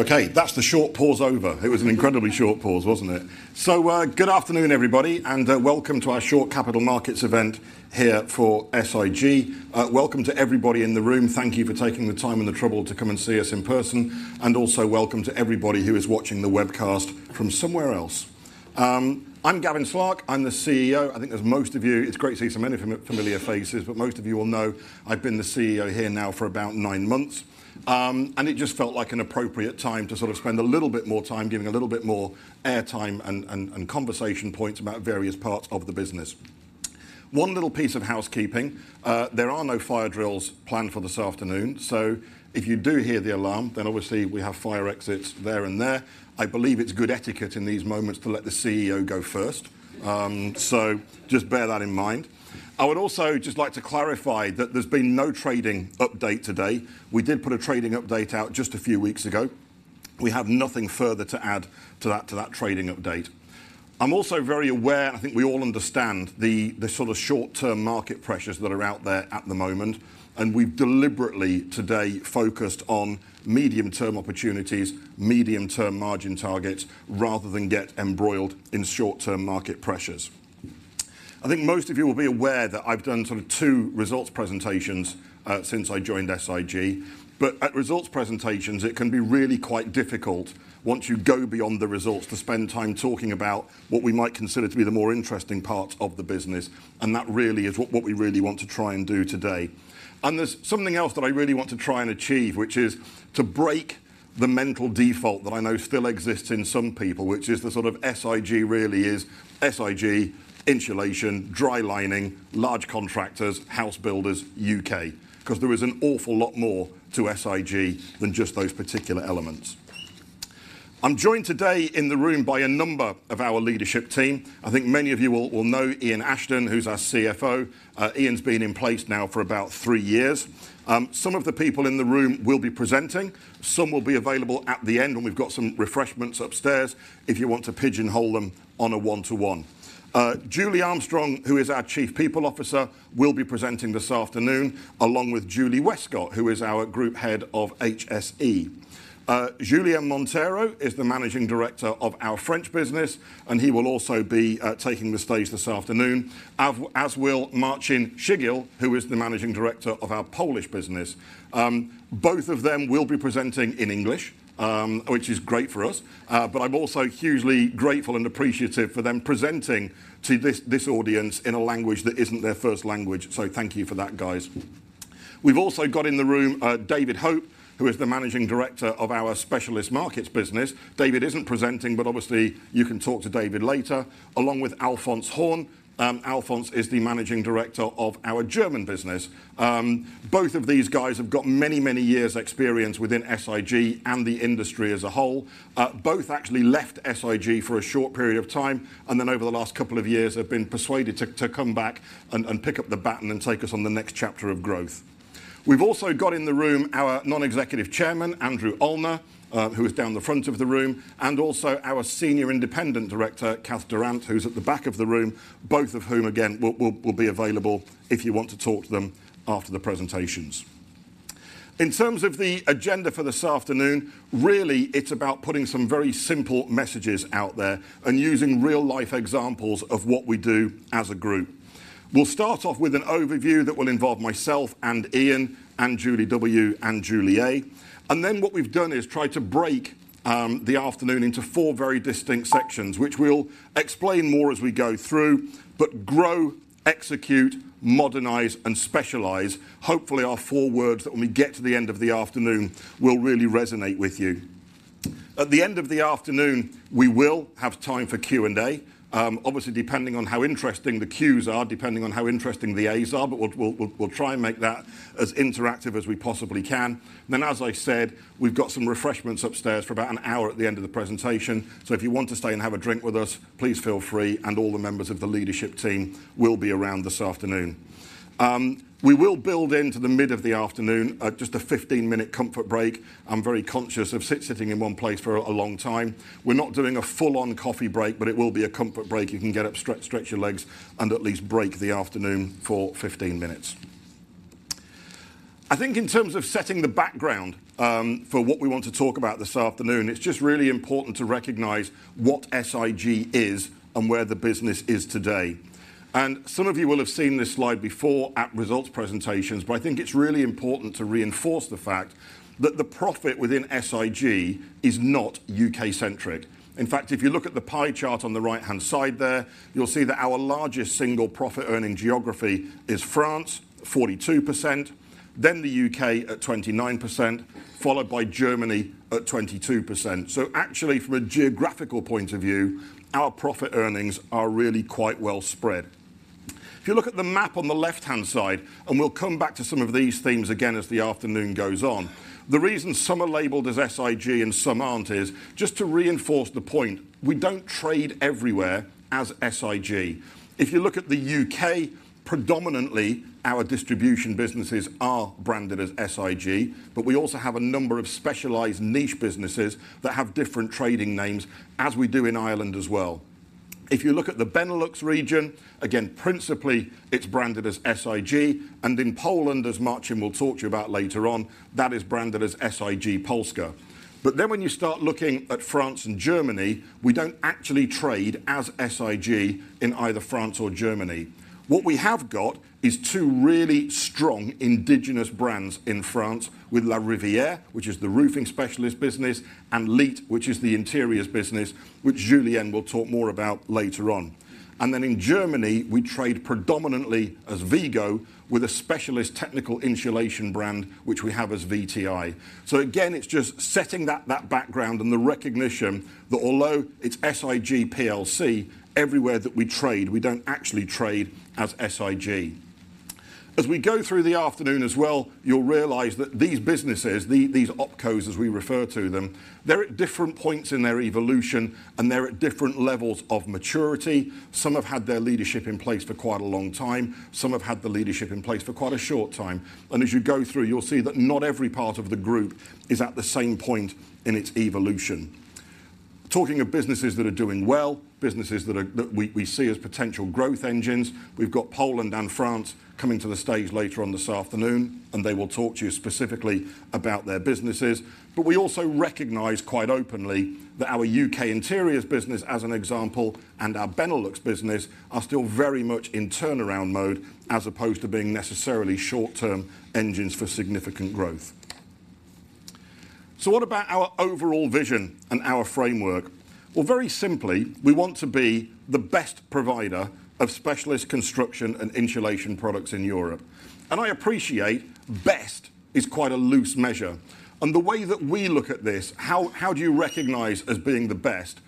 Okay, that's the short pause over. It was an incredibly short pause, wasn't it? So, good afternoon, everybody, and welcome to our short capital markets event here for SIG. Welcome to everybody in the room. Thank you for taking the time and the trouble to come and see us in person, and also welcome to everybody who is watching the webcast from somewhere else. I'm Gavin Slark, I'm the CEO. I think as most of you. It's great to see so many familiar faces, but most of you will know I've been the CEO here now for about nine months. And it just felt like an appropriate time to sort of spend a little bit more time giving a little bit more airtime and conversation points about various parts of the business. One little piece of housekeeping, there are no fire drills planned for this afternoon, so if you do hear the alarm, then obviously we have fire exits there and there. I believe it's good etiquette in these moments to let the CEO go first. So just bear that in mind. I would also just like to clarify that there's been no trading update today. We did put a trading update out just a few weeks ago. We have nothing further to add to that, to that trading update. I'm also very aware, I think we all understand, the sort of short-term market pressures that are out there at the moment, and we've deliberately, today, focused on medium-term opportunities, medium-term margin targets, rather than get embroiled in short-term market pressures. I think most of you will be aware that I've done sort of two results presentations since I joined SIG, but at results presentations, it can be really quite difficult once you go beyond the results, to spend time talking about what we might consider to be the more interesting parts of the business, and that really is what, what we really want to try and do today. And there's something else that I really want to try and achieve, which is to break the mental default that I know still exists in some people, which is the sort of SIG really is SIG, insulation, dry lining, large contractors, house builders, UK, 'cause there is an awful lot more to SIG than just those particular elements. I'm joined today in the room by a number of our leadership team. I think many of you will know Ian Ashton, who's our CFO. Ian's been in place now for about three years. Some of the people in the room will be presenting, some will be available at the end when we've got some refreshments upstairs if you want to pigeonhole them on a one-to-one. Julie Armstrong, who is our Chief People Officer, will be presenting this afternoon, along with Julie Westcott, who is our Group Head of HSE. Julien Monteiro is the Managing Director of our French business, and he will also be taking the stage this afternoon, as will Marcin Szczygieł, who is the Managing Director of our Polish business. Both of them will be presenting in English, which is great for us. But I'm also hugely grateful and appreciative for them presenting to this, this audience in a language that isn't their first language, so thank you for that, guys. We've also got in the room, David Hope, who is the Managing Director of our Specialist Markets business. David isn't presenting, but obviously, you can talk to David later, along with Alfons Horn. Alfons is the Managing Director of our German business. Both of these guys have got many, many years' experience within SIG and the industry as a whole. Both actually left SIG for a short period of time, and then over the last couple of years have been persuaded to come back and pick up the baton and take us on the next chapter of growth. We've also got in the room our Non-Executive Chairman, Andrew Allner, who is down the front of the room, and also our Senior Independent Director, Kath Durrant, who's at the back of the room, both of whom again, will be available if you want to talk to them after the presentations. In terms of the agenda for this afternoon, really, it's about putting some very simple messages out there and using real-life examples of what we do as a group. We'll start off with an overview that will involve myself and Ian and Julie W. and Julie A. Then what we've done is try to break the afternoon into four very distinct sections, which we'll explain more as we go through, but grow, execute, modernize, and specialize. Hopefully, our four words, that when we get to the end of the afternoon, will really resonate with you. At the end of the afternoon, we will have time for Q&A. Obviously, depending on how interesting the Qs are, depending on how interesting the As are, but we'll try and make that as interactive as we possibly can. Then, as I said, we've got some refreshments upstairs for about an hour at the end of the presentation, so if you want to stay and have a drink with us, please feel free, and all the members of the leadership team will be around this afternoon. We will build into the mid of the afternoon just a 15-minute comfort break. I'm very conscious of sitting in one place for a long time. We're not doing a full-on coffee break, but it will be a comfort break. You can get up, stretch, stretch your legs, and at least break the afternoon for 15 minutes. I think in terms of setting the background, for what we want to talk about this afternoon, it's just really important to recognize what SIG is and where the business is today. Some of you will have seen this slide before at results presentations, but I think it's really important to reinforce the fact that the profit within SIG is not U.K.-centric. In fact, if you look at the pie chart on the right-hand side there, you'll see that our largest single profit-earning geography is France, 42%, then the U.K. at 29%, followed by Germany at 22%. Actually, from a geographical point of view, our profit earnings are really quite well spread. If you look at the map on the left-hand side, and we'll come back to some of these themes again as the afternoon goes on, the reason some are labeled as SIG and some aren't is, just to reinforce the point, we don't trade everywhere as SIG. If you look at the U.K., predominantly, our distribution businesses are branded as SIG, but we also have a number of specialized niche businesses that have different trading names, as we do in Ireland as well. If you look at the Benelux region, again, principally, it's branded as SIG, and in Poland, as Marcin will talk to you about later on, that is branded as SIG Polska. But then when you start looking at France and Germany, we don't actually trade as SIG in either France or Germany. What we have got is two really strong indigenous brands in France with Larivière, which is the roofing specialist business, and LiTT, which is the interiors business, which Julien will talk more about later on. Then in Germany, we trade predominantly as WeGo, with a specialist technical insulation brand, which we have as VTI. So again, it's just setting that background and the recognition that although it's SIG plc, everywhere that we trade, we don't actually trade as SIG. As we go through the afternoon as well, you'll realize that these businesses, these OpCos, as we refer to them, they're at different points in their evolution, and they're at different levels of maturity. Some have had their leadership in place for quite a long time. Some have had the leadership in place for quite a short time. As you go through, you'll see that not every part of the group is at the same point in its evolution. Talking of businesses that are doing well, businesses that we see as potential growth engines, we've got Poland and France coming to the stage later on this afternoon, and they will talk to you specifically about their businesses. But we also recognize quite openly that our UK interiors business, as an example, and our Benelux business, are still very much in turnaround mode, as opposed to being necessarily short-term engines for significant growth. What about our overall vision and our framework? Well, very simply, we want to be the best provider of specialist construction and insulation products in Europe. I appreciate best is quite a loose measure, and the way that we look at this, how, how do you recognize as being the best?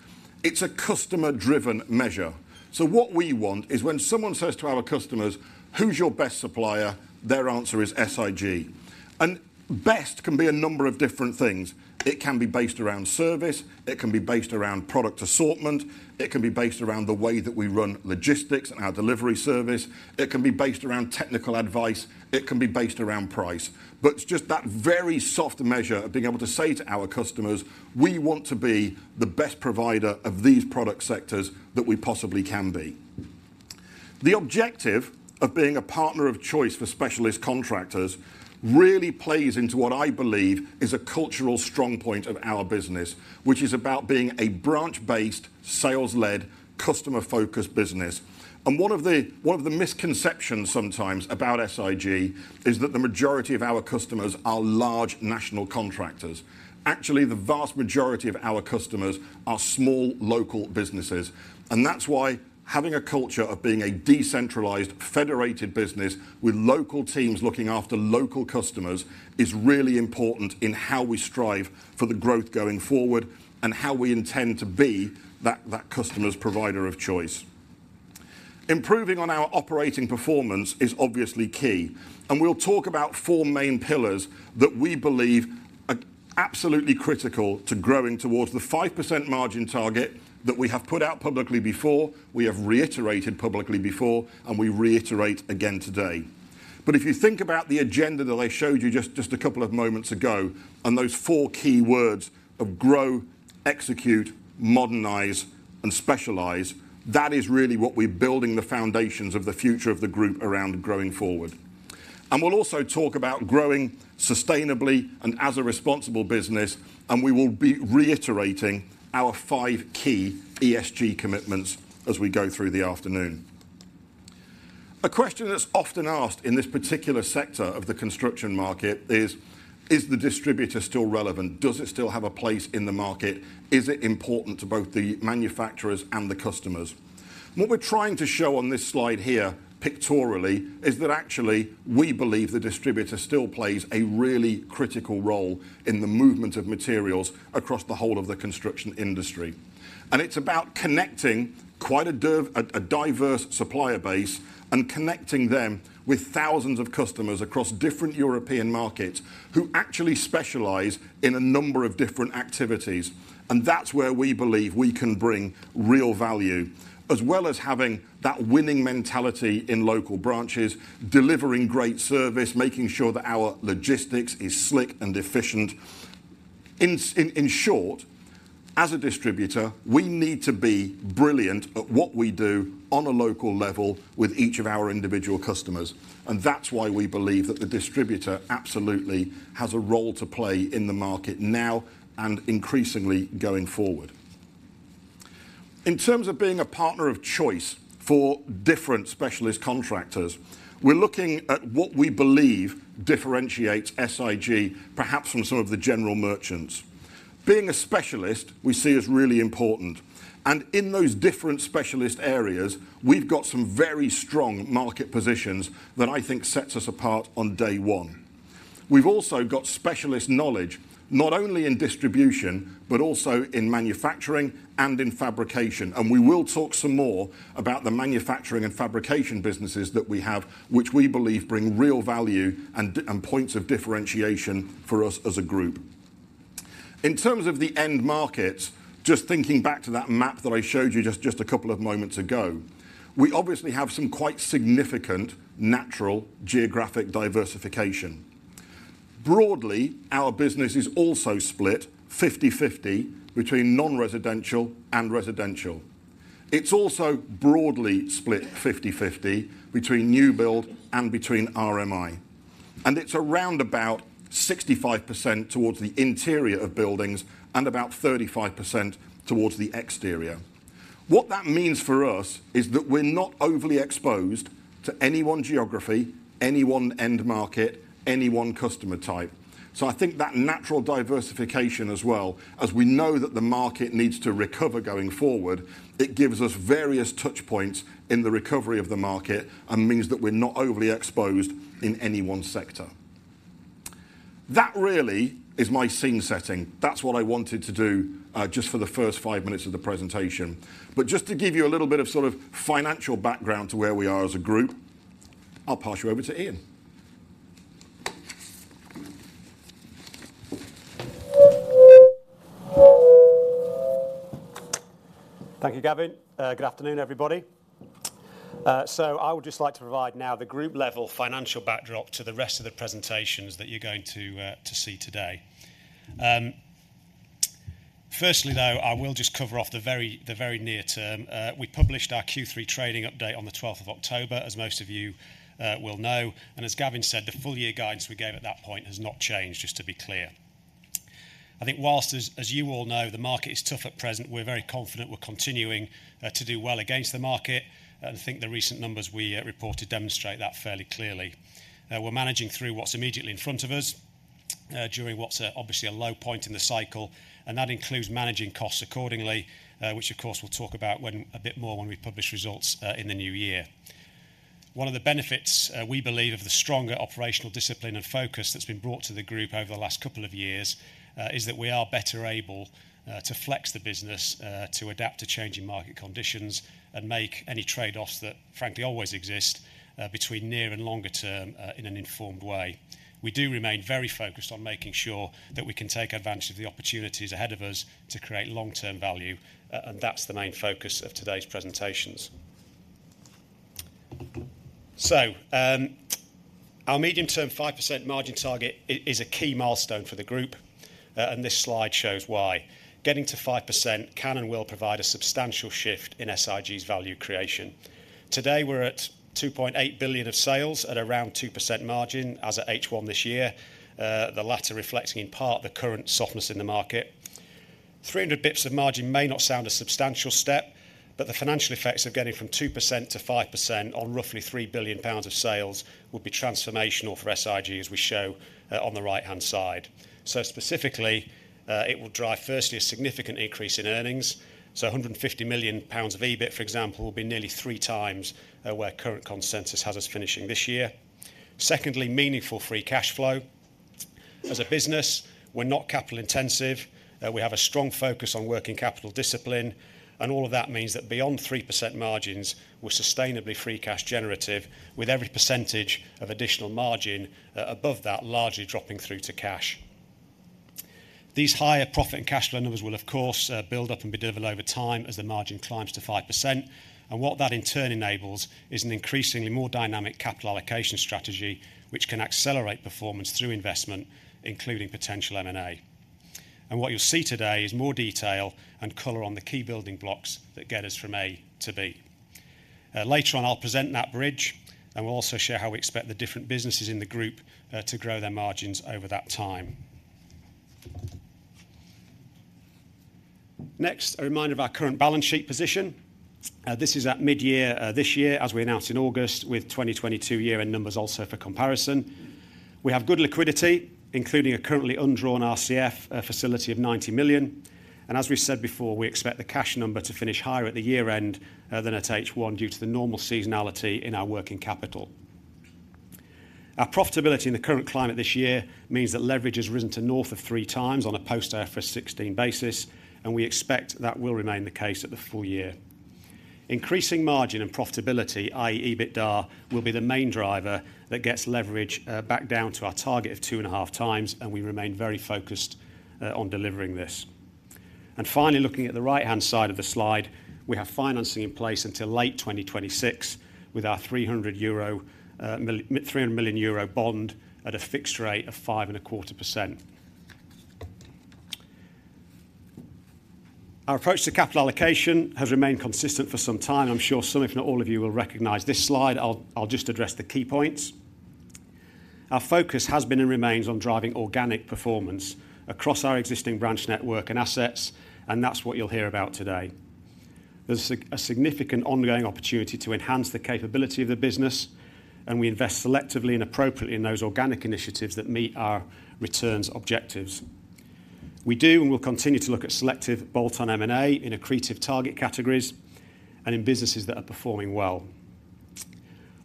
It's a customer-driven measure. So what we want is when someone says to our customers: "Who's your best supplier?" Their answer is SIG. And best can be a number of different things. It can be based around service. It can be based around product assortment. It can be based around the way that we run logistics and our delivery service. It can be based around technical advice. It can be based around price. But it's just that very soft measure of being able to say to our customers, "We want to be the best provider of these product sectors that we possibly can be." The objective of being a partner of choice for specialist contractors really plays into what I believe is a cultural strong point of our business, which is about being a branch-based, sales-led, customer-focused business. And one of the, one of the misconceptions sometimes about SIG is that the majority of our customers are large national contractors. Actually, the vast majority of our customers are small, local businesses, and that's why having a culture of being a decentralized, federated business with local teams looking after local customers is really important in how we strive for the growth going forward and how we intend to be that, that customer's provider of choice. Improving on our operating performance is obviously key, and we'll talk about four main pillars that we believe are absolutely critical to growing towards the 5% margin target that we have put out publicly before, we have reiterated publicly before, and we reiterate again today. But if you think about the agenda that I showed you just a couple of moments ago, and those four key words of grow, execute, modernize, and specialize, that is really what we're building the foundations of the future of the group around growing forward. And we'll also talk about growing sustainably and as a responsible business, and we will be reiterating our five key ESG commitments as we go through the afternoon. A question that's often asked in this particular sector of the construction market is: Is the distributor still relevant? Does it still have a place in the market? Is it important to both the manufacturers and the customers? What we're trying to show on this slide here, pictorially, is that actually, we believe the distributor still plays a really critical role in the movement of materials across the whole of the construction industry. And it's about connecting quite a diverse supplier base and connecting them with thousands of customers across different European markets who actually specialize in a number of different activities. And that's where we believe we can bring real value, as well as having that winning mentality in local branches, delivering great service, making sure that our logistics is slick and efficient. In short, as a distributor, we need to be brilliant at what we do on a local level with each of our individual customers, and that's why we believe that the distributor absolutely has a role to play in the market now and increasingly going forward. In terms of being a partner of choice for different specialist contractors, we're looking at what we believe differentiates SIG, perhaps from some of the general merchants. Being a specialist we see as really important, and in those different specialist areas, we've got some very strong market positions that I think sets us apart on day one. We've also got specialist knowledge, not only in distribution, but also in manufacturing and in fabrication, and we will talk some more about the manufacturing and fabrication businesses that we have, which we believe bring real value and points of differentiation for us as a group. In terms of the end market, just thinking back to that map that I showed you just a couple of moments ago, we obviously have some quite significant natural geographic diversification.... Broadly, our business is also split 50/50 between non-residential and residential. It's also broadly split 50/50 between new build and between RMI, and it's around about 65% towards the interior of buildings and about 35% towards the exterior. What that means for us is that we're not overly exposed to any one geography, any one end market, any one customer type. So I think that natural diversification as well, as we know that the market needs to recover going forward, it gives us various touch points in the recovery of the market and means that we're not overly exposed in any one sector. That really is my scene setting. That's what I wanted to do, just for the first five minutes of the presentation. Just to give you a little bit of sort of financial background to where we are as a group, I'll pass you over to Ian. Thank you, Gavin. Good afternoon, everybody. So I would just like to provide now the group level financial backdrop to the rest of the presentations that you're going to see today. Firstly, though, I will just cover off the very near term. We published our Q3 trading update on the twelfth of October, as most of you will know, and as Gavin said, the full year guidance we gave at that point has not changed, just to be clear. I think whilst, as you all know, the market is tough at present, we're very confident we're continuing to do well against the market. I think the recent numbers we reported demonstrate that fairly clearly. We're managing through what's immediately in front of us during what's obviously a low point in the cycle, and that includes managing costs accordingly, which of course we'll talk about a bit more when we publish results in the new year. One of the benefits we believe of the stronger operational discipline and focus that's been brought to the group over the last couple of years is that we are better able to flex the business to adapt to changing market conditions and make any trade-offs that frankly always exist between near and longer term in an informed way. We do remain very focused on making sure that we can take advantage of the opportunities ahead of us to create long-term value, and that's the main focus of today's presentations. Our medium-term 5% margin target is a key milestone for the group, and this slide shows why. Getting to 5% can and will provide a substantial shift in SIG's value creation. Today, we're at 2.8 billion of sales at around 2% margin as at H1 this year, the latter reflecting in part the current softness in the market. 300 basis points of margin may not sound a substantial step, but the financial effects of getting from 2% to 5% on roughly 3 billion pounds of sales will be transformational for SIG, as we show, on the right-hand side. Specifically, it will drive, firstly, a significant increase in earnings. A 150 million pounds of EBIT, for example, will be nearly 3 times where current consensus has us finishing this year. Secondly, meaningful free cash flow. As a business, we're not capital intensive, we have a strong focus on working capital discipline, and all of that means that beyond 3% margins, we're sustainably free cash generative, with every percentage of additional margin, above that, largely dropping through to cash. These higher profit and cash flow numbers will, of course, build up and be delivered over time as the margin climbs to 5%. And what that in turn enables is an increasingly more dynamic capital allocation strategy, which can accelerate performance through investment, including potential M&A. And what you'll see today is more detail and color on the key building blocks that get us from A to B. Later on, I'll present that bridge, and we'll also share how we expect the different businesses in the group, to grow their margins over that time. Next, a reminder of our current balance sheet position. This is at mid-year this year, as we announced in August, with 2022 year-end numbers also for comparison. We have good liquidity, including a currently undrawn RCF facility of 90 million, and as we said before, we expect the cash number to finish higher at the year-end than at H1, due to the normal seasonality in our working capital. Our profitability in the current climate this year means that leverage has risen to north of 3x on a post IFRS 16 basis, and we expect that will remain the case at the full year. Increasing margin and profitability, i.e., EBITDA, will be the main driver that gets leverage back down to our target of 2.5x, and we remain very focused on delivering this. Finally, looking at the right-hand side of the slide, we have financing in place until late 2026, with our 300 million euro bond at a fixed rate of 5.25%. Our approach to capital allocation has remained consistent for some time. I'm sure some, if not all of you, will recognize this slide. I'll, I'll just address the key points. Our focus has been and remains on driving organic performance across our existing branch network and assets, and that's what you'll hear about today. There's a significant ongoing opportunity to enhance the capability of the business, and we invest selectively and appropriately in those organic initiatives that meet our returns objectives. We do, and will continue to look at selective bolt-on M&A in accretive target categories and in businesses that are performing well.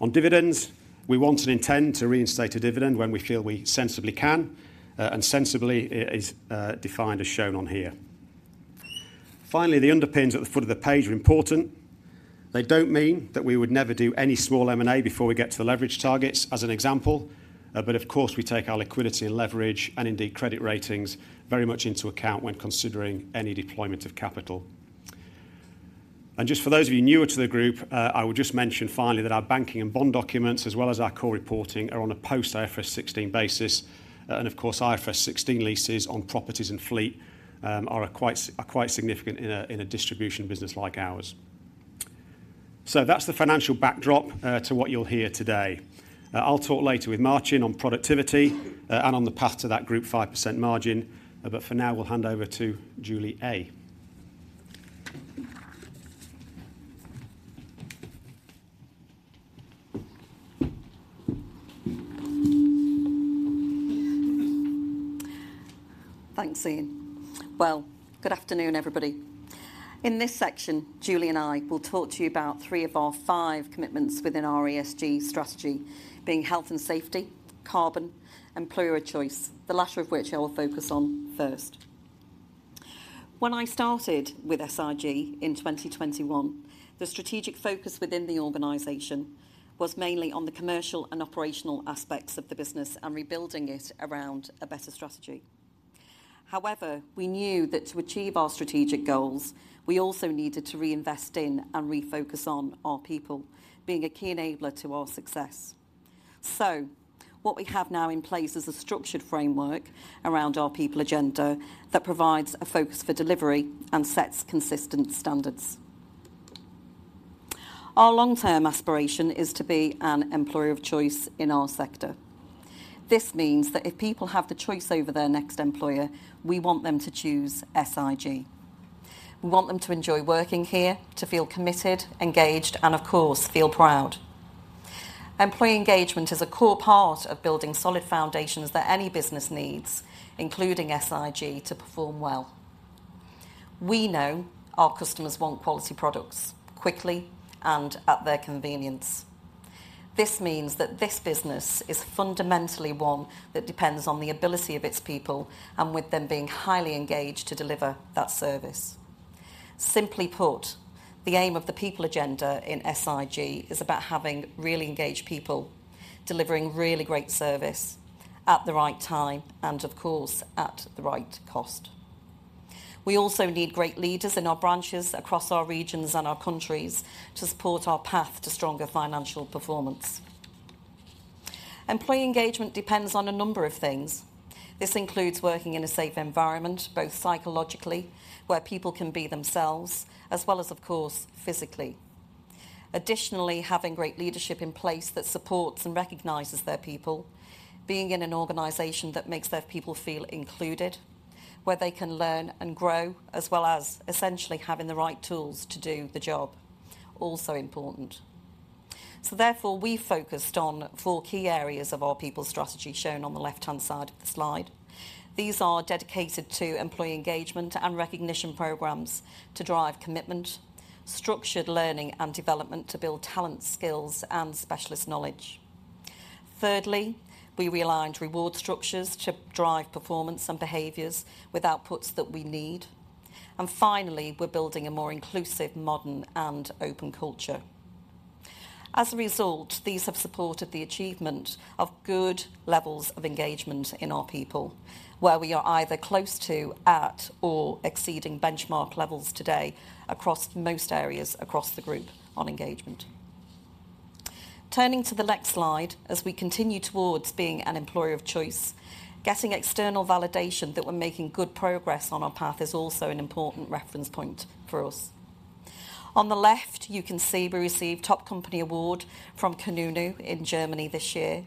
On dividends, we want and intend to reinstate a dividend when we feel we sensibly can, and sensibly is defined as shown on here. Finally, the underpinnings at the foot of the page are important. They don't mean that we would never do any small M&A before we get to the leverage targets, as an example. But of course, we take our liquidity and leverage, and indeed, credit ratings very much into account when considering any deployment of capital. And just for those of you newer to the group, I will just mention finally that our banking and bond documents, as well as our core reporting, are on a post-IFRS 16 basis. And of course, IFRS 16 leases on properties and fleet are quite significant in a distribution business like ours. So that's the financial backdrop to what you'll hear today. I'll talk later with Marcin on productivity and on the path to that group 5% margin, but for now we'll hand over to Julie A. Thanks, Ian. Well, good afternoon, everybody. In this section, Julie and I will talk to you about three of our five commitments within our ESG strategy, being health and safety, carbon, employer of choice, the latter of which I will focus on first. When I started with SIG in 2021, the strategic focus within the organization was mainly on the commercial and operational aspects of the business and rebuilding it around a better strategy. However, we knew that to achieve our strategic goals, we also needed to reinvest in and refocus on our people being a key enabler to our success. So what we have now in place is a structured framework around our people agenda that provides a focus for delivery and sets consistent standards. Our long-term aspiration is to be an employer of choice in our sector. This means that if people have the choice over their next employer, we want them to choose SIG. We want them to enjoy working here, to feel committed, engaged, and of course, feel proud. Employee engagement is a core part of building solid foundations that any business needs, including SIG, to perform well. We know our customers want quality products quickly and at their convenience. This means that this business is fundamentally one that depends on the ability of its people, and with them being highly engaged to deliver that service. Simply put, the aim of the people agenda in SIG is about having really engaged people, delivering really great service at the right time and, of course, at the right cost. We also need great leaders in our branches across our regions and our countries to support our path to stronger financial performance. Employee engagement depends on a number of things. This includes working in a safe environment, both psychologically, where people can be themselves, as well as, of course, physically. Additionally, having great leadership in place that supports and recognizes their people. Being in an organization that makes their people feel included, where they can learn and grow, as well as essentially having the right tools to do the job, also important. So therefore, we focused on four key areas of our people strategy, shown on the left-hand side of the slide. These are dedicated to employee engagement and recognition programs to drive commitment, structured learning and development to build talent, skills, and specialist knowledge. Thirdly, we realigned reward structures to drive performance and behaviours with outputs that we need. And finally, we're building a more inclusive, modern, and open culture. As a result, these have supported the achievement of good levels of engagement in our people, where we are either close to, at, or exceeding benchmark levels today across most areas across the group on engagement. Turning to the next slide, as we continue towards being an employer of choice, getting external validation that we're making good progress on our path is also an important reference point for us. On the left, you can see we received Top Company award from Kununu in Germany this year.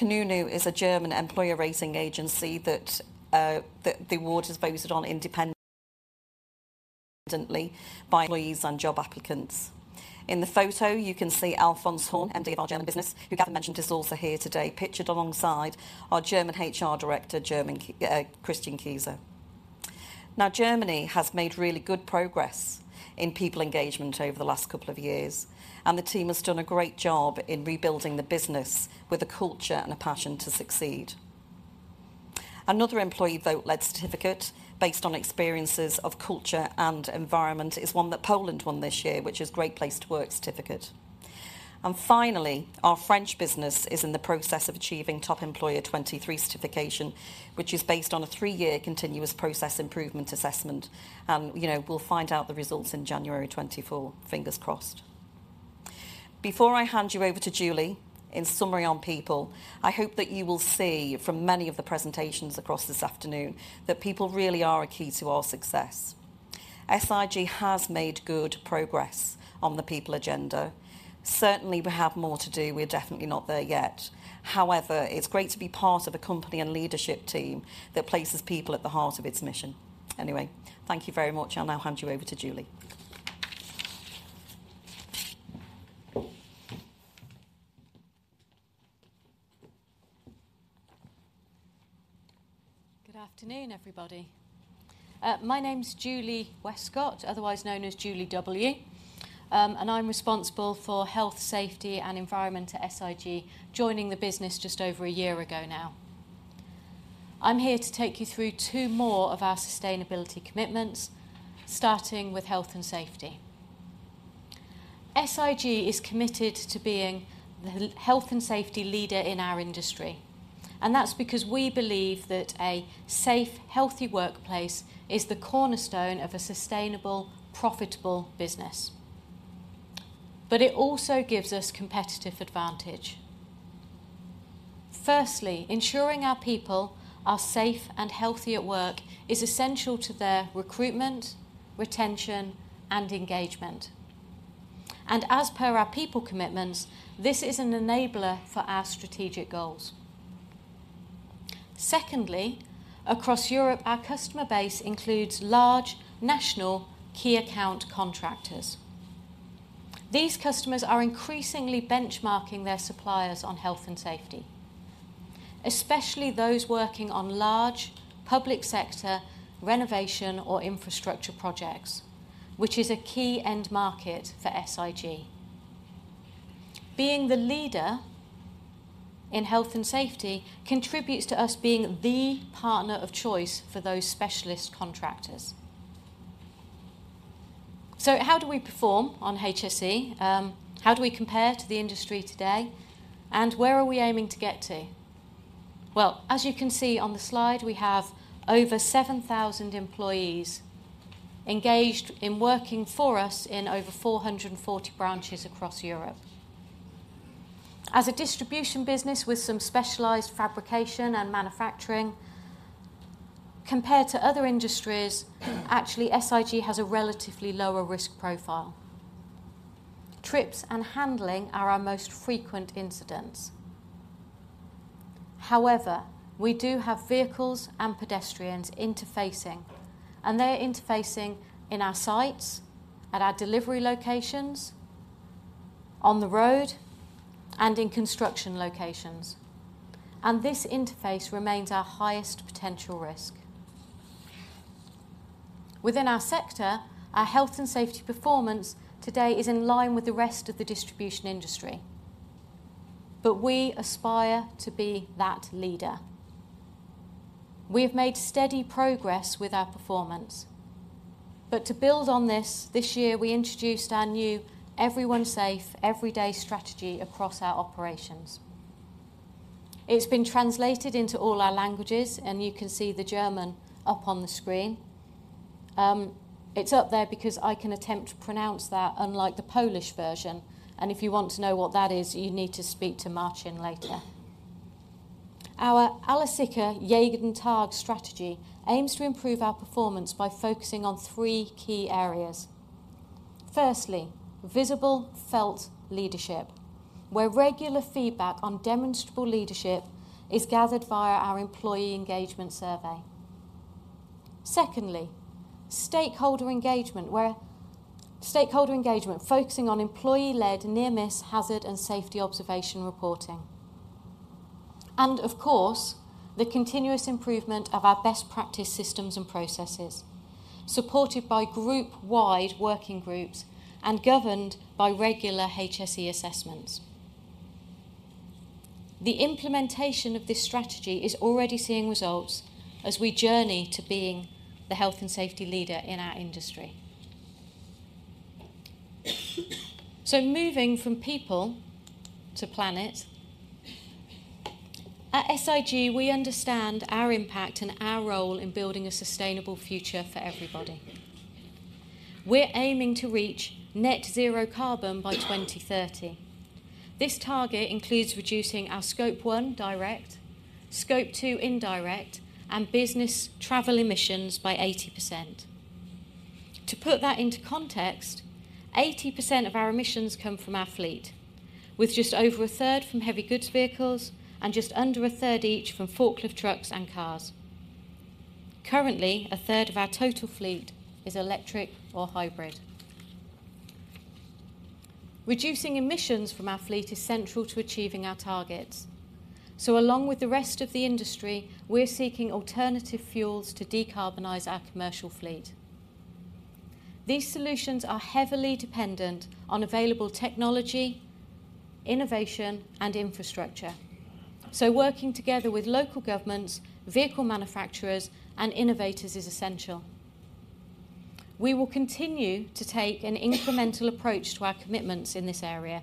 Kununu is a German employer rating agency that the award is based on independently by employees and job applicants. In the photo, you can see Alfons Horn, MD of our German business, who, as I mentioned, is also here today, pictured alongside our German HR director, Christian Kieser. Now, Germany has made really good progress in people engagement over the last couple of years, and the team has done a great job in rebuilding the business with a culture and a passion to succeed. Another employee vote-led certificate based on experiences of culture and environment is one that Poland won this year, which is Great Place to Work certificate. And finally, our French business is in the process of achieving Top Employer 2023 certification, which is based on a 3-year continuous process improvement assessment. And, you know, we'll find out the results in January 2024. Fingers crossed. Before I hand you over to Julie, in summary on people, I hope that you will see from many of the presentations across this afternoon that people really are a key to our success. SIG has made good progress on the people agenda. Certainly, we have more to do. We're definitely not there yet. However, it's great to be part of a company and leadership team that places people at the heart of its mission. Anyway, thank you very much. I'll now hand you over to Julie. Good afternoon, everybody. My name's Julie Westcott, otherwise known as Julie W., and I'm responsible for health, safety, and environment at SIG, joining the business just over a year ago now. I'm here to take you through two more of our sustainability commitments, starting with health and safety. SIG is committed to being the health and safety leader in our industry, and that's because we believe that a safe, healthy workplace is the cornerstone of a sustainable, profitable business. But it also gives us competitive advantage. Firstly, ensuring our people are safe and healthy at work is essential to their recruitment, retention, and engagement. And as per our people commitments, this is an enabler for our strategic goals. Secondly, across Europe, our customer base includes large national key account contractors. These customers are increasingly benchmarking their suppliers on health and safety, especially those working on large public sector renovation or infrastructure projects, which is a key end market for SIG. Being the leader in health and safety contributes to us being the partner of choice for those specialist contractors. So how do we perform on HSE? How do we compare to the industry today, and where are we aiming to get to? Well, as you can see on the slide, we have over 7,000 employees engaged in working for us in over 440 branches across Europe. As a distribution business with some specialized fabrication and manufacturing, compared to other industries, actually, SIG has a relatively lower risk profile. Trips and handling are our most frequent incidents. However, we do have vehicles and pedestrians interfacing, and they're interfacing in our sites, at our delivery locations, on the road, and in construction locations, and this interface remains our highest potential risk. Within our sector, our health and safety performance today is in line with the rest of the distribution industry, but we aspire to be that leader. We have made steady progress with our performance, but to build on this, this year we introduced our new Everyone Safe, Everyday strategy across our operations. It's been translated into all our languages, and you can see the German up on the screen. It's up there because I can attempt to pronounce that, unlike the Polish version, and if you want to know what that is, you need to speak to Marcin later. Our Alle sicher, jeden Tag strategy aims to improve our performance by focusing on three key areas. Firstly, visible felt leadership, where regular feedback on demonstrable leadership is gathered via our employee engagement survey. Secondly, stakeholder engagement, focusing on employee-led near-miss hazard and safety observation reporting. And of course, the continuous improvement of our best practice systems and processes, supported by group-wide working groups and governed by regular HSE assessments. The implementation of this strategy is already seeing results as we journey to being the health and safety leader in our industry. Moving from people to planet, at SIG, we understand our impact and our role in building a sustainable future for everybody. We're aiming to reach net zero carbon by 2030. This target includes reducing our Scope One direct, Scope Two indirect, and business travel emissions by 80%. To put that into context, 80% of our emissions come from our fleet, with just over a third from heavy goods vehicles and just under a third each from forklift trucks and cars. Currently, a third of our total fleet is electric or hybrid. Reducing emissions from our fleet is central to achieving our targets. Along with the rest of the industry, we're seeking alternative fuels to decarbonize our commercial fleet. These solutions are heavily dependent on available technology, innovation, and infrastructure. So working together with local governments, vehicle manufacturers, and innovators is essential. We will continue to take an incremental approach to our commitments in this area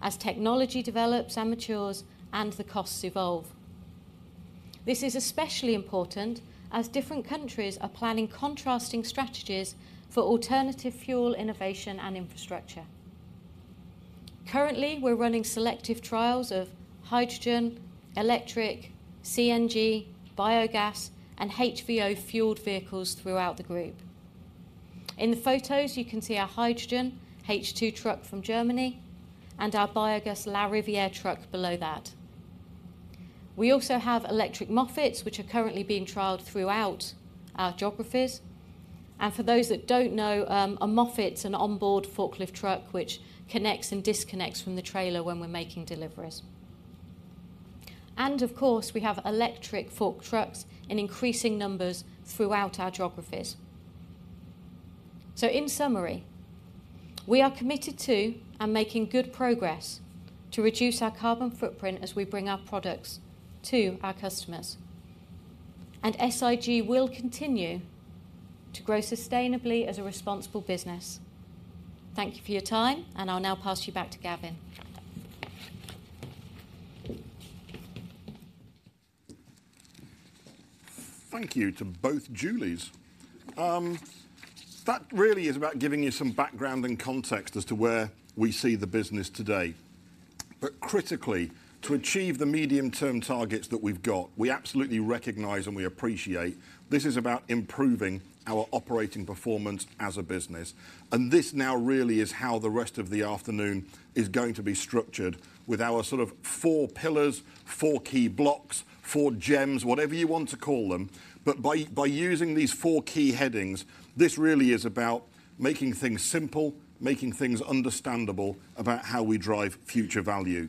as technology develops and matures and the costs evolve. This is especially important as different countries are planning contrasting strategies for alternative fuel innovation and infrastructure. Currently, we're running selective trials of hydrogen, electric, CNG, biogas, and HVO-fueled vehicles throughout the group. In the photos, you can see our hydrogen H2 truck from Germany and our biogas Larivière truck below that. We also have electric Moffetts, which are currently being trialled throughout our geographies. And for those that don't know, a Moffett's an onboard forklift truck, which connects and disconnects from the trailer when we're making deliveries. And of course, we have electric fork trucks in increasing numbers throughout our geographies. In summary, we are committed to and making good progress to reduce our carbon footprint as we bring our products to our customers, and SIG will continue to grow sustainably as a responsible business. Thank you for your time, and I'll now pass you back to Gavin. Thank you to both Julies. That really is about giving you some background and context as to where we see the business today. But critically, to achieve the medium-term targets that we've got, we absolutely recognize and we appreciate this is about improving our operating performance as a business. And this now really is how the rest of the afternoon is going to be structured, with our sort of four pillars, four key blocks, four gems, whatever you want to call them. But by using these four key headings, this really is about making things simple, making things understandable about how we drive future value.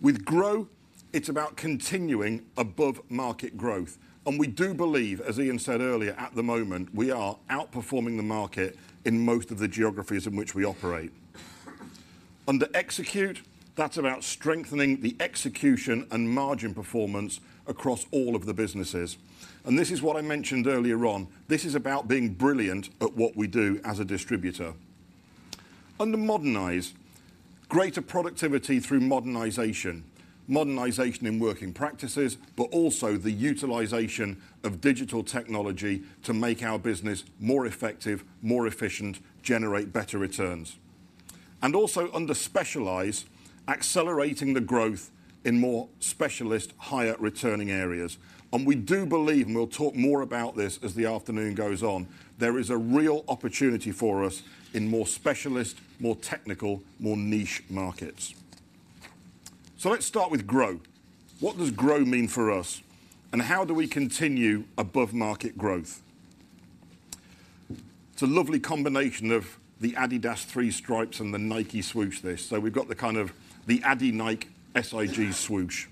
With Grow, it's about continuing above market growth, and we do believe, as Ian said earlier, at the moment, we are outperforming the market in most of the geographies in which we operate. Under Execute, that's about strengthening the execution and margin performance across all of the businesses. And this is what I mentioned earlier on, this is about being brilliant at what we do as a distributor. Under Modernize, greater productivity through modernization. Modernization in working practices, but also the utilization of digital technology to make our business more effective, more efficient, generate better returns. And also under Specialize, accelerating the growth in more specialist, higher returning areas. And we do believe, and we'll talk more about this as the afternoon goes on, there is a real opportunity for us in more specialist, more technical, more niche markets. So let's start with Grow. What does Grow mean for us, and how do we continue above market growth? It's a lovely combination of the Adidas three stripes and the Nike swoosh this. So we've got the kind of the Adi-Nike, SIG swoosh.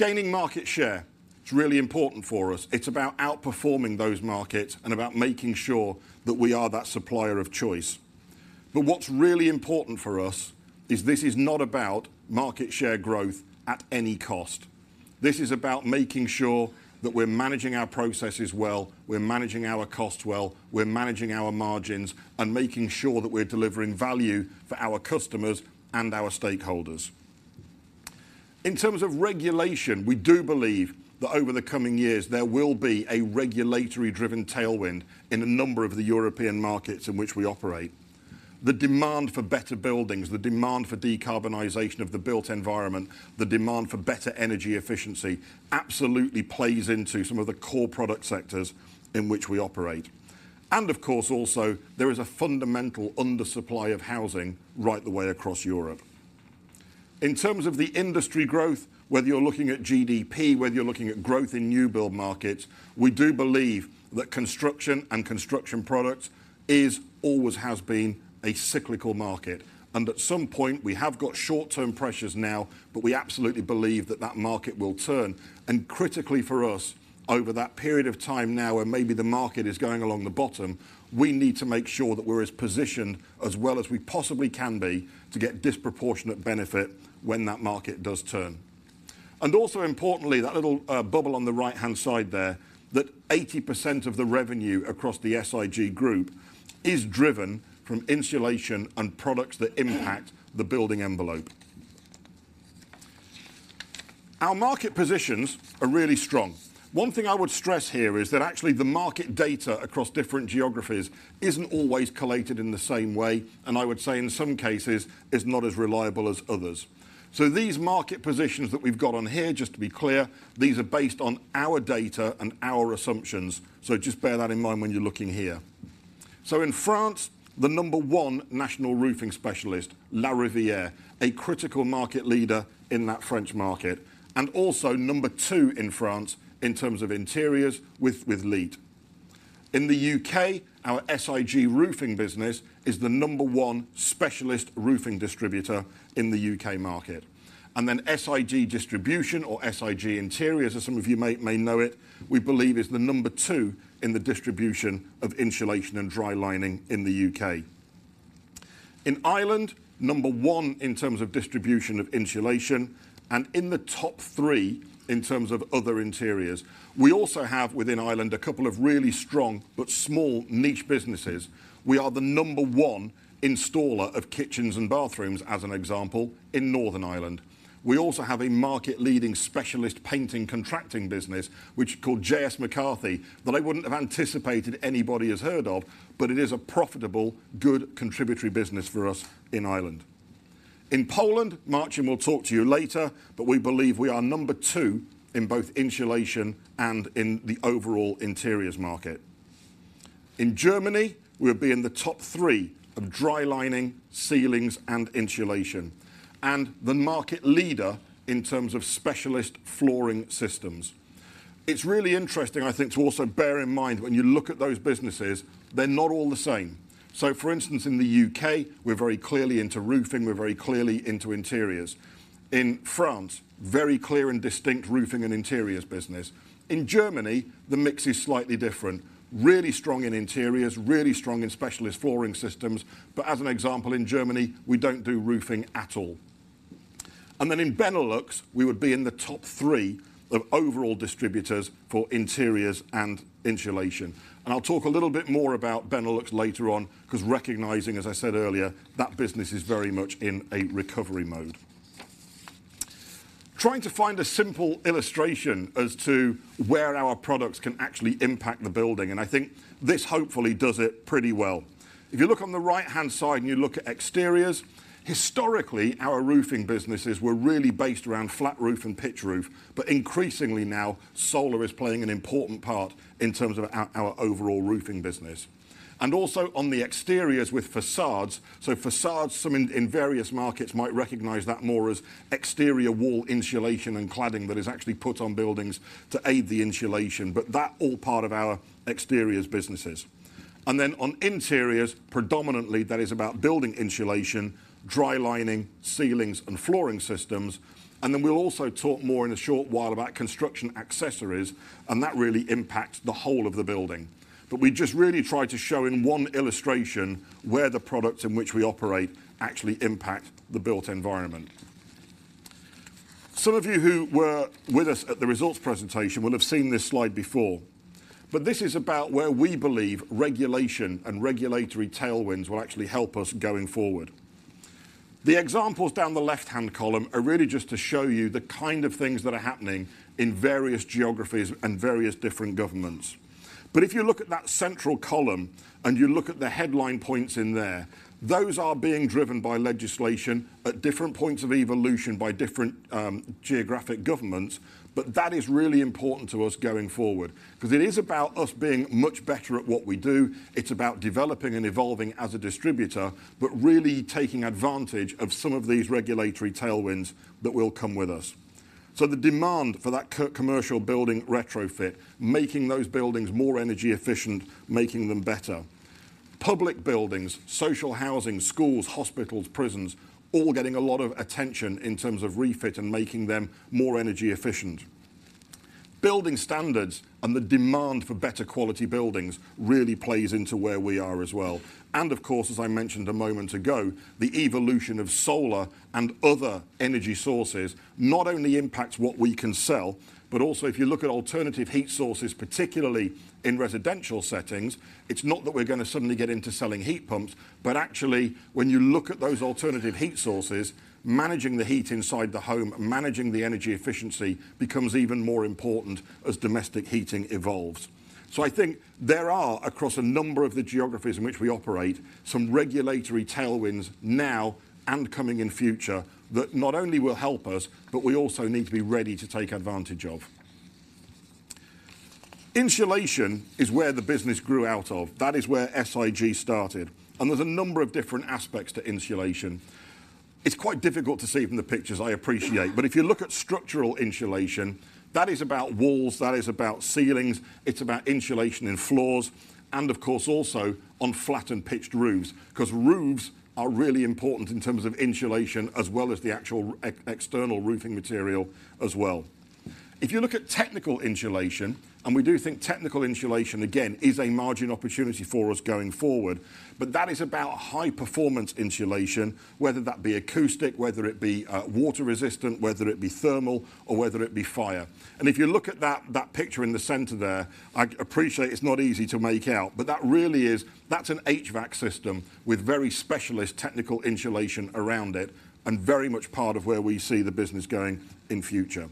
Gaining market share, it's really important for us. It's about outperforming those markets and about making sure that we are that supplier of choice. But what's really important for us is this is not about market share growth at any cost. This is about making sure that we're managing our processes well, we're managing our costs well, we're managing our margins, and making sure that we're delivering value for our customers and our stakeholders. In terms of regulation, we do believe that over the coming years, there will be a regulatory-driven tailwind in a number of the European markets in which we operate. The demand for better buildings, the demand for decarbonization of the built environment, the demand for better energy efficiency, absolutely plays into some of the core product sectors in which we operate. And of course, also, there is a fundamental undersupply of housing right the way across Europe. In terms of the industry growth, whether you're looking at GDP, whether you're looking at growth in new build markets, we do believe that construction and construction products is, always has been, a cyclical market, and at some point, we have got short-term pressures now, but we absolutely believe that that market will turn. And critically for us, over that period of time now, where maybe the market is going along the bottom, we need to make sure that we're as positioned as well as we possibly can be to get disproportionate benefit when that market does turn. And also importantly, that little, bubble on the right-hand side there, that 80% of the revenue across the SIG group is driven from insulation and products that impact the building envelope. Our market positions are really strong. One thing I would stress here is that actually, the market data across different geographies isn't always collated in the same way, and I would say in some cases, is not as reliable as others. So these market positions that we've got on here, just to be clear, these are based on our data and our assumptions. So just bear that in mind when you're looking here. So in France, the number one national roofing specialist, Larivière, a critical market leader in that French market, and also number two in France in terms of interiors with, with LITE. In the UK, our SIG Roofing business is the number one specialist roofing distributor in the UK market. Then SIG Distribution or SIG Interiors, as some of you may, may know it, we believe is the number 2 in the distribution of insulation and dry lining in the UK. In Ireland, number 1 in terms of distribution of insulation and in the top 3 in terms of other interiors. We also have, within Ireland, a couple of really strong but small niche businesses. We are the number 1 installer of kitchens and bathrooms, as an example, in Northern Ireland. We also have a market-leading specialist painting contracting business, which is called JS McCarthy, that I wouldn't have anticipated anybody has heard of, but it is a profitable, good contributory business for us in Ireland. In Poland, Marcin will talk to you later, but we believe we are number 2 in both insulation and in the overall interiors market. In Germany, we'll be in the top three of Dry lining, ceilings, and insulation, and the market leader in terms of specialist flooring systems. It's really interesting, I think, to also bear in mind when you look at those businesses, they're not all the same. So for instance, in the U.K., we're very clearly into roofing, we're very clearly into interiors. In France, very clear and distinct roofing and interiors business... In Germany, the mix is slightly different. Really strong in interiors, really strong in specialist flooring systems, but as an example, in Germany, we don't do roofing at all. And then in Benelux, we would be in the top three of overall distributors for interiors and insulation. And I'll talk a little bit more about Benelux later on, 'cause recognizing, as I said earlier, that business is very much in a recovery mode. Trying to find a simple illustration as to where our products can actually impact the building, and I think this hopefully does it pretty well. If you look on the right-hand side and you look at exteriors, historically, our roofing businesses were really based around flat roof and pitch roof, but increasingly now, solar is playing an important part in terms of our overall roofing business. Also on the exteriors with facades, so facades, some in various markets, might recognize that more as exterior wall insulation and cladding that is actually put on buildings to aid the insulation, but that's all part of our exteriors businesses. Then on interiors, predominantly, that is about building insulation, dry lining, ceilings, and flooring systems. Then we'll also talk more in a short while about construction accessories, and that really impacts the whole of the building. But we just really try to show in one illustration where the products in which we operate actually impact the built environment. Some of you who were with us at the results presentation will have seen this slide before, but this is about where we believe regulation and regulatory tailwinds will actually help us going forward. The examples down the left-hand column are really just to show you the kind of things that are happening in various geographies and various different governments. But if you look at that central column, and you look at the headline points in there, those are being driven by legislation at different points of evolution by different geographic governments, but that is really important to us going forward. 'Cause it is about us being much better at what we do, it's about developing and evolving as a distributor, but really taking advantage of some of these regulatory tailwinds that will come with us. So the demand for that commercial building retrofit, making those buildings more energy efficient, making them better. Public buildings, social housing, schools, hospitals, prisons, all getting a lot of attention in terms of retrofit and making them more energy efficient. Building standards and the demand for better quality buildings really plays into where we are as well. And of course, as I mentioned a moment ago, the evolution of solar and other energy sources not only impacts what we can sell, but also, if you look at alternative heat sources, particularly in residential settings, it's not that we're gonna suddenly get into selling heat pumps, but actually, when you look at those alternative heat sources, managing the heat inside the home and managing the energy efficiency becomes even more important as domestic heating evolves. So I think there are, across a number of the geographies in which we operate, some regulatory tailwinds now and coming in future, that not only will help us, but we also need to be ready to take advantage of. Insulation is where the business grew out of. That is where SIG started, and there's a number of different aspects to insulation. It's quite difficult to see from the pictures, I appreciate, but if you look at structural insulation, that is about walls, that is about ceilings, it's about insulation in floors, and of course, also on flat and pitched roofs. 'Cause roofs are really important in terms of insulation, as well as the actual external roofing material as well. If you look at technical insulation, and we do think technical insulation, again, is a margin opportunity for us going forward, but that is about high-performance insulation, whether that be acoustic, whether it be water resistant, whether it be thermal, or whether it be fire. And if you look at that, that picture in the center there, I appreciate it's not easy to make out, but that really is... That's an HVAC system with very specialist technical insulation around it, and very much part of where we see the business going in future.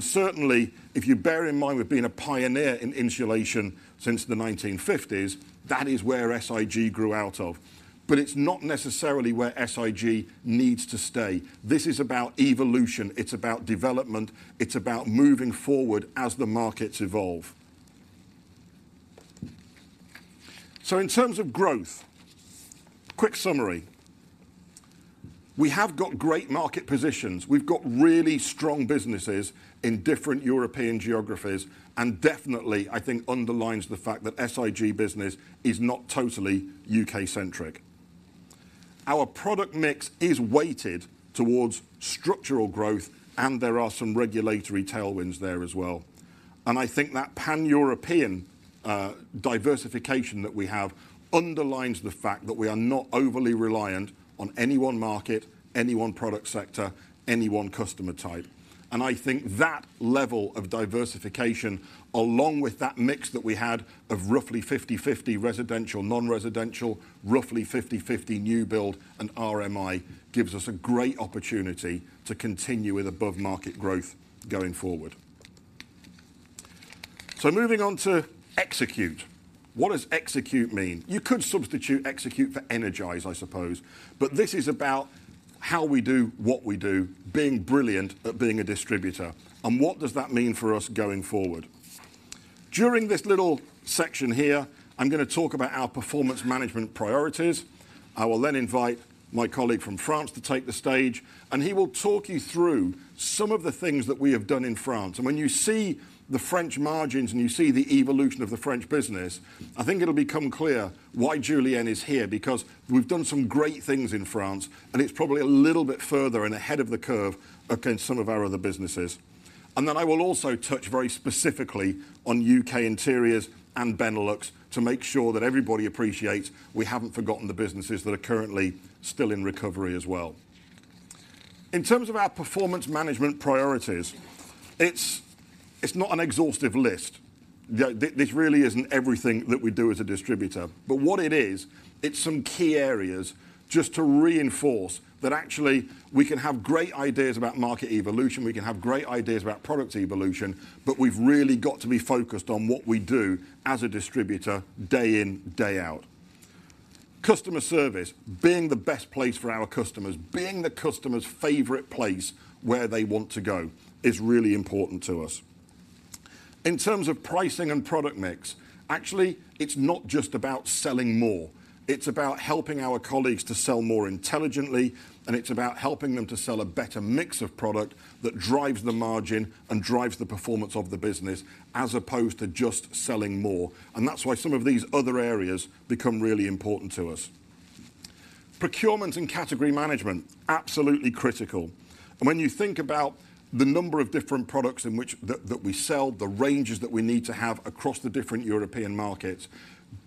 Certainly, if you bear in mind, we've been a pioneer in insulation since the 1950s, that is where SIG grew out of. But it's not necessarily where SIG needs to stay. This is about evolution. It's about development. It's about moving forward as the markets evolve. So in terms of growth, quick summary: We have got great market positions. We've got really strong businesses in different European geographies, and definitely, I think underlines the fact that SIG business is not totally UK-centric. Our product mix is weighted towards structural growth, and there are some regulatory tailwinds there as well. I think that Pan-European diversification that we have underlines the fact that we are not overly reliant on any one market, any one product sector, any one customer type. I think that level of diversification, along with that mix that we had of roughly 50/50 residential, non-residential, roughly 50/50 new build, and RMI, gives us a great opportunity to continue with above-market growth going forward. So moving on to execute. What does execute mean? You could substitute execute for energize, I suppose, but this is about how we do what we do, being brilliant at being a distributor, and what does that mean for us going forward? During this little section here, I'm gonna talk about our performance management priorities.... I will then invite my colleague from France to take the stage, and he will talk you through some of the things that we have done in France. And when you see the French margins and you see the evolution of the French business, I think it'll become clear why Julien is here, because we've done some great things in France, and it's probably a little bit further and ahead of the curve against some of our other businesses. And then I will also touch very specifically on UK Interiors and Benelux to make sure that everybody appreciates we haven't forgotten the businesses that are currently still in recovery as well. In terms of our performance management priorities, it's not an exhaustive list. This really isn't everything that we do as a distributor. But what it is, it's some key areas just to reinforce that actually, we can have great ideas about market evolution, we can have great ideas about product evolution, but we've really got to be focused on what we do as a distributor, day in, day out. Customer service, being the best place for our customers, being the customer's favorite place where they want to go is really important to us. In terms of pricing and product mix, actually, it's not just about selling more, it's about helping our colleagues to sell more intelligently, and it's about helping them to sell a better mix of product that drives the margin and drives the performance of the business, as opposed to just selling more. And that's why some of these other areas become really important to us. Procurement and category management, absolutely critical. When you think about the number of different products in which we sell, the ranges that we need to have across the different European markets,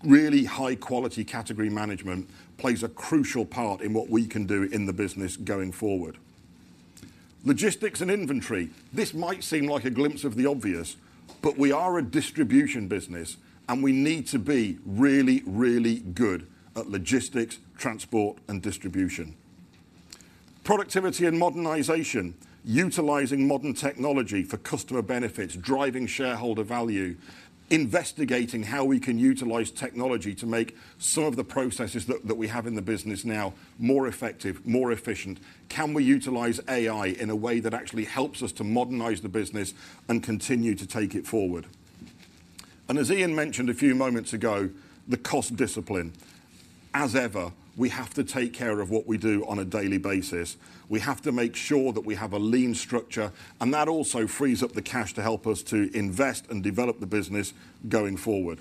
really high quality category management plays a crucial part in what we can do in the business going forward. Logistics and inventory. This might seem like a glimpse of the obvious, but we are a distribution business, and we need to be really, really good at logistics, transport and distribution. Productivity and modernization, utilizing modern technology for customer benefit, driving shareholder value, investigating how we can utilize technology to make some of the processes that we have in the business now, more effective, more efficient. Can we utilize AI in a way that actually helps us to modernize the business and continue to take it forward? And as Ian mentioned a few moments ago, the cost discipline. As ever, we have to take care of what we do on a daily basis. We have to make sure that we have a lean structure, and that also frees up the cash to help us to invest and develop the business going forward.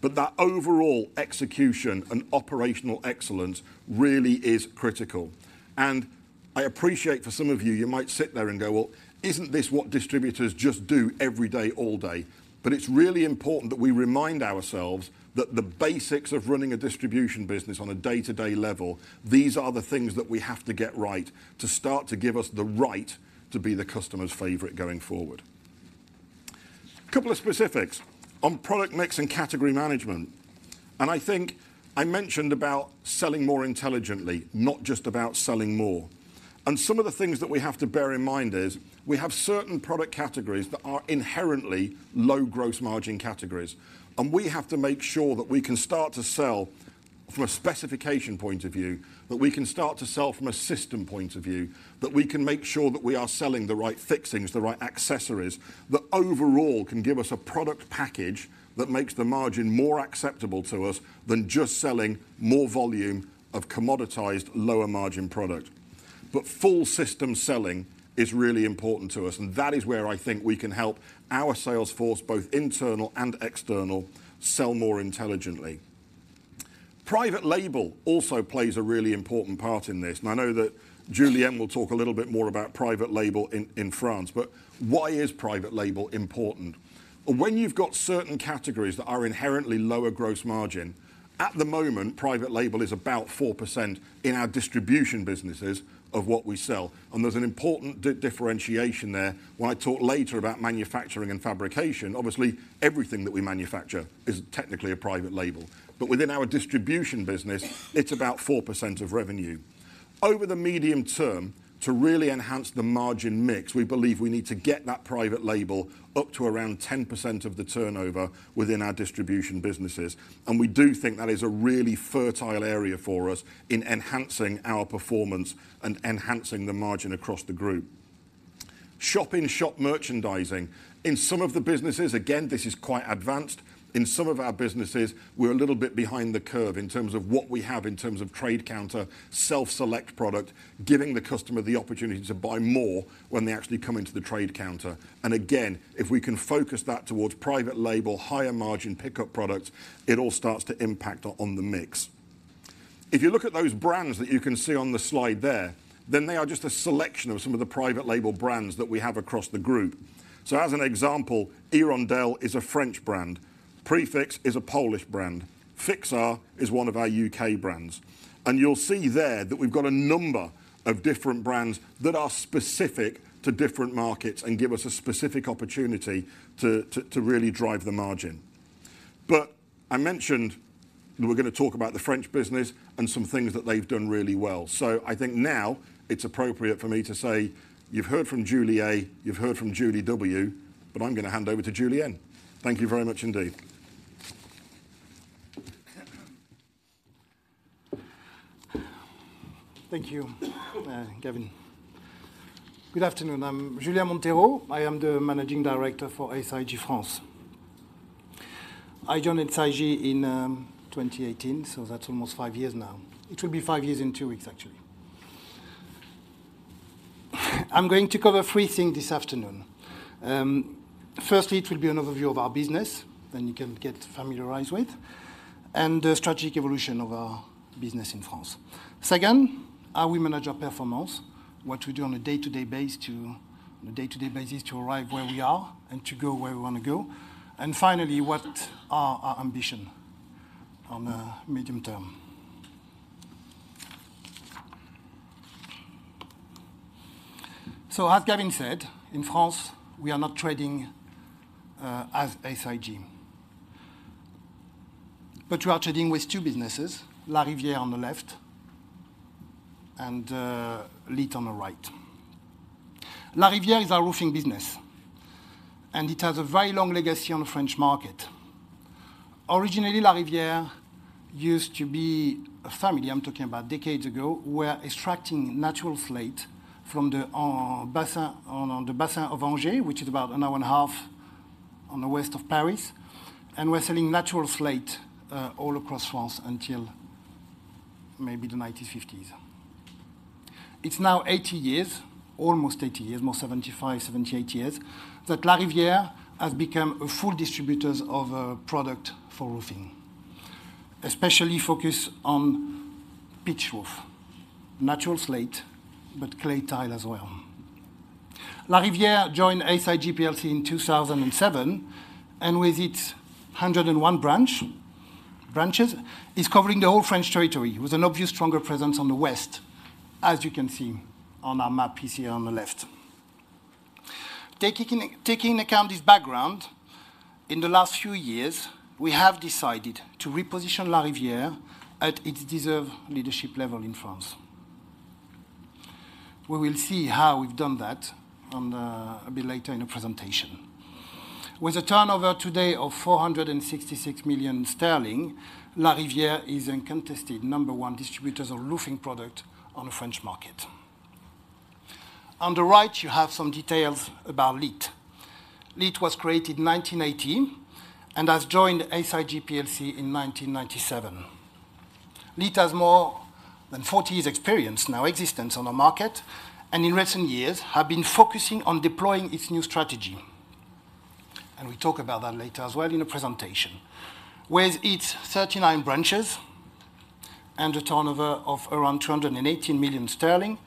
But that overall execution and operational excellence really is critical. And I appreciate for some of you, you might sit there and go, "Well, isn't this what distributors just do every day, all day?" But it's really important that we remind ourselves that the basics of running a distribution business on a day-to-day level, these are the things that we have to get right to start to give us the right to be the customer's favorite going forward. Couple of specifics. On product mix and category management, and I think I mentioned about selling more intelligently, not just about selling more. Some of the things that we have to bear in mind is, we have certain product categories that are inherently low gross margin categories, and we have to make sure that we can start to sell from a specification point of view, that we can start to sell from a system point of view, that we can make sure that we are selling the right fixings, the right accessories, that overall can give us a product package that makes the margin more acceptable to us than just selling more volume of commoditized, lower margin product. But full system selling is really important to us, and that is where I think we can help our sales force, both internal and external, sell more intelligently. Private Label also plays a really important part in this. And I know that Julien will talk a little bit more about private label in, in France, but why is private label important? When you've got certain categories that are inherently lower gross margin, at the moment, private label is about 4% in our distribution businesses of what we sell, and there's an important differentiation there. When I talk later about manufacturing and fabrication, obviously, everything that we manufacture is technically a private label. But within our distribution business, it's about 4% of revenue. Over the medium term, to really enhance the margin mix, we believe we need to get that private label up to around 10% of the turnover within our distribution businesses. And we do think that is a really fertile area for us in enhancing our performance and enhancing the margin across the group. Shop-in-shop merchandising. In some of the businesses, again, this is quite advanced. In some of our businesses, we're a little bit behind the curve in terms of what we have in terms of trade counter, self-select product, giving the customer the opportunity to buy more when they actually come into the trade counter. And again, if we can focus that towards private label, higher margin pickup products, it all starts to impact on the mix. If you look at those brands that you can see on the slide there, then they are just a selection of some of the private label brands that we have across the group. So as an example, Hirondelle is a French brand. Prefix is a Polish brand. Fixar is one of our UK brands. You'll see there that we've got a number of different brands that are specific to different markets and give us a specific opportunity to really drive the margin. But I mentioned that we're gonna talk about the French business and some things that they've done really well. I think now it's appropriate for me to say, you've heard from Julie A, you've heard from Julie W, but I'm gonna hand over to Julien. Thank you very much indeed. Thank you, Gavin. Good afternoon, I'm Julien Monteiro. I am the Managing Director for SIG France. I joined SIG in 2018, so that's almost five years now. It will be five years in two weeks, actually. I'm going to cover three things this afternoon. Firstly, it will be an overview of our business, then you can get familiarized with, and the strategic evolution of our business in France. Second, how we manage our performance, what we do on a day-to-day basis to arrive where we are and to go where we wanna go. And finally, what are our ambition on the medium term? So as Gavin said, in France, we are not trading as SIG. But we are trading with two businesses, Larivière on the left and LITE on the right. Larivière is our roofing business, and it has a very long legacy on the French market. Originally, Larivière used to be a family, I'm talking about decades ago, who were extracting natural slate from the Basin on the Basin of Angers, which is about an hour and a half on the west of Paris, and were selling natural slate all across France until maybe the 1950s. It's now 80 years, almost 80 years, more 75, 78 years, that Larivière has become a full distributor of a product for roofing, especially focused on pitch roof, natural slate, but clay tile as well. Larivière joined SIG plc in 2007, and with its 101 branches is covering the whole French territory, with an obvious stronger presence on the west, as you can see on our map here on the left. Taking account this background, in the last few years, we have decided to reposition Larivière at its deserved leadership level in France. We will see how we've done that on the... a bit later in the presentation. With a turnover today of 466 million sterling, Larivière is uncontested number one distributors of roofing product on the French market. On the right, you have some details about LITE. LITE was created in 1918 and has joined SIG plc in 1997. LITE has more than 40 years experience now, existence on the market, and in recent years, have been focusing on deploying its new strategy, and we'll talk about that later as well in the presentation. With its 39 branches and a turnover of around 218 million sterling,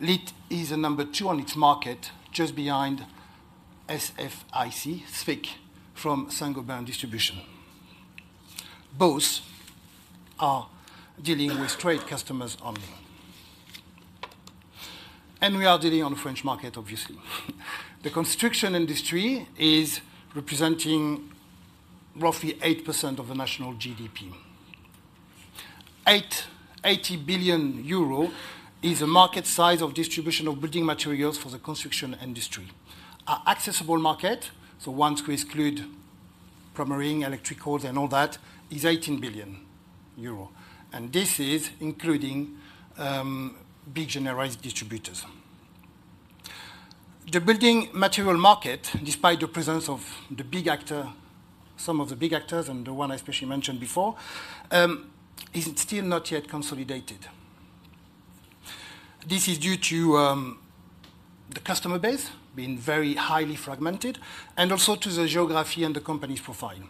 LITE is the number two on its market, just behind SFIC, SFIC, from Saint-Gobain Distribution. Both are dealing with trade customers only. We are dealing on the French market, obviously. The construction industry is representing roughly 8% of the national GDP. 80 billion euro is the market size of distribution of building materials for the construction industry. Our accessible market, so once we exclude plumbing, electrical, and all that, is 18 billion euro, and this is including big generalized distributors. The building material market, despite the presence of the big actor, some of the big actors, and the one I specially mentioned before, is still not yet consolidated. This is due to the customer base being very highly fragmented and also to the geography and the company's profile.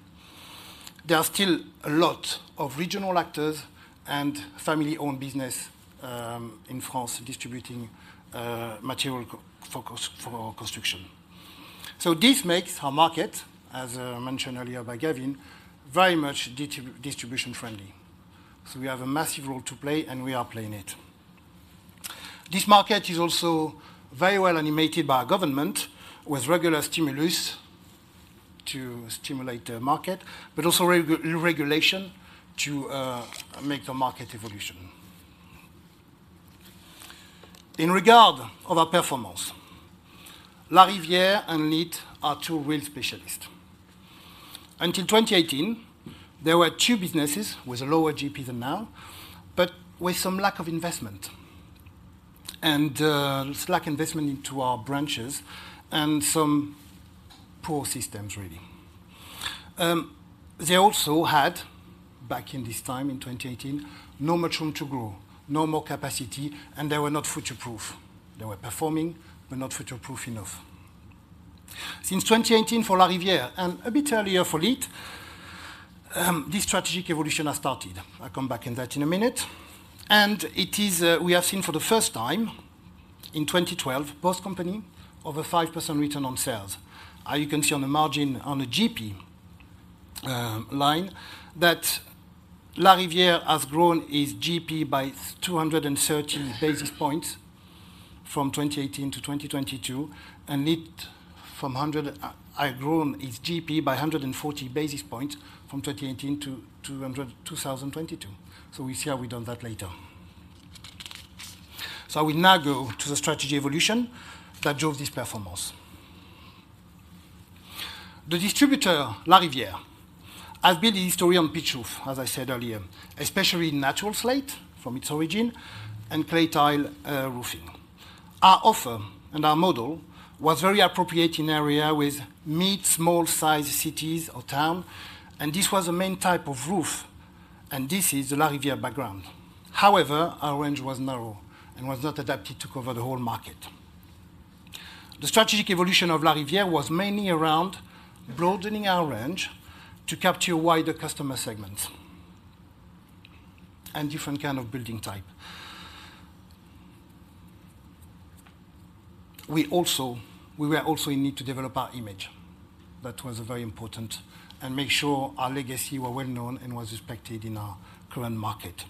There are still a lot of regional actors and family-owned business in France distributing material for construction. So this makes our market, as mentioned earlier by Gavin, very much distribution friendly. So we have a massive role to play, and we are playing it. This market is also very well animated by our government, with regular stimulus to stimulate the market, but also regulation to make the market evolution. In regard of our performance, Larivière and LITE are two real specialists. Until 2018, there were two businesses with a lower GP than now, but with some lack of investment and slack investment into our branches and some poor systems, really. They also had, back in this time in 2018, no much room to grow, no more capacity, and they were not future-proof. They were performing, but not future-proof enough. Since 2018 for Larivière and a bit earlier for LITE, this strategic evolution has started. I'll come back to that in a minute. It is, we have seen for the first time in 2012, both companies over 5% return on sales. As you can see on the margin on the GP line, that Larivière has grown its GP by 230 basis points from 2018 to 2022, and LITE from 100 has grown its GP by 140 basis points from 2018 to 2022. So we'll see how we've done that later. So I will now go to the strategy evolution that drove this performance. The distributor, Larivière, has been a historic pitched roof, as I said earlier, especially natural slate from its origins and clay tile roofing. Our offer and our model was very appropriate in area with mid, small size cities or town, and this was the main type of roof, and this is the Larivière background. However, our range was narrow and was not adapted to cover the whole market. The strategic evolution of Larivière was mainly around broadening our range to capture wider customer segments and different kind of building type. We were also in need to develop our image, that was very important, and make sure our legacy were well known and was respected in our current market.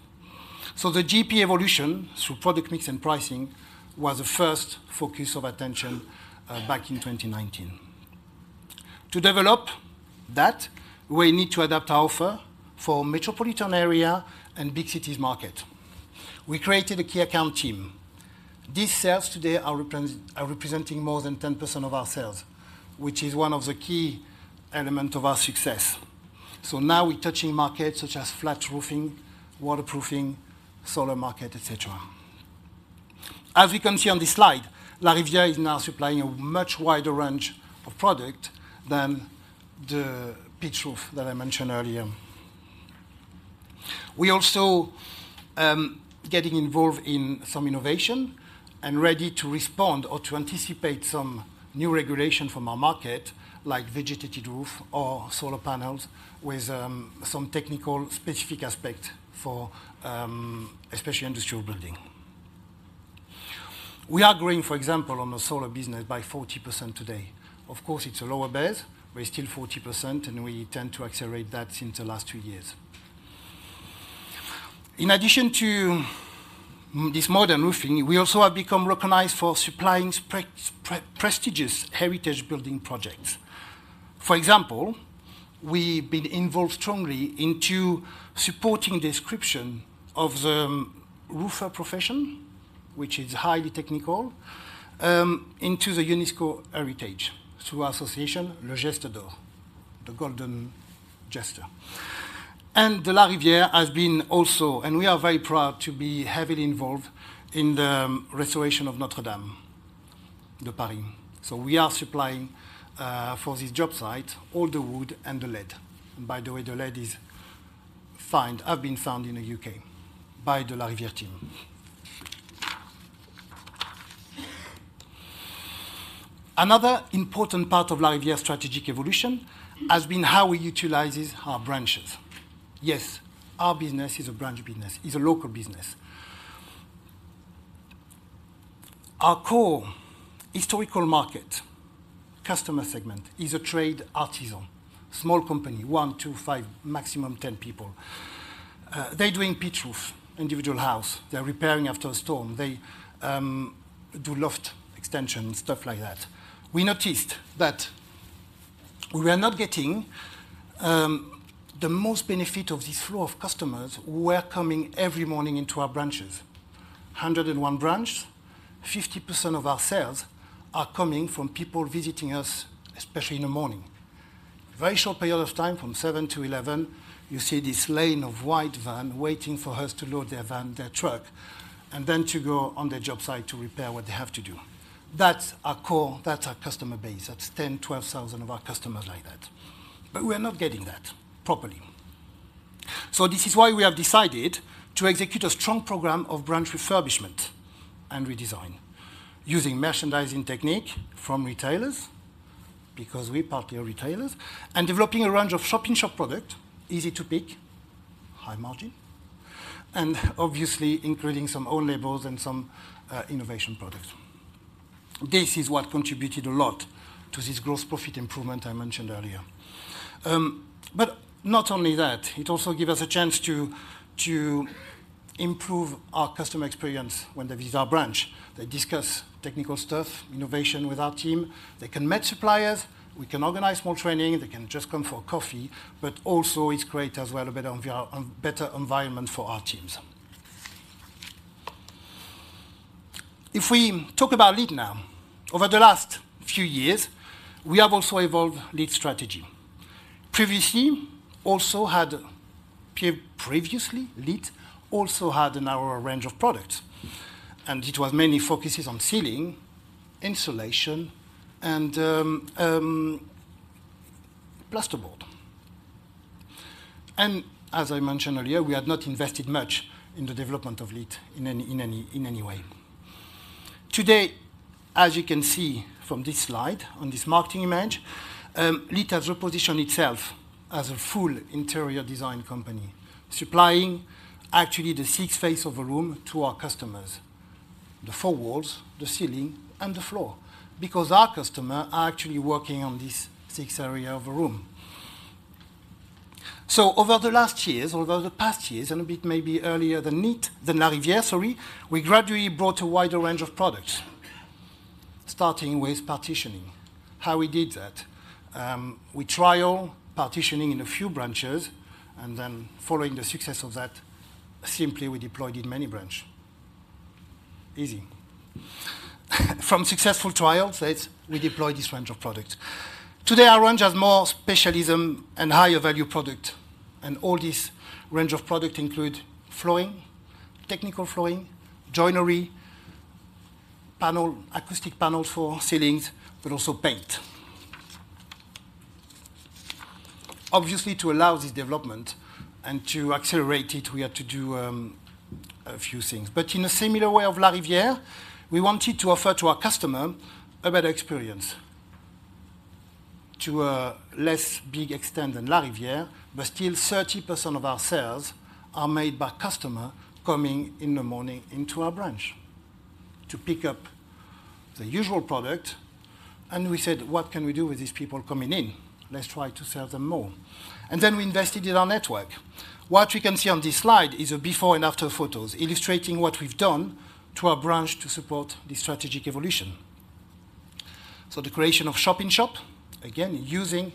So the GP evolution, through product mix and pricing, was the first focus of attention, back in 2019. To develop that, we need to adapt our offer for metropolitan area and big cities market. We created a key account team. These sales today are representing more than 10% of our sales, which is one of the key element of our success. So now we're touching markets such as flat roofing, waterproofing, solar market, et cetera. As we can see on this slide, Larivière is now supplying a much wider range of product than the pitch roof that I mentioned earlier. We also getting involved in some innovation and ready to respond or to anticipate some new regulation from our market, like vegetated roof or solar panels, with some technical specific aspect for especially industrial building. We are growing, for example, on the solar business by 40% today. Of course, it's a lower base, but it's still 40%, and we tend to accelerate that since the last two years. In addition to this modern roofing, we also have become recognized for supplying prestigious heritage building projects. For example, we've been involved strongly into supporting the description of the roofer profession, which is highly technical, into the UNESCO heritage through our association, Le Geste d'Or, The Golden Gesture. And the Larivière has been also... And we are very proud to be heavily involved in the restoration of Notre Dame de Paris. So we are supplying, for this job site, all the wood and the lead. And by the way, the lead have been found in the UK by the Larivière team. Another important part of Larivière's strategic evolution has been how we utilizes our branches. Yes, our business is a branch business, is a local business. Our core historical market, customer segment, is a trade artisan, small company, 1-5, maximum 10 people. They're doing pitch roof, individual house. They're repairing after a storm. They do loft extension, stuff like that. We noticed that we are not getting the most benefit of this flow of customers who were coming every morning into our branches. 101 branches, 50% of our sales are coming from people visiting us, especially in the morning. Very short period of time, from 7 to 11, you see this lane of white van waiting for us to load their van, their truck, and then to go on their job site to repair what they have to do. That's our core, that's our customer base. That's 10-12 thousand of our customers like that. But we are not getting that properly. So this is why we have decided to execute a strong program of branch refurbishment and redesign, using merchandising technique from retailers, because we partly are retailers, and developing a range of shop-in-shop product, easy to pick, high margin, and obviously, including some own labels and some, innovation products. This is what contributed a lot to this gross profit improvement I mentioned earlier. But not only that, it also give us a chance to, to improve our customer experience when they visit our branch. They discuss technical stuff, innovation with our team. They can meet suppliers, we can organize more training, they can just come for coffee, but also it's great as well, a better envir- better environment for our teams. If we talk about LITE now, over the last few years, we have also evolved LITE strategy. Previously, LITE also had a narrower range of products, and it was mainly focused on ceiling, insulation, and plasterboard. As I mentioned earlier, we had not invested much in the development of LITE in any way. Today, as you can see from this slide, on this marketing image, LITE has repositioned itself as a full interior design company, supplying actually the six faces of a room to our customers: the four walls, the ceiling, and the floor, because our customers are actually working on these six areas of a room. So over the last years, over the past years, and a bit maybe earlier than LITE, than Larivière, sorry, we gradually brought a wider range of products, starting with partitioning. How we did that? We trial partitioning in a few branches, and then following the success of that, simply we deployed in many branch. Easy. From successful trials, let's redeploy this range of products. Today, our range has more specialism and higher value product, and all this range of product include flooring, technical flooring, joinery, panels, acoustic panels for ceilings, but also paint. Obviously, to allow this development and to accelerate it, we had to do a few things. But in a similar way of Larivière, we wanted to offer to our customer a better experience. To a less big extent than Larivière, but still 30% of our sales are made by customer coming in the morning into our branch to pick up the usual product, and we said: "What can we do with these people coming in? Let's try to sell them more." Then we invested in our network. What we can see on this slide is a before and after photos, illustrating what we've done to our branch to support this strategic evolution. So the creation of shop-in-shop, again, using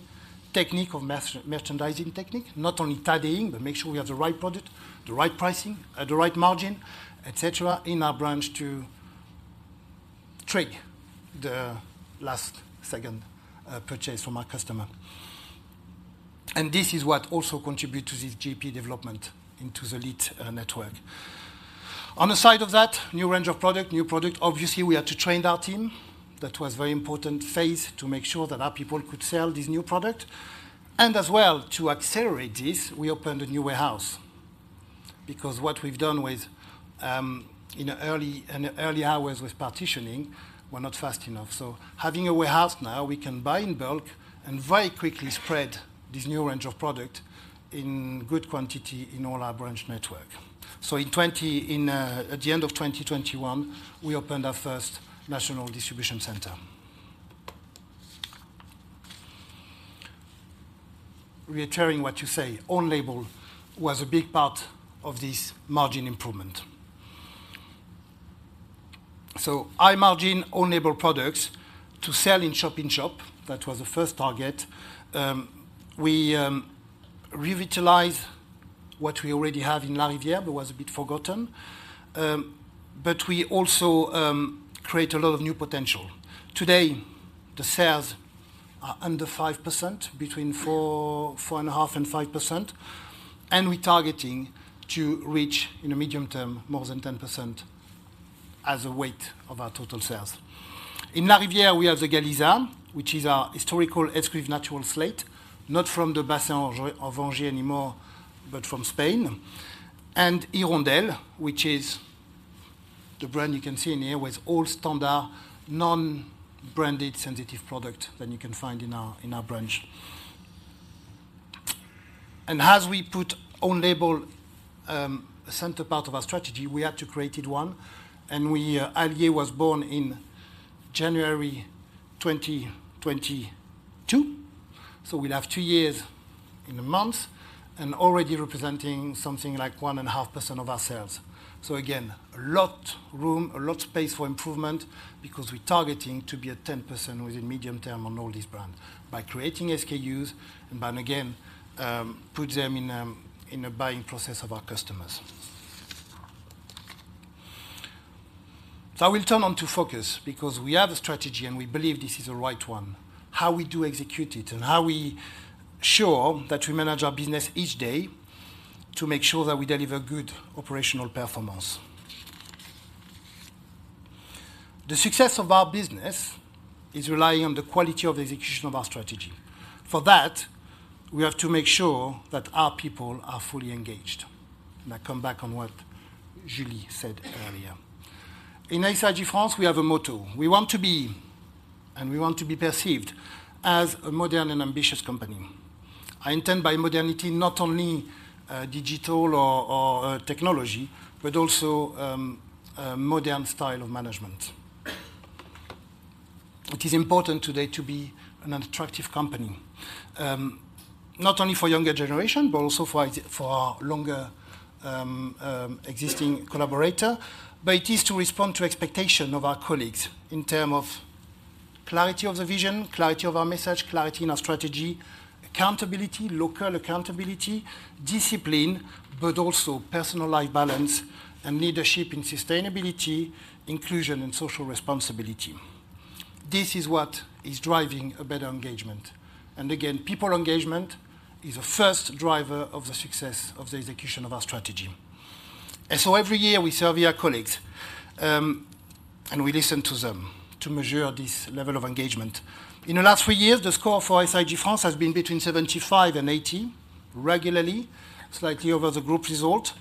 technique of merchandising technique, not only tidying, but make sure we have the right product, the right pricing, the right margin, et cetera, in our branch to trick the last second purchase from our customer. And this is what also contribute to this GP development into the lead network. On the side of that, new range of product, new product, obviously, we had to train our team. That was very important phase to make sure that our people could sell this new product. As well, to accelerate this, we opened a new warehouse, because what we've done with in early hours with partitioning were not fast enough. So having a warehouse now, we can buy in bulk and very quickly spread this new range of product in good quantity in all our branch network. So at the end of 2021, we opened our first national distribution center. Reiterating what you say, own label was a big part of this margin improvement. So high-margin, own-label products to sell in shop-in-shop, that was the first target. We revitalize what we already have in Larivière, but was a bit forgotten. But we also create a lot of new potential. Today, the sales are under 5%, between 4, 4.5 and 5%, and we're targeting to reach, in the medium term, more than 10% as a weight of our total sales. In Larivière, we have the Galiza, which is our historical exquisite natural slate, not from the basin of Angers anymore, but from Spain, and Hirondelle, which is the brand you can see in here, with all standard, non-branded, sensitive product that you can find in our, in our branch. And as we put own label, a center part of our strategy, we had to created one, and we, Alier was born in January 2022. So we'll have two years in a month and already representing something like 1.5% of our sales. So again, a lot room, a lot space for improvement because we're targeting to be at 10% within medium term on all these brand, by creating SKUs and by again, put them in, in a buying process of our customers. So I will turn on to focus, because we have a strategy and we believe this is the right one, how we do execute it, and how we sure that we manage our business each day to make sure that we deliver good operational performance. The success of our business is relying on the quality of the execution of our strategy. For that, we have to make sure that our people are fully engaged. And I come back on what Julie said earlier. In SIG France, we have a motto: We want to be, and we want to be perceived as a modern and ambitious company. I intend by modernity, not only digital or technology, but also a modern style of management. It is important today to be an attractive company, not only for younger generation, but also for our longer existing collaborator. But it is to respond to expectation of our colleagues in terms of clarity of the vision, clarity of our message, clarity in our strategy, accountability, local accountability, discipline, but also personal life balance and leadership in sustainability, inclusion and social responsibility. This is what is driving a better engagement. And again, people engagement is the first driver of the success of the execution of our strategy. And so every year we survey our colleagues, and we listen to them to measure this level of engagement. In the last three years, the score for SIG France has been between 75 and 80, regularly, slightly over the group result,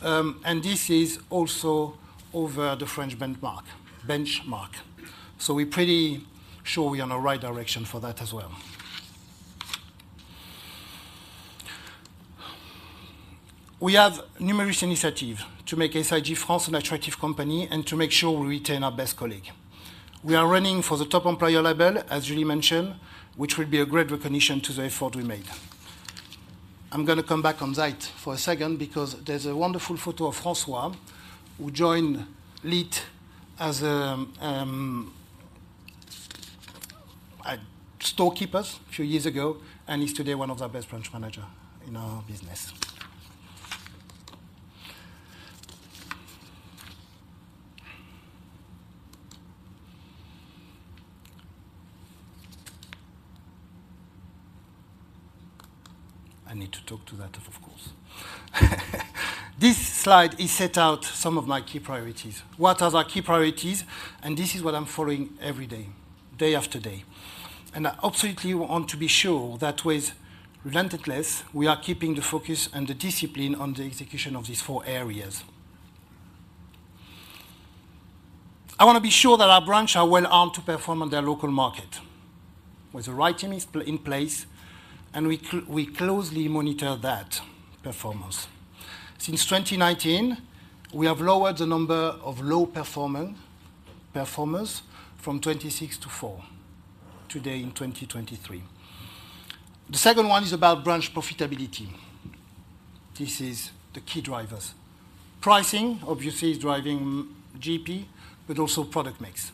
and this is also over the French benchmark. So we're pretty sure we are in the right direction for that as well. We have numerous initiative to make SIG France an attractive company and to make sure we retain our best colleague. We are running for the Top Employer label, as Julie mentioned, which will be a great recognition to the effort we made. I'm gonna come back on that for a second because there's a wonderful photo of Francois, who joined LITE as a storekeeper a few years ago, and he's today one of our best branch manager in our business. I need to talk to that, of course. This slide, it set out some of my key priorities. What are our key priorities? This is what I'm following every day, day after day. I absolutely want to be sure that with relentless, we are keeping the focus and the discipline on the execution of these four areas. I want to be sure that our branches are well-armed to perform on their local market, where the right team is in place, and we closely monitor that performance. Since 2019, we have lowered the number of low performers from 26 to four today in 2023. The second one is about branch profitability. This is the key drivers. Pricing, obviously, is driving GP, but also product mix.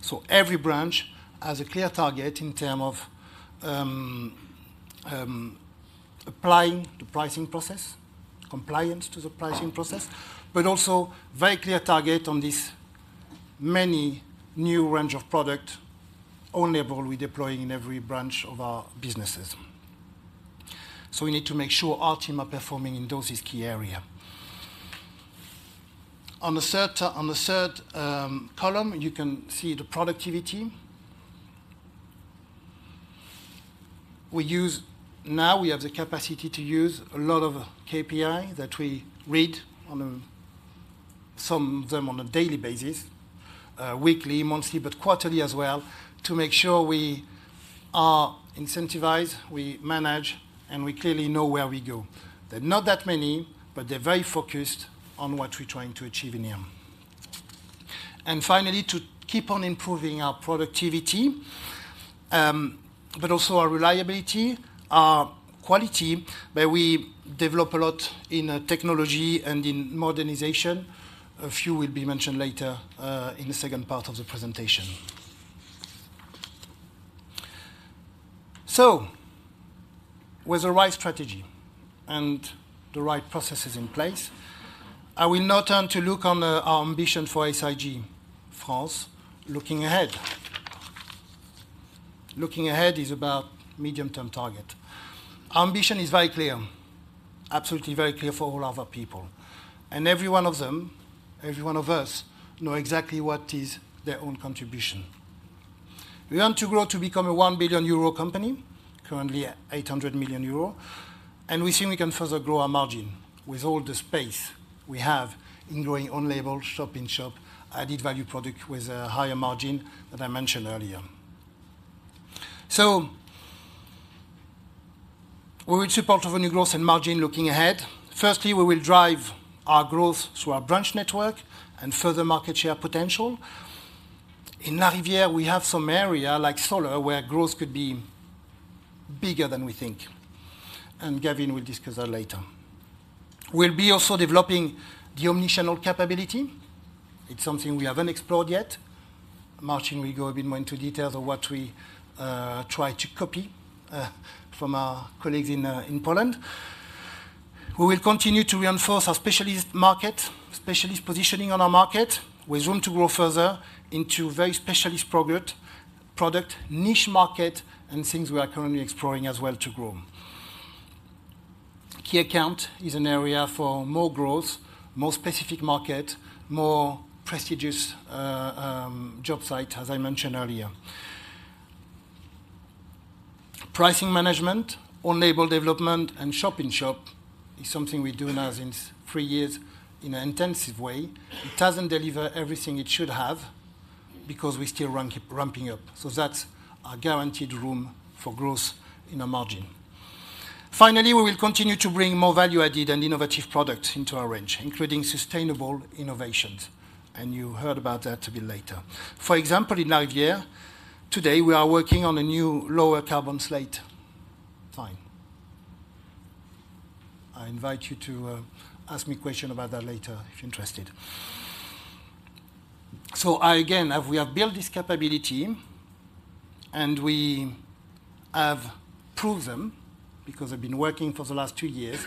So every branch has a clear target in term of applying the pricing process, compliance to the pricing process, but also very clear target on this many new range of product, own label we deploying in every branch of our businesses. So we need to make sure our team are performing in those key area. On the third column, you can see the productivity. We use. Now we have the capacity to use a lot of KPI that we read on a some of them on a daily basis, weekly, monthly, but quarterly as well, to make sure we are incentivized, we manage, and we clearly know where we go. They're not that many, but they're very focused on what we're trying to achieve in the end. And finally, to keep on improving our productivity, but also our reliability, our quality, where we develop a lot in, technology and in modernization. A few will be mentioned later, in the second part of the presentation. With the right strategy and the right processes in place, I will now turn to look on, our ambition for SIG France, looking ahead. Looking ahead is about medium-term target. Our ambition is very clear, absolutely very clear for all of our people, and every one of them, every one of us, know exactly what is their own contribution. We want to grow to become a 1 billion euro company, currently at 800 million euro, and we think we can further grow our margin with all the space we have in growing own label, shop-in-shop, added value product with a higher margin that I mentioned earlier. So where we support our new growth and margin looking ahead, firstly, we will drive our growth through our branch network and further market share potential. In Larivière, we have some area, like solar, where growth could be bigger than we think, and Gavin will discuss that later. We'll be also developing the omni-channel capability. It's something we haven't explored yet. Martin will go a bit more into details of what we try to copy from our colleagues in Poland. We will continue to reinforce our specialist market, specialist positioning on our market, with room to grow further into very specialist product niche market, and things we are currently exploring as well to grow. Key account is an area for more growth, more specific market, more prestigious job site, as I mentioned earlier. Pricing management, own label development, and shop-in-shop is something we do now since 3 years in an intensive way. It doesn't deliver everything it should have because we're still ramping up, so that's a guaranteed room for growth in our margin. Finally, we will continue to bring more value-added and innovative products into our range, including sustainable innovations, and you heard about that a bit later. For example, in Larivière, today, we are working on a new lower carbon slate tile. I invite you to ask me a question about that later, if interested. So I again, we have built this capability, and we have proved them because I've been working for the last 2 years.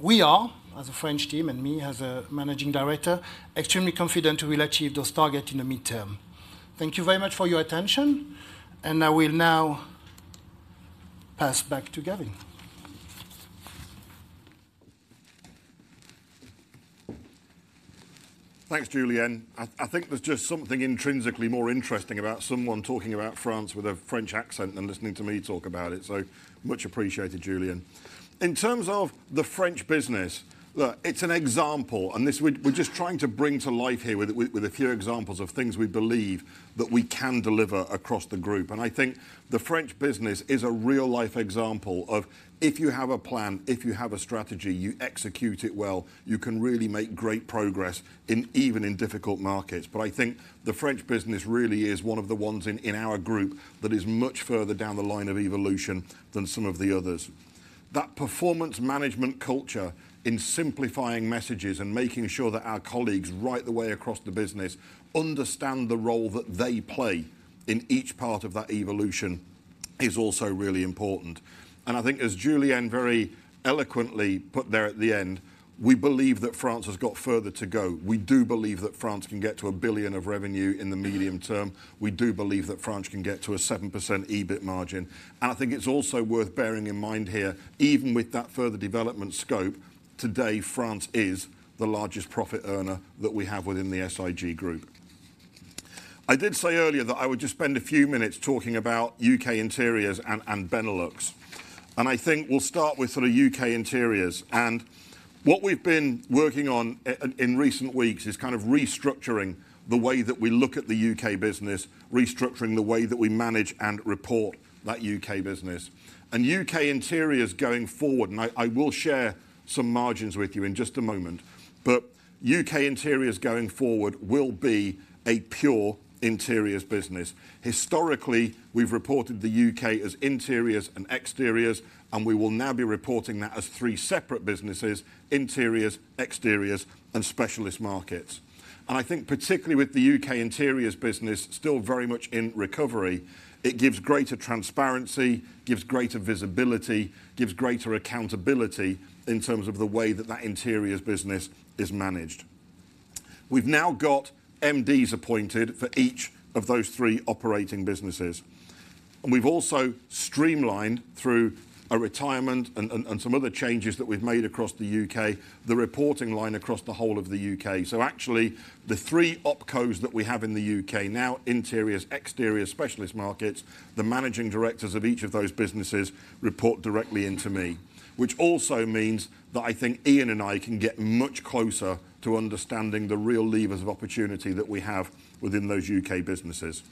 We are, as a French team and me as a managing director, extremely confident we will achieve those target in the midterm. Thank you very much for your attention, and I will now pass back to Gavin. Thanks, Julien. I think there's just something intrinsically more interesting about someone talking about France with a French accent than listening to me talk about it. So much appreciated, Julien. In terms of the French business, look, it's an example, and we're just trying to bring to life here with a few examples of things we believe that we can deliver across the group. I think the French business really is one of the ones in our group that is much further down the line of evolution than some of the others. That performance management culture in simplifying messages and making sure that our colleagues right the way across the business understand the role that they play in each part of that evolution is also really important. I think as Julien very eloquently put there at the end, we believe that France has got further to go. We do believe that France can get to 1 billion of revenue in the medium term. We do believe that France can get to a 7% EBIT margin. I think it's also worth bearing in mind here, even with that further development scope, today, France is the largest profit earner that we have within the SIG group. I did say earlier that I would just spend a few minutes talking about UK Interiors and Benelux. I think we'll start with sort of UK Interiors. What we've been working on in recent weeks is kind of restructuring the way that we look at the UK business, restructuring the way that we manage and report that UK business. UK Interiors going forward, and I, I will share some margins with you in just a moment, but UK Interiors, going forward, will be a pure interiors business. Historically, we've reported the UK as interiors and exteriors, and we will now be reporting that as three separate businesses: interiors, exteriors, and Specialist Markets. I think particularly with the UK Interiors business still very much in recovery, it gives greater transparency, gives greater visibility, gives greater accountability in terms of the way that that interiors business is managed. We've now got MDs appointed for each of those three operating businesses. We've also streamlined through a retirement and some other changes that we've made across the UK, the reporting line across the whole of the UK. So actually, the three OpCos that we have in the UK, now interiors, exteriors, specialist markets, the managing directors of each of those businesses report directly into me, which also means that I think Ian and I can get much closer to understanding the real levers of opportunity that we have within those UK businesses.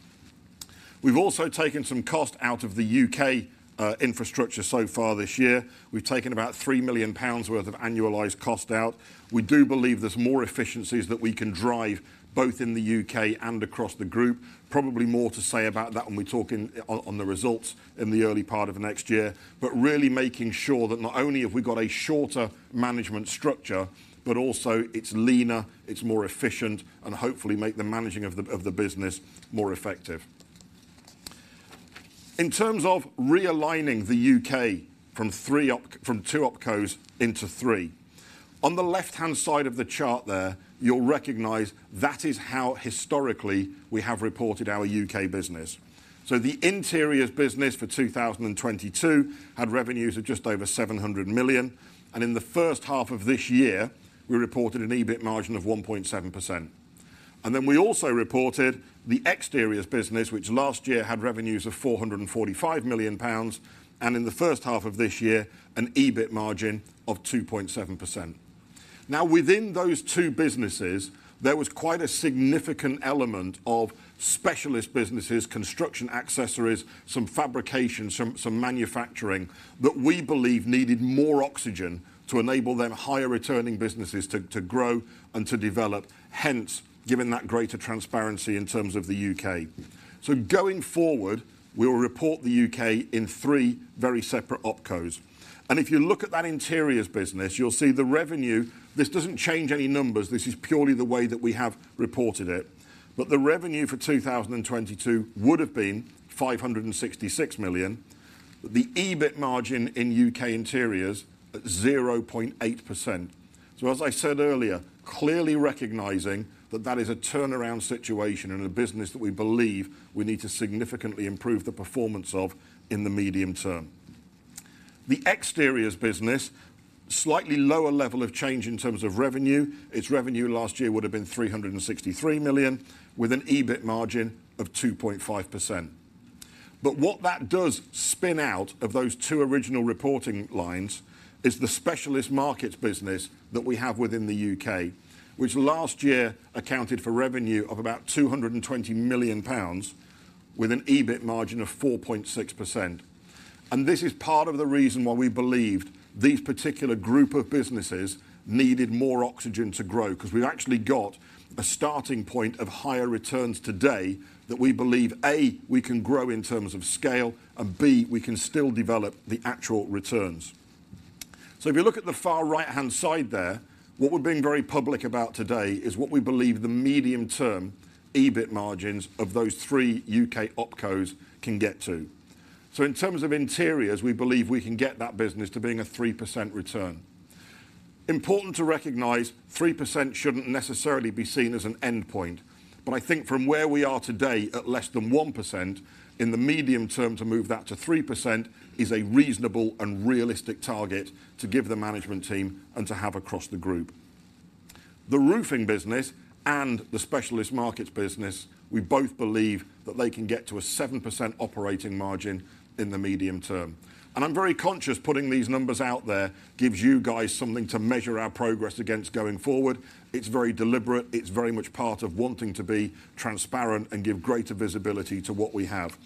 We've also taken some cost out of the UK infrastructure so far this year. We've taken about 3 million pounds worth of annualized cost out. We do believe there's more efficiencies that we can drive, both in the UK and across the group. Probably more to say about that when we talk on the results in the early part of next year. But really making sure that not only have we got a shorter management structure, but also it's leaner, it's more efficient, and hopefully make the managing of the business more effective. In terms of realigning the U.K. from three—from two OpCos into three. On the left-hand side of the chart there, you'll recognize that is how historically we have reported our U.K. business. So the interiors business for 2022 had revenues of just over 700 million, and in the first half of this year, we reported an EBIT margin of 1.7%. And then we also reported the exteriors business, which last year had revenues of 445 million pounds, and in the first half of this year, an EBIT margin of 2.7%. Now, within those two businesses, there was quite a significant element of specialist businesses, construction accessories, some fabrication, some manufacturing, that we believe needed more oxygen to enable them higher returning businesses to grow and to develop, hence, giving that greater transparency in terms of the UK. So going forward, we will report the UK in three very separate OpCos. If you look at that interiors business, you'll see the revenue. This doesn't change any numbers. This is purely the way that we have reported it. But the revenue for 2022 would have been 566 million. The EBIT margin in UK interiors, 0.8%. So as I said earlier, clearly recognizing that that is a turnaround situation and a business that we believe we need to significantly improve the performance of in the medium term. The exteriors business, slightly lower level of change in terms of revenue. Its revenue last year would have been 363 million, with an EBIT margin of 2.5%. But what that does spin out of those two original reporting lines is the specialist markets business that we have within the UK, which last year accounted for revenue of about 220 million pounds, with an EBIT margin of 4.6%. And this is part of the reason why we believed these particular group of businesses needed more oxygen to grow, 'cause we've actually got a starting point of higher returns today that we believe, A, we can grow in terms of scale, and B, we can still develop the actual returns. So if you look at the far right-hand side there, what we're being very public about today is what we believe the medium-term EBIT margins of those three UK OpCos can get to. So in terms of interiors, we believe we can get that business to being a 3% return. Important to recognize, 3% shouldn't necessarily be seen as an endpoint, but I think from where we are today, at less than 1%, in the medium term, to move that to 3% is a reasonable and realistic target to give the management team and to have across the group. The roofing business and the specialist markets business, we both believe that they can get to a 7% operating margin in the medium term. And I'm very conscious putting these numbers out there gives you guys something to measure our progress against going forward. It's very deliberate. It's very much part of wanting to be transparent and give greater visibility to what we have.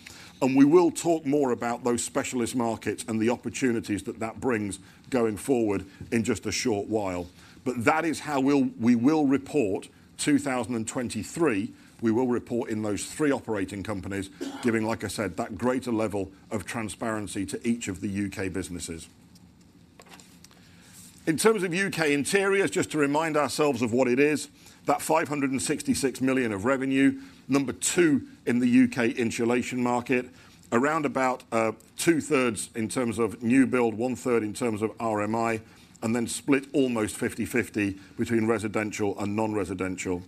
And we will talk more about those specialist markets and the opportunities that that brings going forward in just a short while. But that is how we'll—we will report 2023. We will report in those three operating companies, giving, like I said, that greater level of transparency to each of the UK businesses. In terms of UK Interiors, just to remind ourselves of what it is, about 566 million of revenue, number two in the UK insulation market, around about 2/3 in terms of new build, 1/3 in terms of RMI, and then split almost 50/50 between residential and non-residential.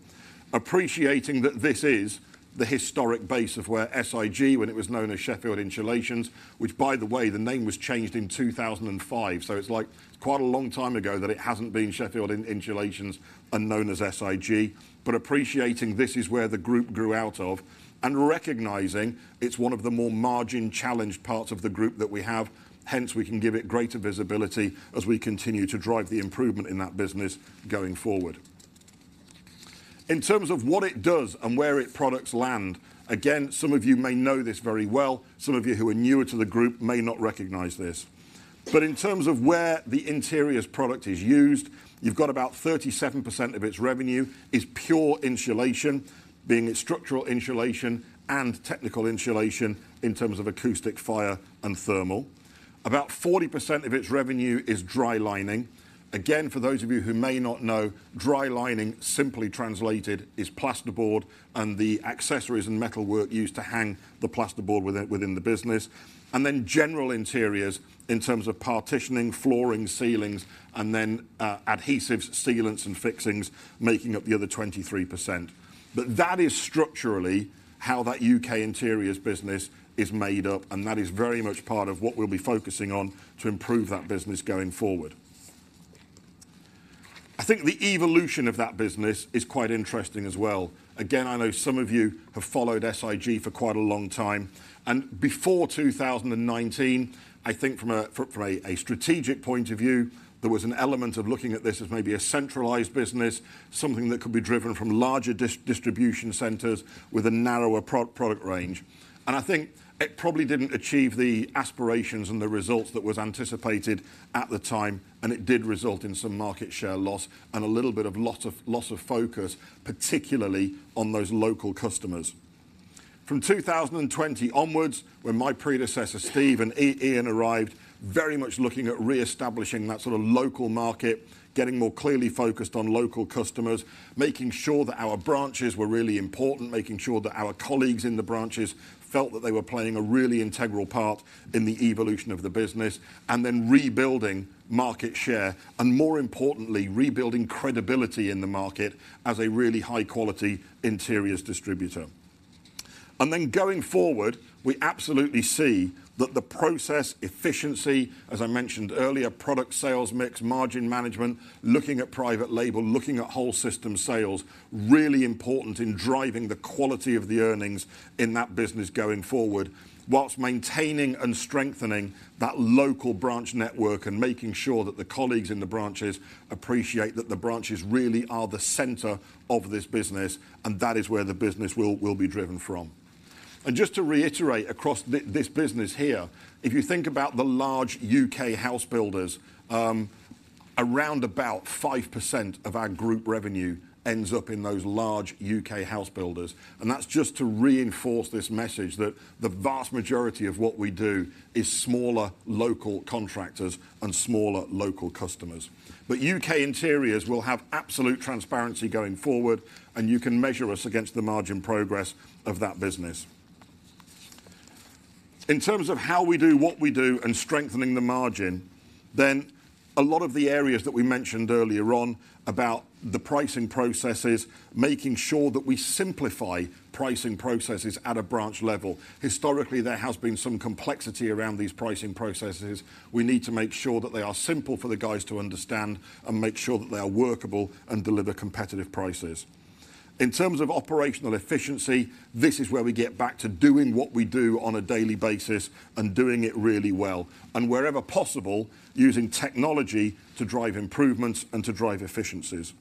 Appreciating that this is the historic base of where SIG, when it was known as Sheffield Insulations, which by the way, the name was changed in 2005, so it's like quite a long time ago, that it hasn't been Sheffield Insulations and known as SIG, but appreciating this is where the group grew out of, and recognizing it's one of the more margin-challenged parts of the group that we have. Hence, we can give it greater visibility as we continue to drive the improvement in that business going forward. In terms of what it does and where its products land, again, some of you may know this very well, some of you who are newer to the group may not recognize this, but in terms of where the interiors product is used, you've got about 37% of its revenue is pure insulation, being structural insulation and technical insulation in terms of acoustic, fire, and thermal. About 40% of its revenue is dry lining. Again, for those of you who may not know, dry lining, simply translated, is plasterboard and the accessories and metalwork used to hang the plasterboard within the business. And then general interiors in terms of partitioning, flooring, ceilings, and then, adhesives, sealants, and fixings, making up the other 23%. But that is structurally how that UK Interiors business is made up, and that is very much part of what we'll be focusing on to improve that business going forward. I think the evolution of that business is quite interesting as well. Again, I know some of you have followed SIG for quite a long time, and before 2019, I think from a strategic point of view, there was an element of looking at this as maybe a centralized business, something that could be driven from larger distribution centers with a narrower product range. And I think it probably didn't achieve the aspirations and the results that was anticipated at the time, and it did result in some market share loss and a little bit of loss of focus, particularly on those local customers. From 2020 onwards, when my predecessor, Steve and I, Ian, arrived, very much looking at reestablishing that sort of local market, getting more clearly focused on local customers, making sure that our branches were really important, making sure that our colleagues in the branches felt that they were playing a really integral part in the evolution of the business, and then rebuilding market share, and more importantly, rebuilding credibility in the market as a really high-quality interiors distributor. And then going forward, we absolutely see that the process efficiency, as I mentioned earlier, product sales mix, margin management, looking at private label, looking at whole system sales, really important in driving the quality of the earnings in that business going forward, while maintaining and strengthening that local branch network and making sure that the colleagues in the branches appreciate that the branches really are the center of this business, and that is where the business will be driven from. And just to reiterate across this business here, if you think about the large UK house builders, around about 5% of our group revenue ends up in those large UK house builders. And that's just to reinforce this message that the vast majority of what we do is smaller, local contractors and smaller local customers. But UK Interiors will have absolute transparency going forward, and you can measure us against the margin progress of that business. In terms of how we do what we do and strengthening the margin, then a lot of the areas that we mentioned earlier on about the pricing processes, making sure that we simplify pricing processes at a branch level. Historically, there has been some complexity around these pricing processes. We need to make sure that they are simple for the guys to understand and make sure that they are workable and deliver competitive prices. In terms of operational efficiency, this is where we get back to doing what we do on a daily basis and doing it really well, and wherever possible, using technology to drive improvements and to drive efficiencies.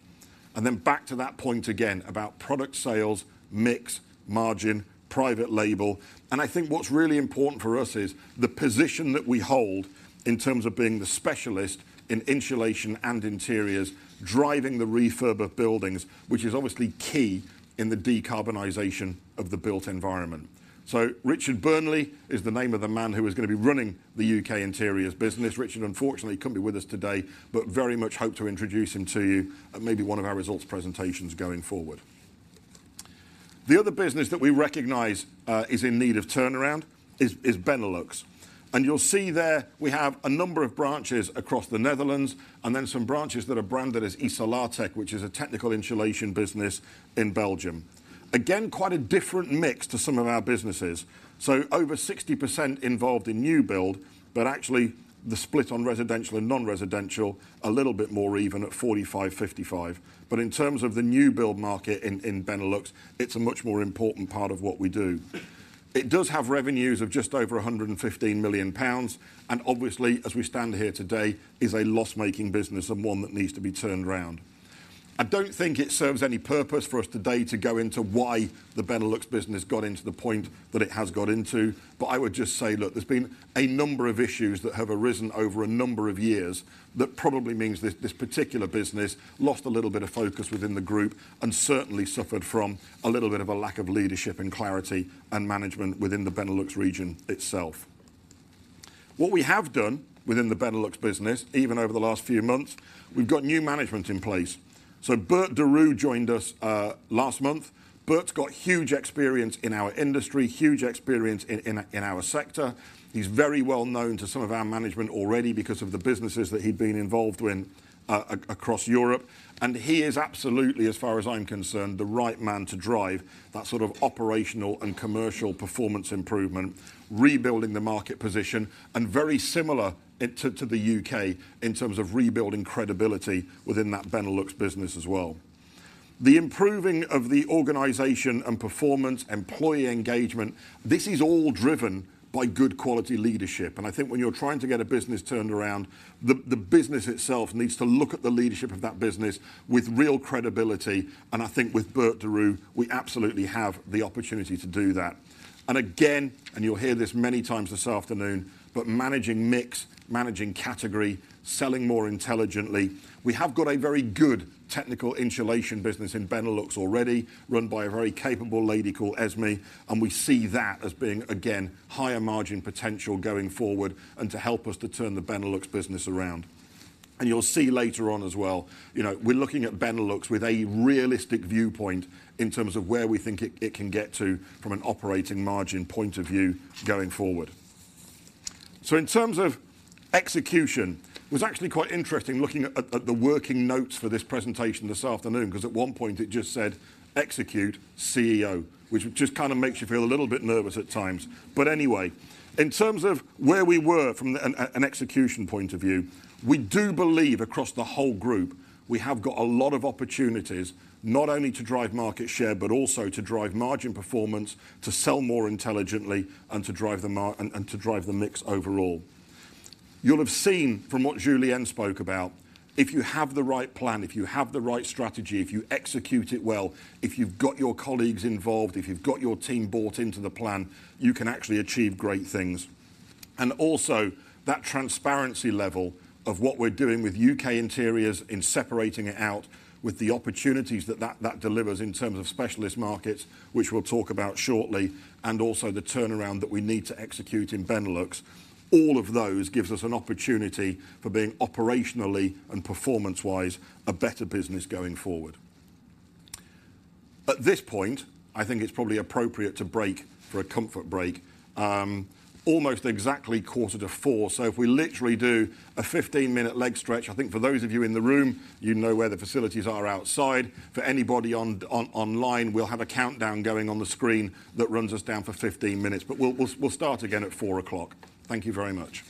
And then back to that point again about product sales, mix, margin, private label. And I think what's really important for us is the position that we hold in terms of being the specialist in insulation and interiors, driving the refurb of buildings, which is obviously key in the decarbonization of the built environment. So Richard Burnley is the name of the man who is gonna be running the UK Interiors business. Richard, unfortunately, couldn't be with us today, but very much hope to introduce him to you at maybe one of our results presentations going forward. The other business that we recognize is in need of turnaround is Benelux, and you'll see there we have a number of branches across the Netherlands, and then some branches that are branded as Isolartec, which is a technical insulation business in Belgium. Again, quite a different mix to some of our businesses. So over 60% involved in new build, but actually the split on residential and non-residential, a little bit more even at 45-55. But in terms of the new build market in Benelux, it's a much more important part of what we do. It does have revenues of just over 115 million pounds, and obviously, as we stand here today, is a loss-making business and one that needs to be turned around. I don't think it serves any purpose for us today to go into why the Benelux business got into the point that it has got into, but I would just say, look, there's been a number of issues that have arisen over a number of years that probably means this, this particular business lost a little bit of focus within the group and certainly suffered from a little bit of a lack of leadership and clarity and management within the Benelux region itself. What we have done within the Benelux business, even over the last few months, we've got new management in place. So Bert De Roo joined us last month. Bert's got huge experience in our industry, huge experience in our sector. He's very well known to some of our management already because of the businesses that he'd been involved in across Europe. He is absolutely, as far as I'm concerned, the right man to drive that sort of operational and commercial performance improvement, rebuilding the market position, and very similar to the UK in terms of rebuilding credibility within that Benelux business as well. The improving of the organization and performance, employee engagement, this is all driven by good quality leadership. And I think when you're trying to get a business turned around, the business itself needs to look at the leadership of that business with real credibility, and I think with Bert De Roo, we absolutely have the opportunity to do that. And again, and you'll hear this many times this afternoon, but managing mix, managing category, selling more intelligently. We have got a very good technical insulation business in Benelux already, run by a very capable lady called Esme, and we see that as being, again, higher margin potential going forward and to help us to turn the Benelux business around. You'll see later on as well, you know, we're looking at Benelux with a realistic viewpoint in terms of where we think it can get to from an operating margin point of view going forward. In terms of execution, it was actually quite interesting looking at the working notes for this presentation this afternoon, 'cause at one point it just said, "Execute, CEO," which just kind of makes you feel a little bit nervous at times. But anyway, in terms of where we were from an execution point of view, we do believe across the whole group, we have got a lot of opportunities, not only to drive market share, but also to drive margin performance, to sell more intelligently, and to drive the margin and to drive the mix overall. You'll have seen from what Julien spoke about, if you have the right plan, if you have the right strategy, if you execute it well, if you've got your colleagues involved, if you've got your team bought into the plan, you can actually achieve great things. And also, that transparency level of what we're doing with UK Interiors in separating it out with the opportunities that that delivers in terms of specialist markets, which we'll talk about shortly, and also the turnaround that we need to execute in Benelux. All of those gives us an opportunity for being operationally and performance-wise, a better business going forward. At this point, I think it's probably appropriate to break for a comfort break. Almost exactly quarter to four. So if we literally do a 15-minute leg stretch, I think for those of you in the room, you know where the facilities are outside. For anybody on online, we'll have a countdown going on the screen that runs us down for 15 minutes, but we'll start again at 4:00 P.M. Thank you very much.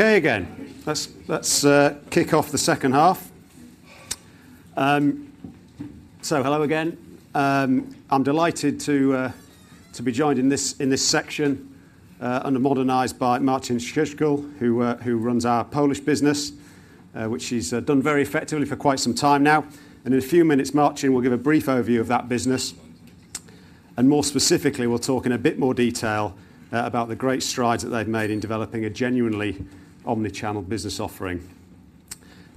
Okay, again, let's kick off the second half. So hello again. I'm delighted to be joined in this section under Modernize by Marcin Szczygieł, who runs our Polish business. which she's done very effectively for quite some time now. And in a few minutes, Marcin will give a brief overview of that business, and more specifically, we'll talk in a bit more detail about the great strides that they've made in developing a genuinely omni-channel business offering.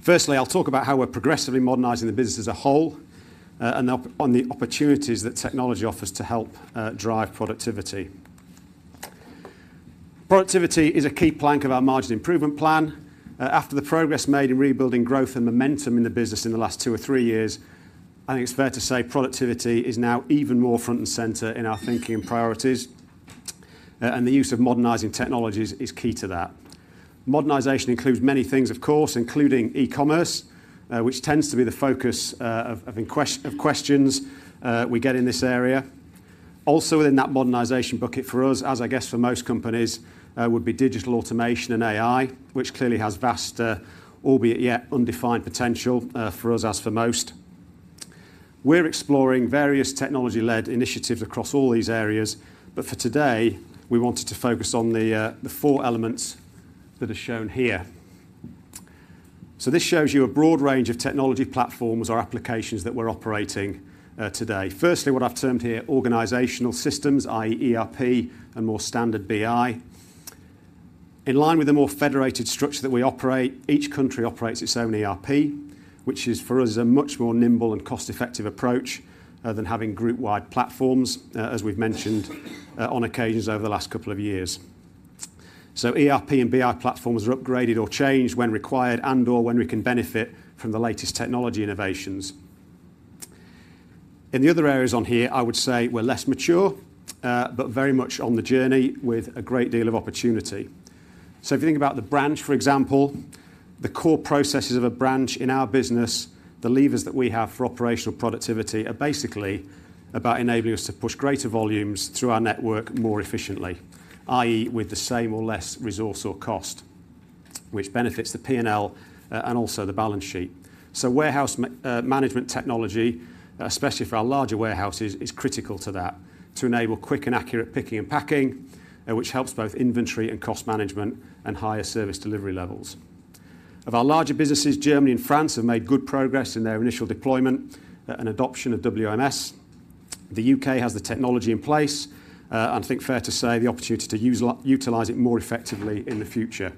Firstly, I'll talk about how we're progressively modernizing the business as a whole, and on the opportunities that technology offers to help drive productivity. Productivity is a key plank of our margin improvement plan. After the progress made in rebuilding growth and momentum in the business in the last two or three years, I think it's fair to say productivity is now even more front and center in our thinking and priorities, and the use of modernizing technologies is key to that. Modernization includes many things, of course, including e-commerce, which tends to be the focus of questions we get in this area. Also, within that modernization bucket for us, as I guess for most companies, would be digital automation and AI, which clearly has vast, albeit yet undefined potential, for us, as for most. We're exploring various technology-led initiatives across all these areas, but for today, we wanted to focus on the four elements that are shown here. So this shows you a broad range of technology platforms or applications that we're operating today. Firstly, what I've termed here, organizational systems, i.e., ERP and more standard BI. In line with the more federated structure that we operate, each country operates its own ERP, which is, for us, a much more nimble and cost-effective approach than having group-wide platforms, as we've mentioned on occasions over the last couple of years. So ERP and BI platforms are upgraded or changed when required and/or when we can benefit from the latest technology innovations. In the other areas on here, I would say we're less mature, but very much on the journey with a great deal of opportunity. So if you think about the branch, for example, the core processes of a branch in our business, the levers that we have for operational productivity are basically about enabling us to push greater volumes through our network more efficiently, i.e., with the same or less resource or cost, which benefits the P&L and also the balance sheet. So warehouse management technology, especially for our larger warehouses, is critical to that, to enable quick and accurate picking and packing, which helps both inventory and cost management and higher service delivery levels. Of our larger businesses, Germany and France have made good progress in their initial deployment and adoption of WMS. The UK has the technology in place, and I think fair to say, the opportunity to use, utilize it more effectively in the future.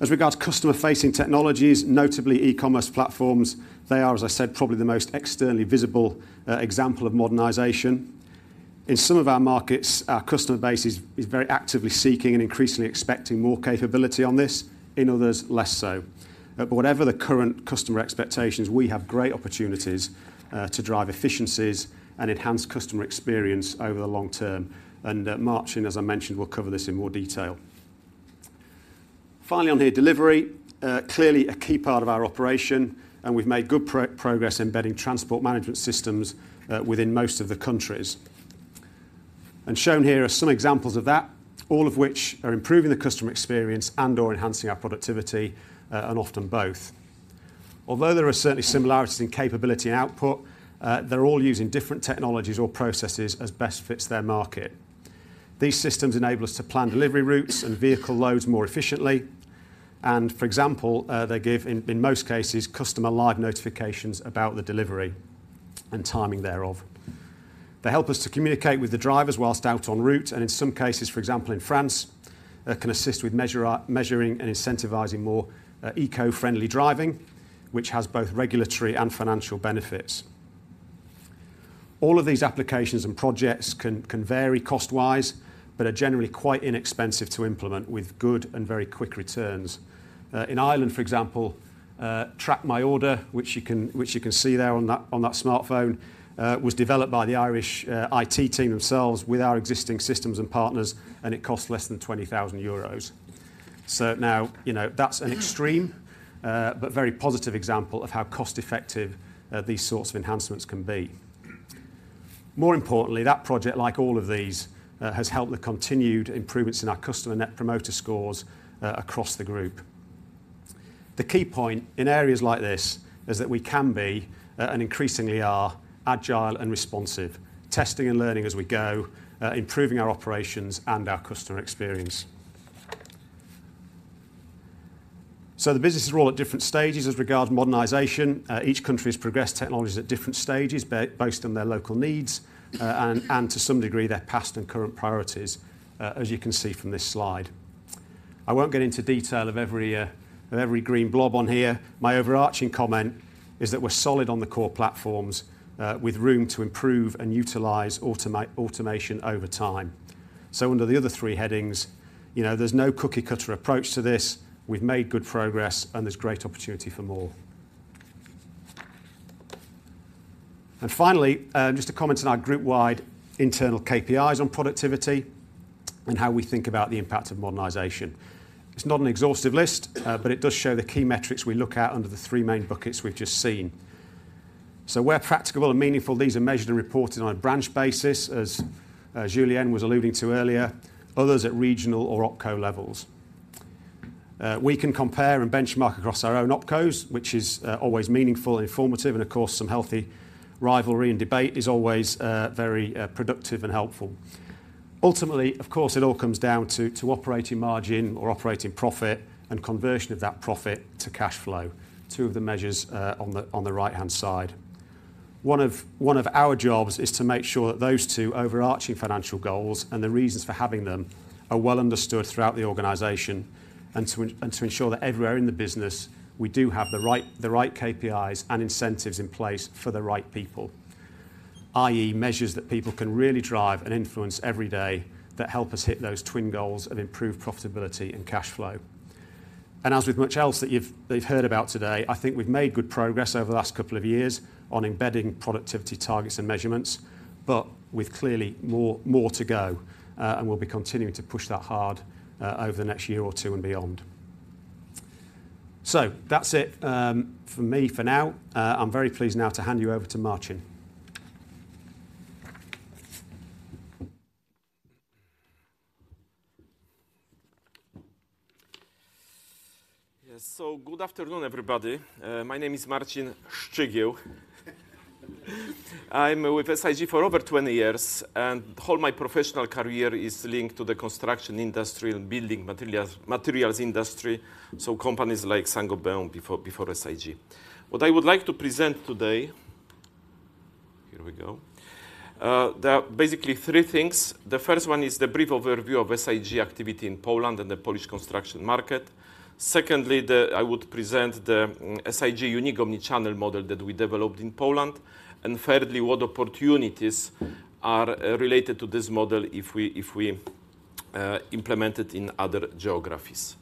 As regards customer-facing technologies, notably e-commerce platforms, they are, as I said, probably the most externally visible example of modernization. In some of our markets, our customer base is, is very actively seeking and increasingly expecting more capability on this, in others, less so. But whatever the current customer expectations, we have great opportunities to drive efficiencies and enhance customer experience over the long term. Marcin, as I mentioned, will cover this in more detail. Finally, on here, delivery, clearly a key part of our operation, and we've made good progress embedding transport management systems within most of the countries. And shown here are some examples of that, all of which are improving the customer experience and/or enhancing our productivity, and often both. Although there are certainly similarities in capability and output, they're all using different technologies or processes as best fits their market. These systems enable us to plan delivery routes and vehicle loads more efficiently, and for example, they give, in most cases, customer live notifications about the delivery and timing thereof. They help us to communicate with the drivers while out on route, and in some cases, for example, in France, can assist with measuring and incentivizing more eco-friendly driving, which has both regulatory and financial benefits. All of these applications and projects can vary cost-wise, but are generally quite inexpensive to implement, with good and very quick returns. In Ireland, for example, Track My Order, which you can see there on that smartphone, was developed by the Irish IT team themselves with our existing systems and partners, and it cost less than 20,000 euros. So now, you know, that's an extreme, but very positive example of how cost-effective these sorts of enhancements can be. More importantly, that project, like all of these, has helped the continued improvements in our customer net promoter scores across the group. The key point in areas like this is that we can be, and increasingly are, agile and responsive, testing and learning as we go, improving our operations and our customer experience. So the businesses are all at different stages as regard modernization. Each country's progressed technologies at different stages, based on their local needs, and to some degree, their past and current priorities, as you can see from this slide. I won't get into detail of every green blob on here. My overarching comment is that we're solid on the core platforms, with room to improve and utilize automation over time. So under the other three headings, you know, there's no cookie-cutter approach to this. We've made good progress, and there's great opportunity for more. And finally, just to comment on our group-wide internal KPIs on productivity, and how we think about the impact of modernization. It's not an exhaustive list, but it does show the key metrics we look at under the three main buckets we've just seen. So where practicable and meaningful, these are measured and reported on a branch basis, as Julien was alluding to earlier, others at regional or OpCo levels. We can compare and benchmark across our own OpCos, which is always meaningful and informative, and of course, some healthy rivalry and debate is always very productive and helpful. Ultimately, of course, it all comes down to operating margin or operating profit and conversion of that profit to cash flow. Two of the measures on the right-hand side. One of our jobs is to make sure that those two overarching financial goals and the reasons for having them are well understood throughout the organization, and to ensure that everywhere in the business, we do have the right KPIs and incentives in place for the right people, i.e., measures that people can really drive and influence every day that help us hit those twin goals of improved profitability and cash flow. As with much else that you've heard about today, I think we've made good progress over the last couple of years on embedding productivity targets and measurements, but with clearly more to go, and we'll be continuing to push that hard, over the next year or two and beyond. So that's it, from me for now. I'm very pleased now to hand you over to Marcin. Yes. So good afternoon, everybody. My name is Marcin Szczygieł. I'm with SIG for over 20 years, and whole my professional career is linked to the construction industry and building materials, materials industry, so companies like Saint-Gobain before, before SIG. What I would like to present today... Here we go. There are basically three things. The first one is the brief overview of SIG activity in Poland and the Polish construction market. Secondly, the-- I would present the SIG unique omni-channel model that we developed in Poland. And thirdly, what opportunities are related to this model if we, if we, implement it in other geographies?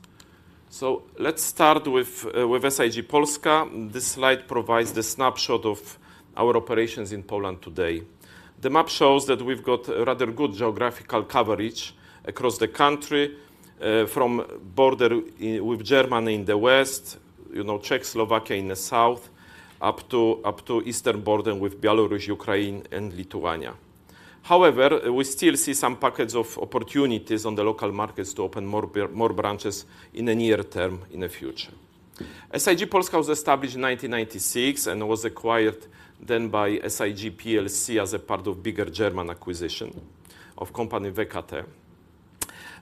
So let's start with, with SIG Polska. This slide provides the snapshot of our operations in Poland today. The map shows that we've got rather good geographical coverage across the country, from border in with Germany in the west, you know, Czech Slovakia in the south, up to eastern border with Belarus, Ukraine, and Lithuania. However, we still see some pockets of opportunities on the local markets to open more branches in the near term, in the future. SIG Polska was established in 1996 and was acquired then by SIG plc as a part of bigger German acquisition of company,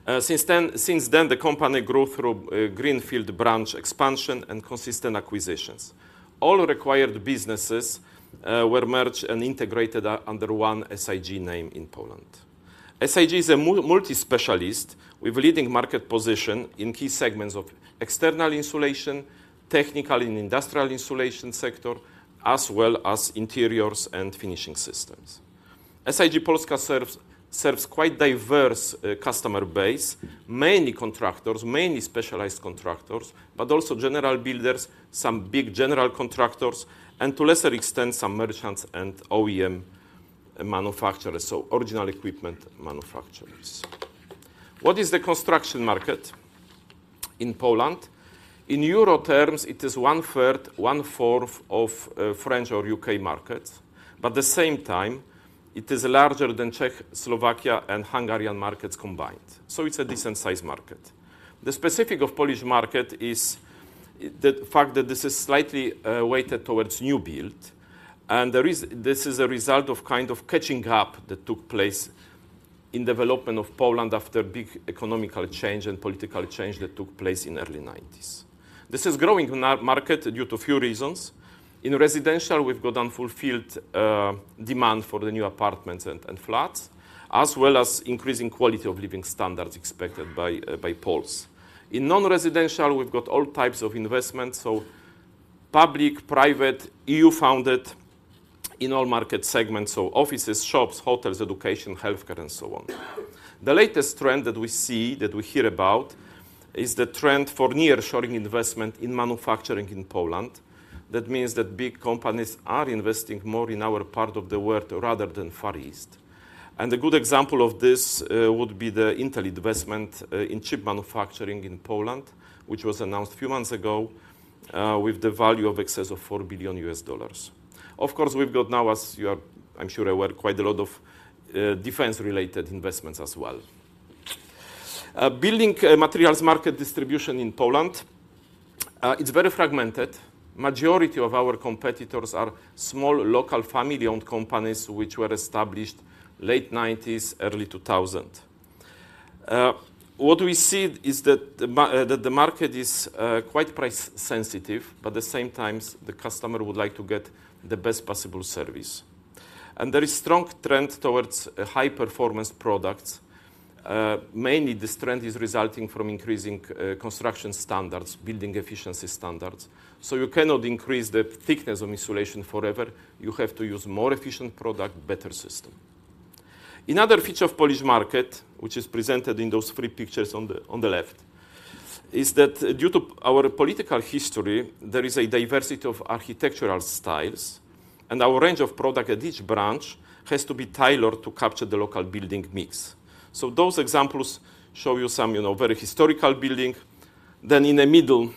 WEKA. Since then, the company grew through greenfield branch expansion and consistent acquisitions. All acquired businesses were merged and integrated under one SIG name in Poland. SIG is a multispecialist with leading market position in key segments of external insulation, technical and industrial insulation sector, as well as interiors and finishing systems. SIG Polska serves quite diverse customer base, mainly contractors, mainly specialized contractors, but also general builders, some big general contractors, and to a lesser extent, some merchants and OEM manufacturers, so original equipment manufacturers. What is the construction market in Poland? In euro terms, it is one-third, one-fourth of French or UK markets, but at the same time, it is larger than Czech, Slovakia, and Hungarian markets combined, so it's a decent size market. The specific of Polish market is the fact that this is slightly weighted towards new build, and this is a result of kind of catching up that took place in development of Poland after big economic change and political change that took place in early 1990s. This is growing market due to a few reasons. In residential, we've got unfulfilled demand for the new apartments and, and flats, as well as increasing quality of living standards expected by by Poles. In non-residential, we've got all types of investments, so public, private, EU-funded, in all market segments, so offices, shops, hotels, education, healthcare, and so on. The latest trend that we see, that we hear about, is the trend for nearshoring investment in manufacturing in Poland. That means that big companies are investing more in our part of the world rather than Far East. And a good example of this, would be the Intel investment, in chip manufacturing in Poland, which was announced a few months ago, with the value in excess of $4 billion. Of course, we've got now, as you are, I'm sure aware, quite a lot of, defense-related investments as well. Building materials market distribution in Poland, it's very fragmented. Majority of our competitors are small, local, family-owned companies, which were established late 1990s, early 2000s. What we see is that the market is quite price sensitive, but at the same time, the customer would like to get the best possible service. There is strong trend towards high-performance products. Mainly this trend is resulting from increasing construction standards, building efficiency standards. So you cannot increase the thickness of insulation forever, you have to use more efficient product, better system. Another feature of Polish market, which is presented in those three pictures on the left, is that due to our political history, there is a diversity of architectural styles, and our range of product at each branch has to be tailored to capture the local building mix. So those examples show you some, you know, very historical building. Then in the middle,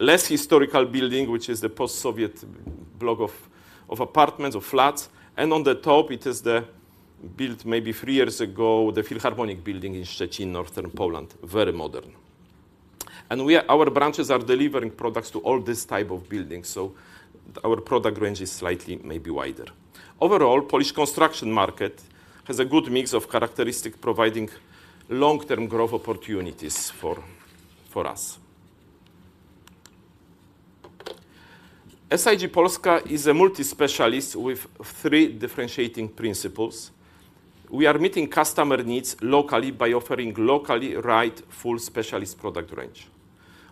less historical building, which is the post-Soviet block of apartments or flats, and on the top, it is the built maybe three years ago, the philharmonic building in Szczecin, northern Poland, very modern... and our branches are delivering products to all these type of buildings, so our product range is slightly maybe wider. Overall, Polish construction market has a good mix of characteristic, providing long-term growth opportunities for us. SIG Polska is a multi-specialist with three differentiating principles. We are meeting customer needs locally by offering locally right, full specialist product range.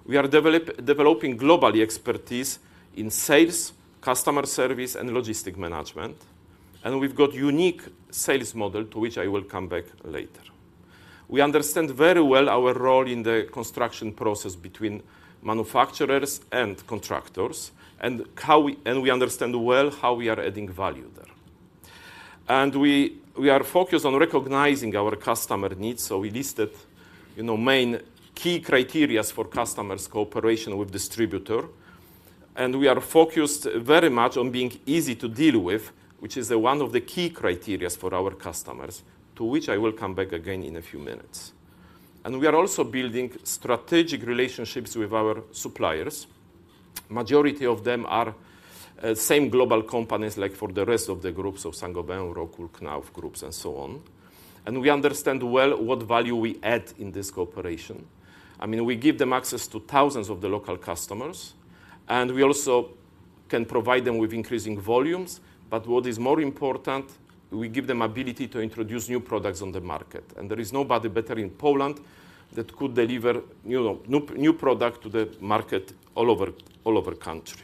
We are developing globally expertise in sales, customer service, and logistic management, and we've got unique sales model, to which I will come back later. We understand very well our role in the construction process between manufacturers and contractors, and how we are adding value there. And we understand well how we are adding value there. We are focused on recognizing our customer needs, so we listed, you know, main key criteria for customers' cooperation with distributor. And we are focused very much on being easy to deal with, which is one of the key criteria for our customers, to which I will come back again in a few minutes. And we are also building strategic relationships with our suppliers. Majority of them are same global companies like for the rest of the groups, of Saint-Gobain, Rockwool, Knauf groups, and so on. And we understand well what value we add in this cooperation. I mean, we give them access to thousands of the local customers, and we also can provide them with increasing volumes. But what is more important, we give them ability to introduce new products on the market, and there is nobody better in Poland that could deliver new product to the market all over country.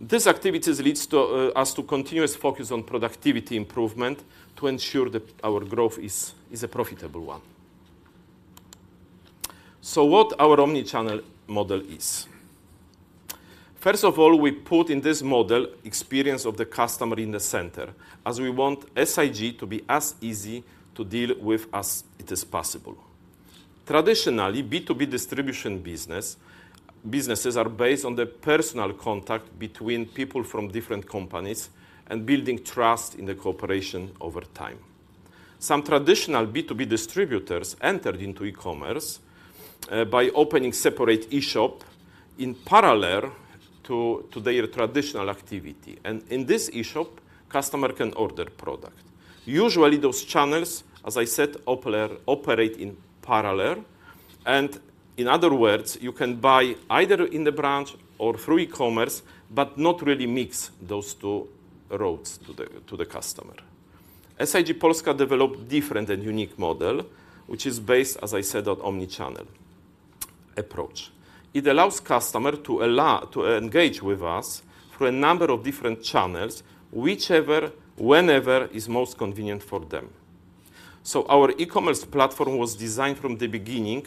These activities leads to us to continuous focus on productivity improvement to ensure that our growth is a profitable one. So what our omnichannel model is? First of all, we put in this model experience of the customer in the center, as we want SIG to be as easy to deal with as it is possible. Traditionally, B2B distribution business, businesses are based on the personal contact between people from different companies and building trust in the cooperation over time. Some traditional B2B distributors entered into e-commerce by opening separate e-shop in parallel to their traditional activity. And in this e-shop, customer can order product. Usually, those channels, as I said, operate in parallel, and in other words, you can buy either in the branch or through e-commerce, but not really mix those two routes to the customer. SIG Polska developed different and unique model, which is based, as I said, on omni-channel approach. It allows customer to engage with us through a number of different channels, whichever, whenever is most convenient for them. So our e-commerce platform was designed from the beginning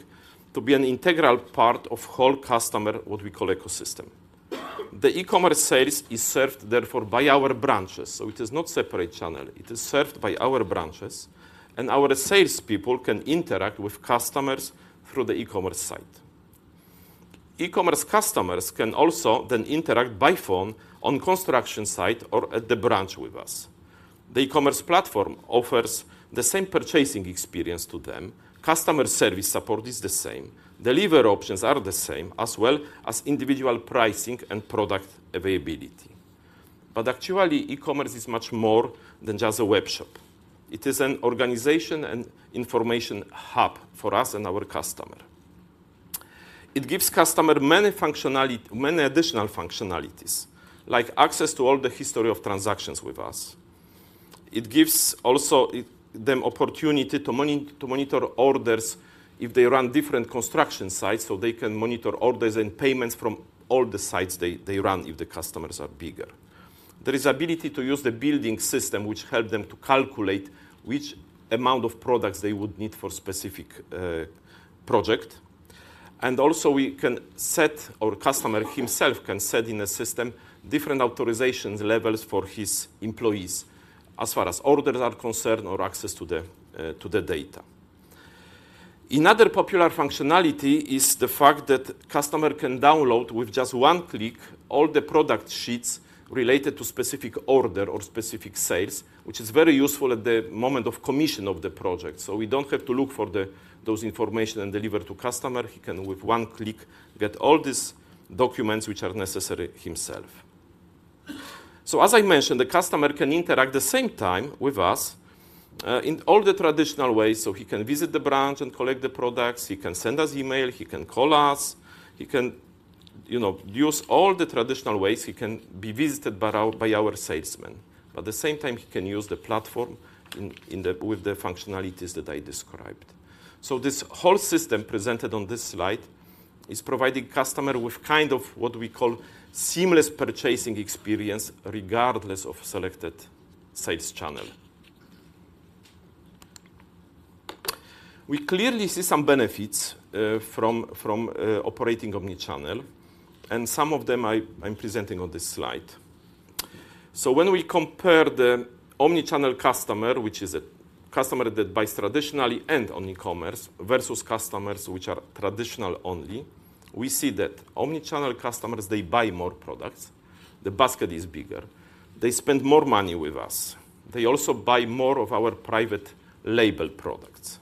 to be an integral part of whole customer, what we call ecosystem. The e-commerce sales is served therefore by our branches, so it is not separate channel. It is served by our branches, and our salespeople can interact with customers through the e-commerce site. E-commerce customers can also then interact by phone, on construction site, or at the branch with us. The e-commerce platform offers the same purchasing experience to them. Customer service support is the same, delivery options are the same, as well as individual pricing and product availability. But actually, e-commerce is much more than just a web shop. It is an organization and information hub for us and our customer. It gives customer many additional functionalities, like access to all the history of transactions with us. It gives them opportunity to monitor orders if they run different construction sites, so they can monitor orders and payments from all the sites they run, if the customers are bigger. There is ability to use the building system, which help them to calculate which amount of products they would need for specific project. Also we can set, or customer himself can set in a system, different authorization levels for his employees as far as orders are concerned or access to the data. Another popular functionality is the fact that customer can download, with just one click, all the product sheets related to specific order or specific sales, which is very useful at the moment of commission of the project. So we don't have to look for those information and deliver to customer. He can, with one click, get all these documents which are necessary himself. So, as I mentioned, the customer can interact the same time with us in all the traditional ways. So he can visit the branch and collect the products, he can send us email, he can call us, he can, you know, use all the traditional ways. He can be visited by our salesman, but at the same time, he can use the platform with the functionalities that I described. So this whole system presented on this slide is providing customer with kind of what we call seamless purchasing experience, regardless of selected sales channel. We clearly see some benefits from operating omnichannel, and some of them I'm presenting on this slide. So when we compare the omnichannel customer, which is a customer that buys traditionally and on e-commerce, versus customers which are traditional only, we see that omnichannel customers, they buy more products. The basket is bigger. They spend more money with us... They also buy more of our private label products.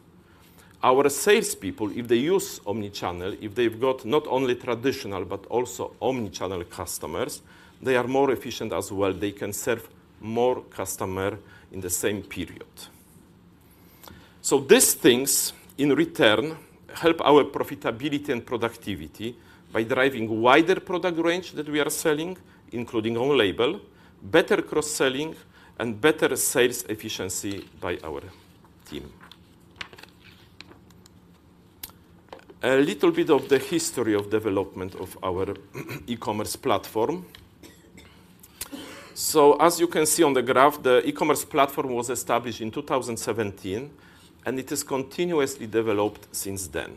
Our salespeople, if they use omnichannel, if they've got not only traditional, but also omnichannel customers, they are more efficient as well. They can serve more customer in the same period. So these things, in return, help our profitability and productivity by driving wider product range that we are selling, including own label, better cross-selling, and better sales efficiency by our team. A little bit of the history of development of our e-commerce platform. So as you can see on the graph, the e-commerce platform was established in 2017, and it is continuously developed since then.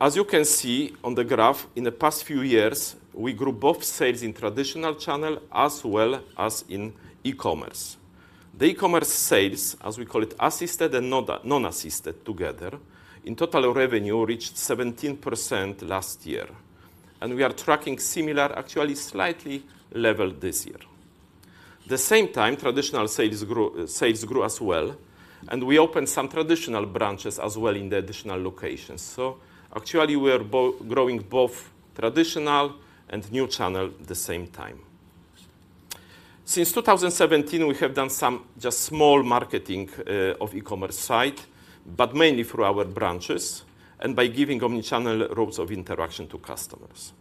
As you can see on the graph, in the past few years, we grew both sales in traditional channel as well as in e-commerce. The e-commerce sales, as we call it, assisted and not, non-assisted together, in total revenue, reached 17% last year, and we are tracking similar, actually slightly level this year. the same time, traditional sales grew, sales grew as well, and we opened some traditional branches as well in the additional locations. So actually we are growing both traditional and new channel at the same time. Since 2017, we have done some just small marketing of e-commerce site, but mainly through our branches and by giving omni-channel routes of interaction to customers.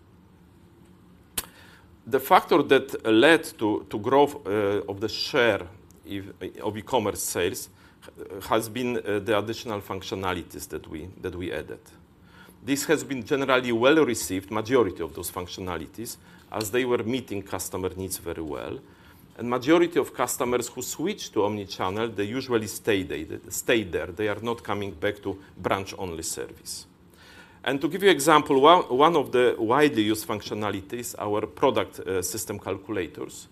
The factor that led to growth of the share of e-commerce sales has been the additional functionalities that we added. This has been generally well received, majority of those functionalities, as they were meeting customer needs very well. And majority of customers who switch to omni-channel, they usually stay there, stay there. They are not coming back to branch-only service. To give you an example, one of the widely used functionalities, our product system calculators.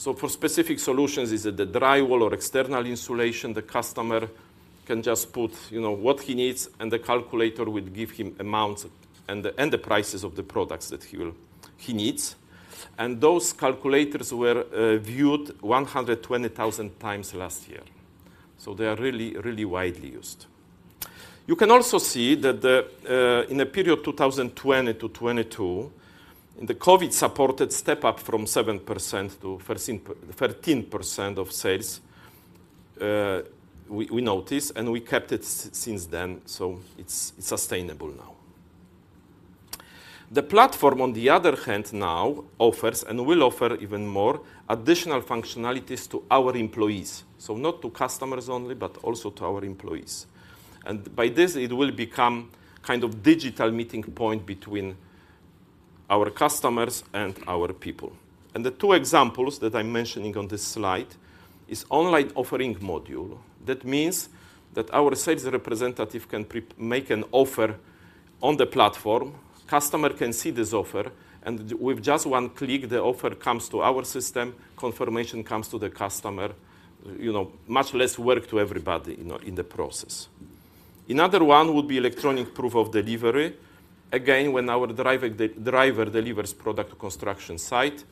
So for specific solutions, is it the drywall or external insulation, the customer can just put, you know, what he needs, and the calculator will give him amounts and the, and the prices of the products that he will... he needs. And those calculators were viewed 120,000 times last year, so they are really, really widely used. You can also see that the, in the period 2020 to 2022, and the COVID supported step up from 7% to 13%, 13% of sales, we noticed, and we kept it since then, so it's sustainable now. The platform, on the other hand, now offers, and will offer even more, additional functionalities to our employees. So not to customers only, but also to our employees. And by this, it will become kind of digital meeting point between our customers and our people. And the two examples that I'm mentioning on this slide is online offering module. That means that our sales representative can pre-make an offer on the platform, customer can see this offer, and with just one click, the offer comes to our system, confirmation comes to the customer, you know, much less work to everybody, you know, in the process. Another one would be electronic proof of delivery. Again, when our driver, the driver delivers product to construction site,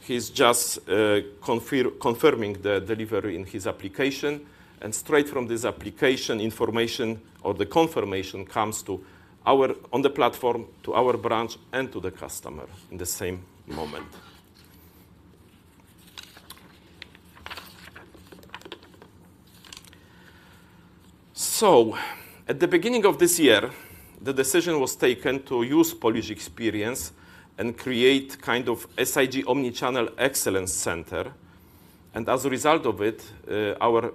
he's just confirming the delivery in his application, and straight from this application, information or the confirmation comes to our... on the platform, to our branch and to the customer in the same moment. At the beginning of this year, the decision was taken to use Polish experience and create kind of SIG omnichannel excellence center, and as a result of it, our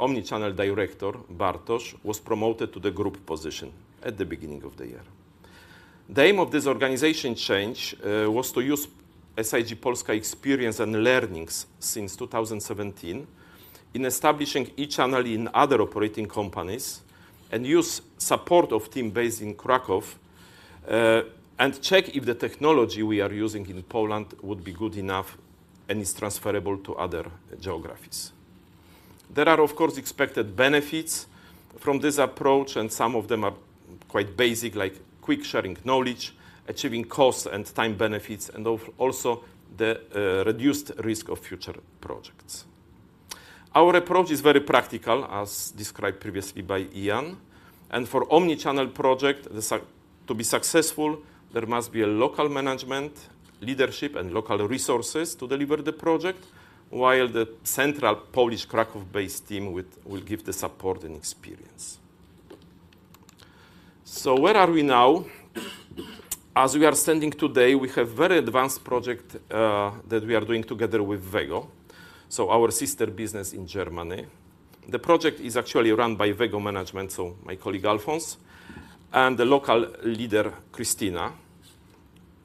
omnichannel director, Bartosz, was promoted to the group position at the beginning of the year. The aim of this organization change was to use SIG Polska experience and learnings since 2017 in establishing e-channel in other operating companies, and use support of team based in Kraków, and check if the technology we are using in Poland would be good enough and is transferable to other geographies. There are, of course, expected benefits from this approach, and some of them are quite basic, like quick sharing knowledge, achieving cost and time benefits, and also the reduced risk of future projects. Our approach is very practical, as described previously by Ian, and for omnichannel project, to be successful, there must be a local management, leadership, and local resources to deliver the project, while the central Polish Kraków-based team will give the support and experience. So where are we now? As we are standing today, we have very advanced project that we are doing together with WEGO, so our sister business in Germany. The project is actually run by WEGO management, so my colleague, Alfons, and the local leader, Christina,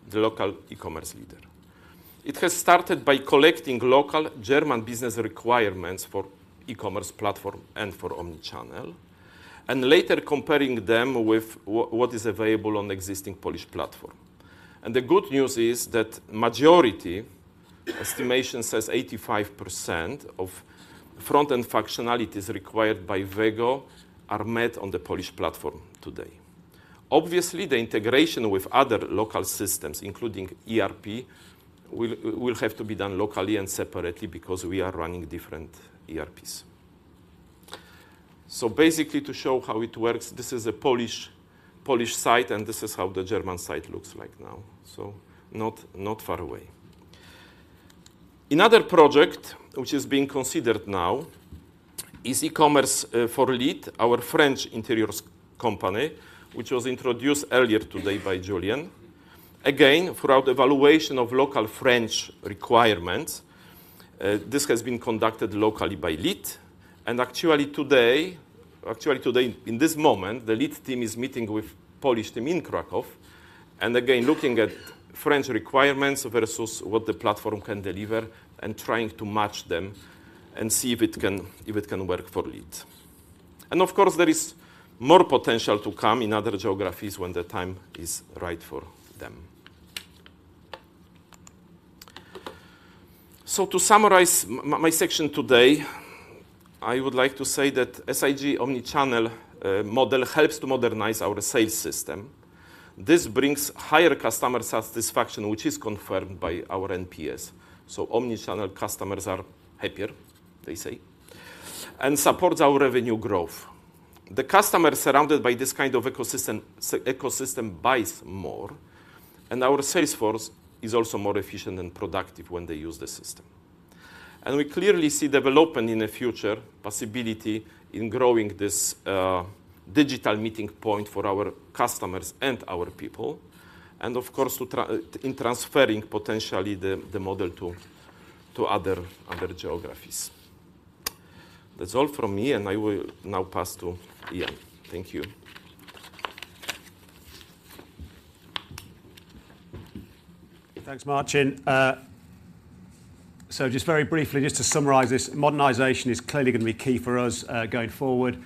the local e-commerce leader. It has started by collecting local German business requirements for e-commerce platform and for omnichannel, and later comparing them with what is available on the existing Polish platform. The good news is that majority, estimation, says 85% of front-end functionalities required by WEGO are met on the Polish platform today.... Obviously, the integration with other local systems, including ERP, will have to be done locally and separately because we are running different ERPs. So basically, to show how it works, this is a Polish site, and this is how the German site looks like now. So not far away. Another project, which is being considered now, is e-commerce for LITE, our French interiors company, which was introduced earlier today by Julien. Again, throughout the evaluation of local French requirements, this has been conducted locally by LITE, and actually today, in this moment, the LITE team is meeting with Polish team in Kraków, and again, looking at French requirements versus what the platform can deliver and trying to match them and see if it can work for LITE. Of course, there is more potential to come in other geographies when the time is right for them. To summarize my section today, I would like to say that SIG omnichannel model helps to modernize our sales system. This brings higher customer satisfaction, which is confirmed by our NPS. Omnichannel customers are happier, they say, and supports our revenue growth. The customer surrounded by this kind of ecosystem buys more, and our sales force is also more efficient and productive when they use the system. We clearly see development in the future, possibility in growing this digital meeting point for our customers and our people, and of course, in transferring potentially the model to other geographies. That's all from me, and I will now pass to Ian. Thank you. Thanks, Marcin. So just very briefly, just to summarize this, modernization is clearly going to be key for us, going forward.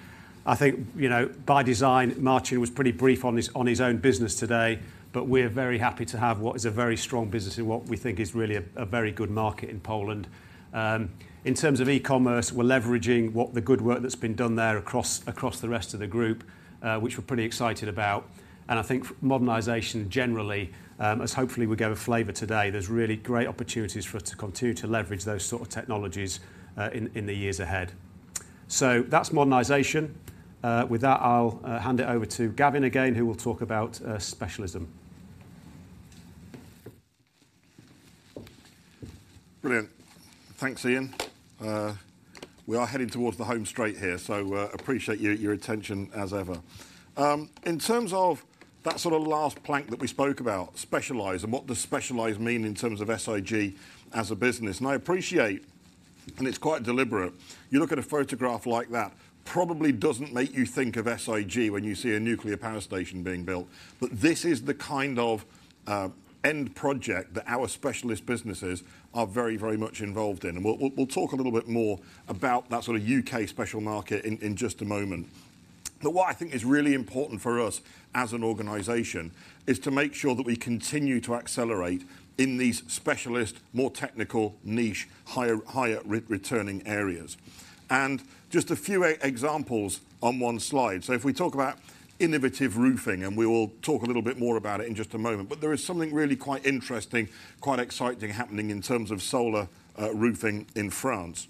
I think, you know, by design, Marcin was pretty brief on his, on his own business today, but we're very happy to have what is a very strong business in what we think is really a, a very good market in Poland. In terms of e-commerce, we're leveraging what the good work that's been done there across, across the rest of the group, which we're pretty excited about. And I think modernization generally, as hopefully we give a flavor today, there's really great opportunities for us to continue to leverage those sort of technologies, in, in the years ahead. So that's modernization. With that, I'll hand it over to Gavin again, who will talk about specialism. Brilliant. Thanks, Ian. We are heading towards the home straight here, so, appreciate your, your attention as ever. In terms of that sort of last plank that we spoke about, specialize and what does specialize mean in terms of SIG as a business? And I appreciate, and it's quite deliberate, you look at a photograph like that, probably doesn't make you think of SIG when you see a nuclear power station being built. But this is the kind of end project that our specialist businesses are very, very much involved in. And we'll, we'll, we'll talk a little bit more about that sort of UK special market in just a moment. But what I think is really important for us as an organization is to make sure that we continue to accelerate in these specialist, more technical, niche, higher, higher re-returning areas. Just a few examples on one slide. If we talk about innovative roofing, and we will talk a little bit more about it in just a moment, but there is something really quite interesting, quite exciting happening in terms of solar roofing in France.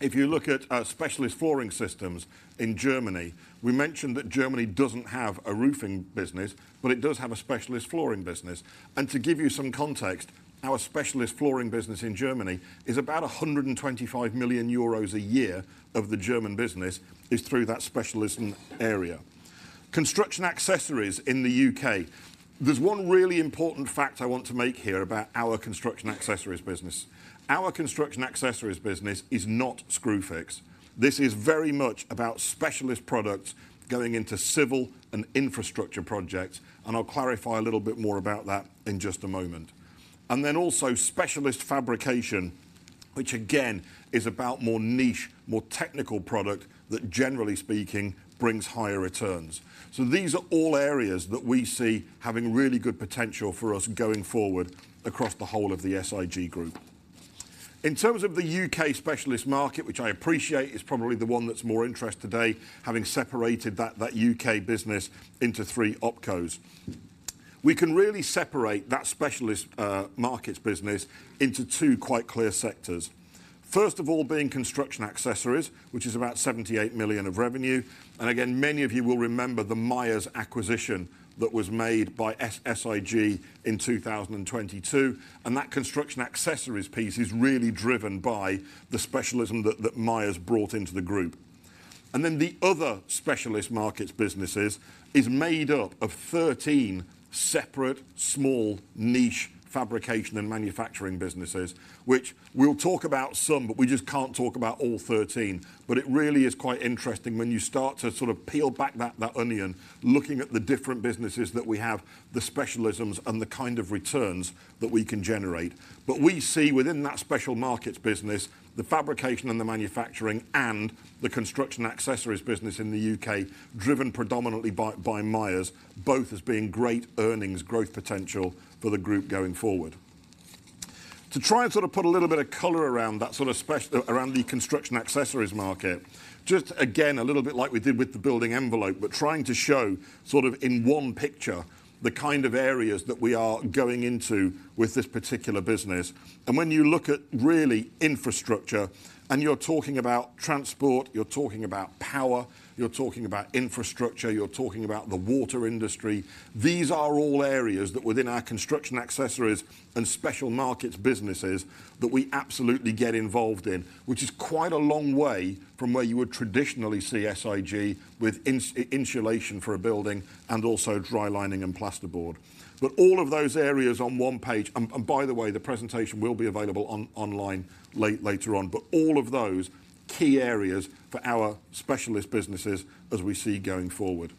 If you look at our specialist flooring systems in Germany, we mentioned that Germany doesn't have a roofing business, but it does have a specialist flooring business. To give you some context, our specialist flooring business in Germany is about 125 million euros a year of the German business is through that specialism area. Construction accessories in the UK. There's one really important fact I want to make here about our construction accessories business. Our construction accessories business is not Screwfix. This is very much about specialist products going into civil and infrastructure projects, and I'll clarify a little bit more about that in just a moment. And then also specialist fabrication, which again, is about more niche, more technical product that, generally speaking, brings higher returns. So these are all areas that we see having really good potential for us going forward across the whole of the SIG group. In terms of the UK specialist market, which I appreciate, is probably the one that's more interest today, having separated that UK business into three opcos. We can really separate that specialist markets business into two quite clear sectors. First of all, being construction accessories, which is about 78 million of revenue. Again, many of you will remember the Miers acquisition that was made by SIG in 2022, and that construction accessories piece is really driven by the specialism that, that Myers brought into the group. Then the other Specialist Markets businesses is made up of 13 separate, small, niche fabrication and manufacturing businesses, which we'll talk about some, but we just can't talk about all 13. It really is quite interesting when you start to sort of peel back that, that onion, looking at the different businesses that we have, the specialisms, and the kind of returns that we can generate. We see within that Specialist Markets business, the fabrication and the manufacturing, and the construction accessories business in the UK, driven predominantly by, by Myers, both as being great earnings growth potential for the group going forward. To try and sort of put a little bit of color around that sort of specialist around the construction accessories market, just again, a little bit like we did with the building envelope, but trying to show sort of in one picture, the kind of areas that we are going into with this particular business. And when you look at really infrastructure, and you're talking about transport, you're talking about power, you're talking about infrastructure, you're talking about the water industry, these are all areas that within our construction accessories and specialist markets businesses, that we absolutely get involved in, which is quite a long way from where you would traditionally see SIG with insulation for a building and also dry lining and plasterboard. But all of those areas on one page, and by the way, the presentation will be available online later on, but all of those key areas for our specialist businesses as we see going forward.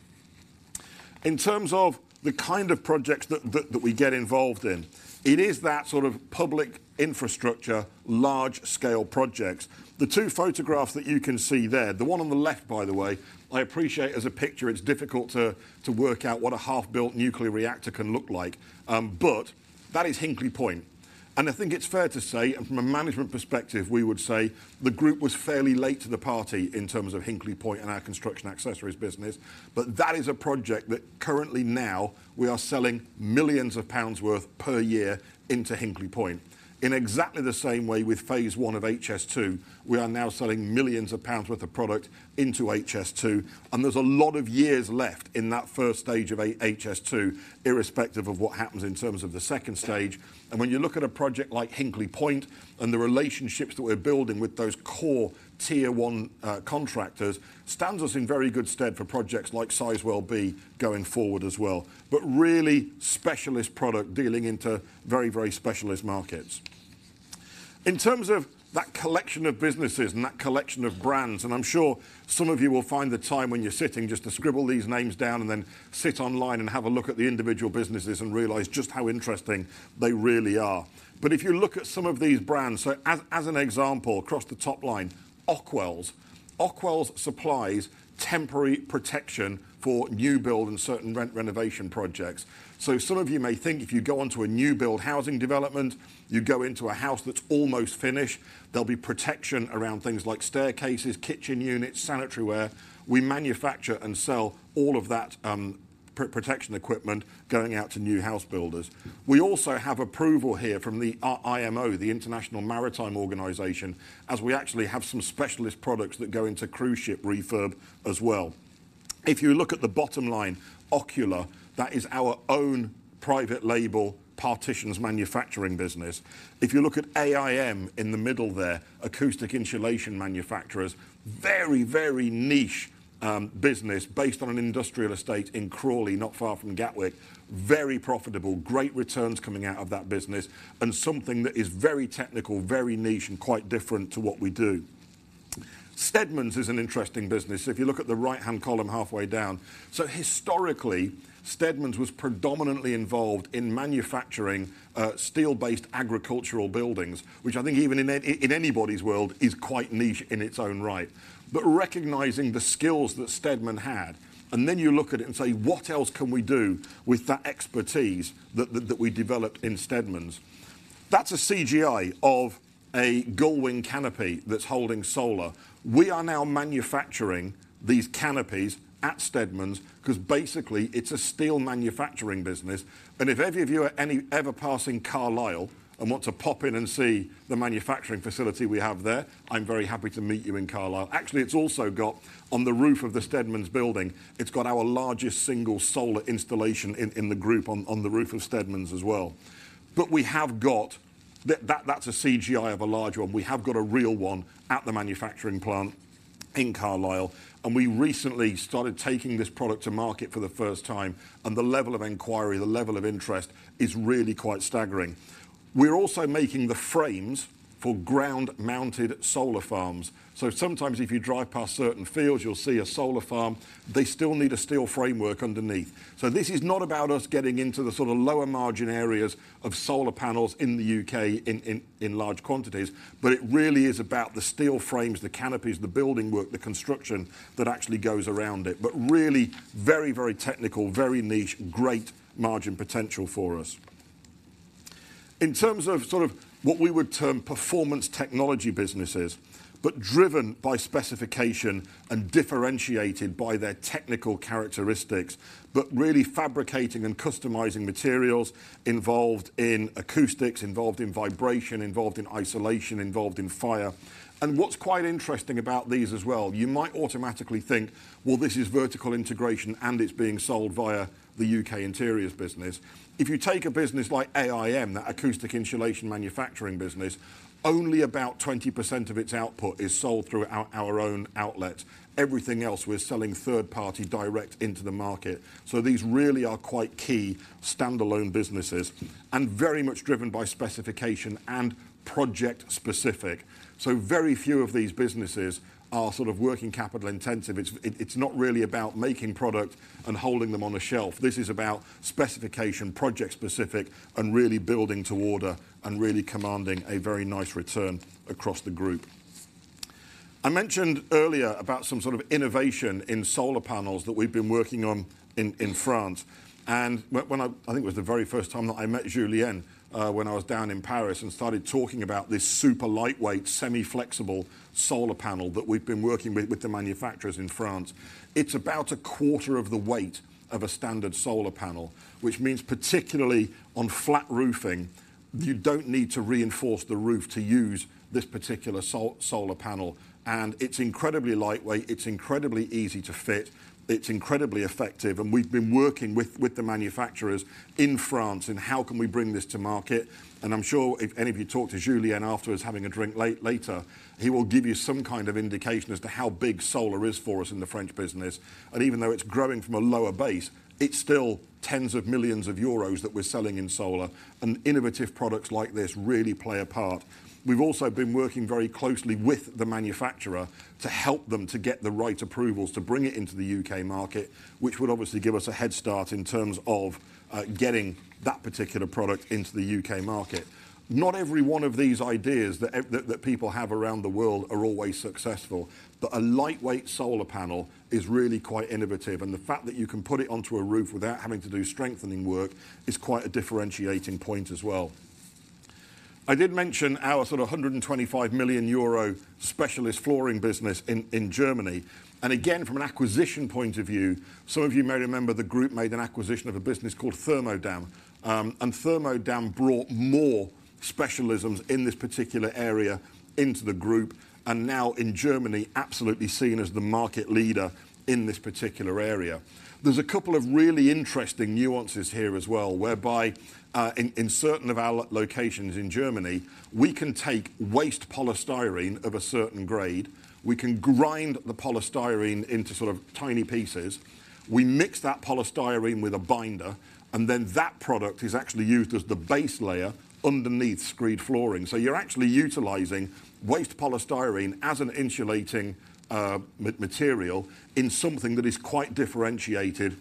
In terms of the kind of projects that we get involved in, it is that sort of public infrastructure, large-scale projects. The two photographs that you can see there, the one on the left, by the way, I appreciate as a picture, it's difficult to work out what a half-built nuclear reactor can look like, but that is Hinkley Point. And I think it's fair to say, and from a management perspective, we would say the group was fairly late to the party in terms of Hinkley Point and our construction accessories business. But that is a project that currently now we are selling millions of GBP worth per year into Hinkley Point. In exactly the same way with phase one of HS2, we are now selling millions of GBP worth of product into HS2, and there's a lot of years left in that first stage of HS2, irrespective of what happens in terms of the second stage. And when you look at a project like Hinkley Point and the relationships that we're building with those core tier one contractors, stands us in very good stead for projects like Sizewell B going forward as well. But really specialist product dealing into very, very specialist markets. In terms of that collection of businesses and that collection of brands, and I'm sure some of you will find the time when you're sitting just to scribble these names down and then sit online and have a look at the individual businesses and realize just how interesting they really are. But if you look at some of these brands, so as an example, across the top line, Ockwells. Ockwells supplies temporary protection for new build and certain rent renovation projects. So some of you may think if you go onto a new build housing development, you go into a house that's almost finished, there'll be protection around things like staircases, kitchen units, sanitaryware. We manufacture and sell all of that, protection equipment going out to new house builders. We also have approval here from the IMO, the International Maritime Organization, as we actually have some specialist products that go into cruise ship refurb as well. If you look at the bottom line, Ocula, that is our own private label, partitions manufacturing business. If you look at AIM in the middle there, Acoustic Insulation Manufacturers, very, very niche business based on an industrial estate in Crawley, not far from Gatwick. Very profitable, great returns coming out of that business and something that is very technical, very niche, and quite different to what we do. Steadmans is an interesting business. If you look at the right-hand column, halfway down. So historically, Steadmans was predominantly involved in manufacturing steel-based agricultural buildings, which I think even in anybody's world, is quite niche in its own right. But recognizing the skills that Steadmans had, and then you look at it and say: What else can we do with that expertise that we developed in Steadmans? That's a CGI of a gull wing canopy that's holding solar. We are now manufacturing these canopies at Steadmans because basically it's a steel manufacturing business. And if any of you are ever passing Carlisle and want to pop in and see the manufacturing facility we have there, I'm very happy to meet you in Carlisle. Actually, it's also got on the roof of the Steadmans building, it's got our largest single solar installation in the group on the roof of Steadmans as well. But we have got. That's a CGI of a large one. We have got a real one at the manufacturing plant in Carlisle, and we recently started taking this product to market for the first time, and the level of inquiry, the level of interest is really quite staggering. We're also making the frames for ground-mounted solar farms. So sometimes if you drive past certain fields, you'll see a solar farm. They still need a steel framework underneath. So this is not about us getting into the sort of lower margin areas of solar panels in the UK in large quantities, but it really is about the steel frames, the canopies, the building work, the construction that actually goes around it. But really very, very technical, very niche, great margin potential for us. In terms of sort of what we would term performance technology businesses, but driven by specification and differentiated by their technical characteristics, but really fabricating and customizing materials involved in acoustics, involved in vibration, involved in isolation, involved in fire. What's quite interesting about these as well, you might automatically think, well, this is vertical integration, and it's being sold via the UK interiors business. If you take a business like AIM, that Acoustic Insulation Manufacturers business, only about 20% of its output is sold through our own outlets. Everything else, we're selling third-party direct into the market. So these really are quite key standalone businesses and very much driven by specification and project-specific. So very few of these businesses are sort of working capital intensive. It's not really about making product and holding them on a shelf. This is about specification, project-specific, and really building to order and really commanding a very nice return across the group. I mentioned earlier about some sort of innovation in solar panels that we've been working on in France. When I think it was the very first time that I met Julien, when I was down in Paris and started talking about this super lightweight, semi-flexible solar panel that we've been working with the manufacturers in France. It's about a quarter of the weight of a standard solar panel, which means particularly on flat roofing, you don't need to reinforce the roof to use this particular solar panel. It's incredibly lightweight, it's incredibly easy to fit, it's incredibly effective, and we've been working with the manufacturers in France in how can we bring this to market? I'm sure if any of you talk to Julien afterwards, having a drink later, he will give you some kind of indication as to how big solar is for us in the French business. Even though it's growing from a lower base, it's still tens of millions EUR that we're selling in solar, and innovative products like this really play a part. We've also been working very closely with the manufacturer to help them to get the right approvals to bring it into the UK market, which would obviously give us a head start in terms of getting that particular product into the UK market. Not every one of these ideas that people have around the world are always successful, but a lightweight solar panel is really quite innovative, and the fact that you can put it onto a roof without having to do strengthening work is quite a differentiating point as well. I did mention our sort of 125 million euro specialist flooring business in Germany, and again, from an acquisition point of view, some of you may remember the group made an acquisition of a business called Thermodämm. Thermodämm brought more specialisms in this particular area into the group, and now in Germany, absolutely seen as the market leader in this particular area. There's a couple of really interesting nuances here as well, whereby in certain of our locations in Germany, we can take waste polystyrene of a certain grade, we can grind the polystyrene into sort of tiny pieces, we mix that polystyrene with a binder, and then that product is actually used as the base layer underneath screed flooring. So you're actually utilizing waste polystyrene as an insulating material in something that is quite differentiated.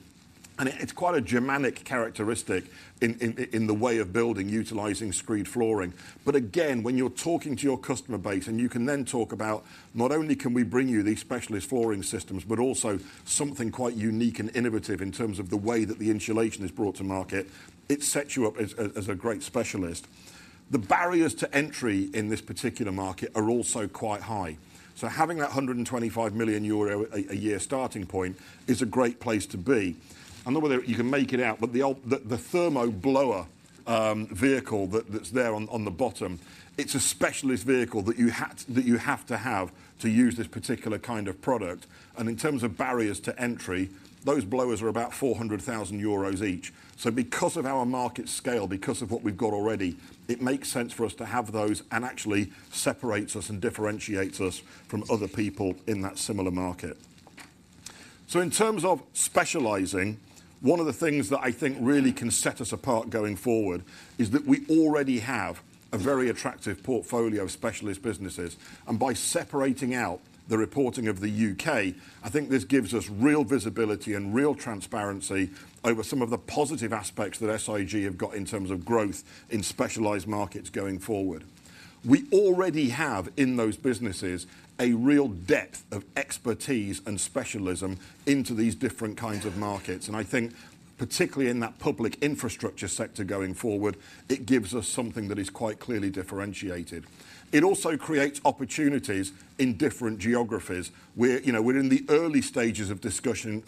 It's quite a Germanic characteristic in the way of building, utilizing screed flooring. But again, when you're talking to your customer base, and you can then talk about, not only can we bring you these specialist flooring systems, but also something quite unique and innovative in terms of the way that the insulation is brought to market, it sets you up as a great specialist. The barriers to entry in this particular market are also quite high. So having that 125 million euro a year starting point is a great place to be. I don't know whether you can make it out, but the Thermodämm blower vehicle that's there on the bottom, it's a specialist vehicle that you have to have to use this particular kind of product. And in terms of barriers to entry, those blowers are about 400,000 euros each. So because of our market scale, because of what we've got already, it makes sense for us to have those and actually separates us and differentiates us from other people in that similar market. So in terms of specializing, one of the things that I think really can set us apart going forward is that we already have a very attractive portfolio of specialist businesses, and by separating out the reporting of the UK, I think this gives us real visibility and real transparency over some of the positive aspects that SIG have got in terms of growth in specialized markets going forward. We already have, in those businesses, a real depth of expertise and specialism into these different kinds of markets. And I think particularly in that public infrastructure sector going forward, it gives us something that is quite clearly differentiated. It also creates opportunities in different geographies, where, you know, we're in the early stages of discussions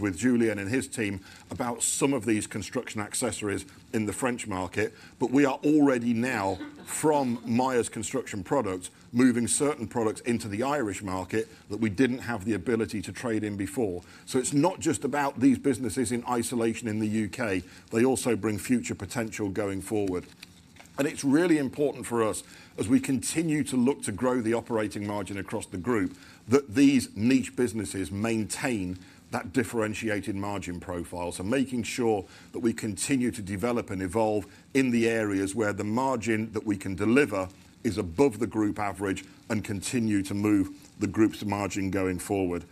with Julien and his team about some of these construction accessories in the French market, but we are already now, from Miers Construction Products, moving certain products into the Irish market that we didn't have the ability to trade in before. So it's not just about these businesses in isolation in the UK, they also bring future potential going forward. And it's really important for us, as we continue to look to grow the operating margin across the group, that these niche businesses maintain that differentiated margin profile. So making sure that we continue to develop and evolve in the areas where the margin that we can deliver is above the group average, and continue to move the group's margin going forward.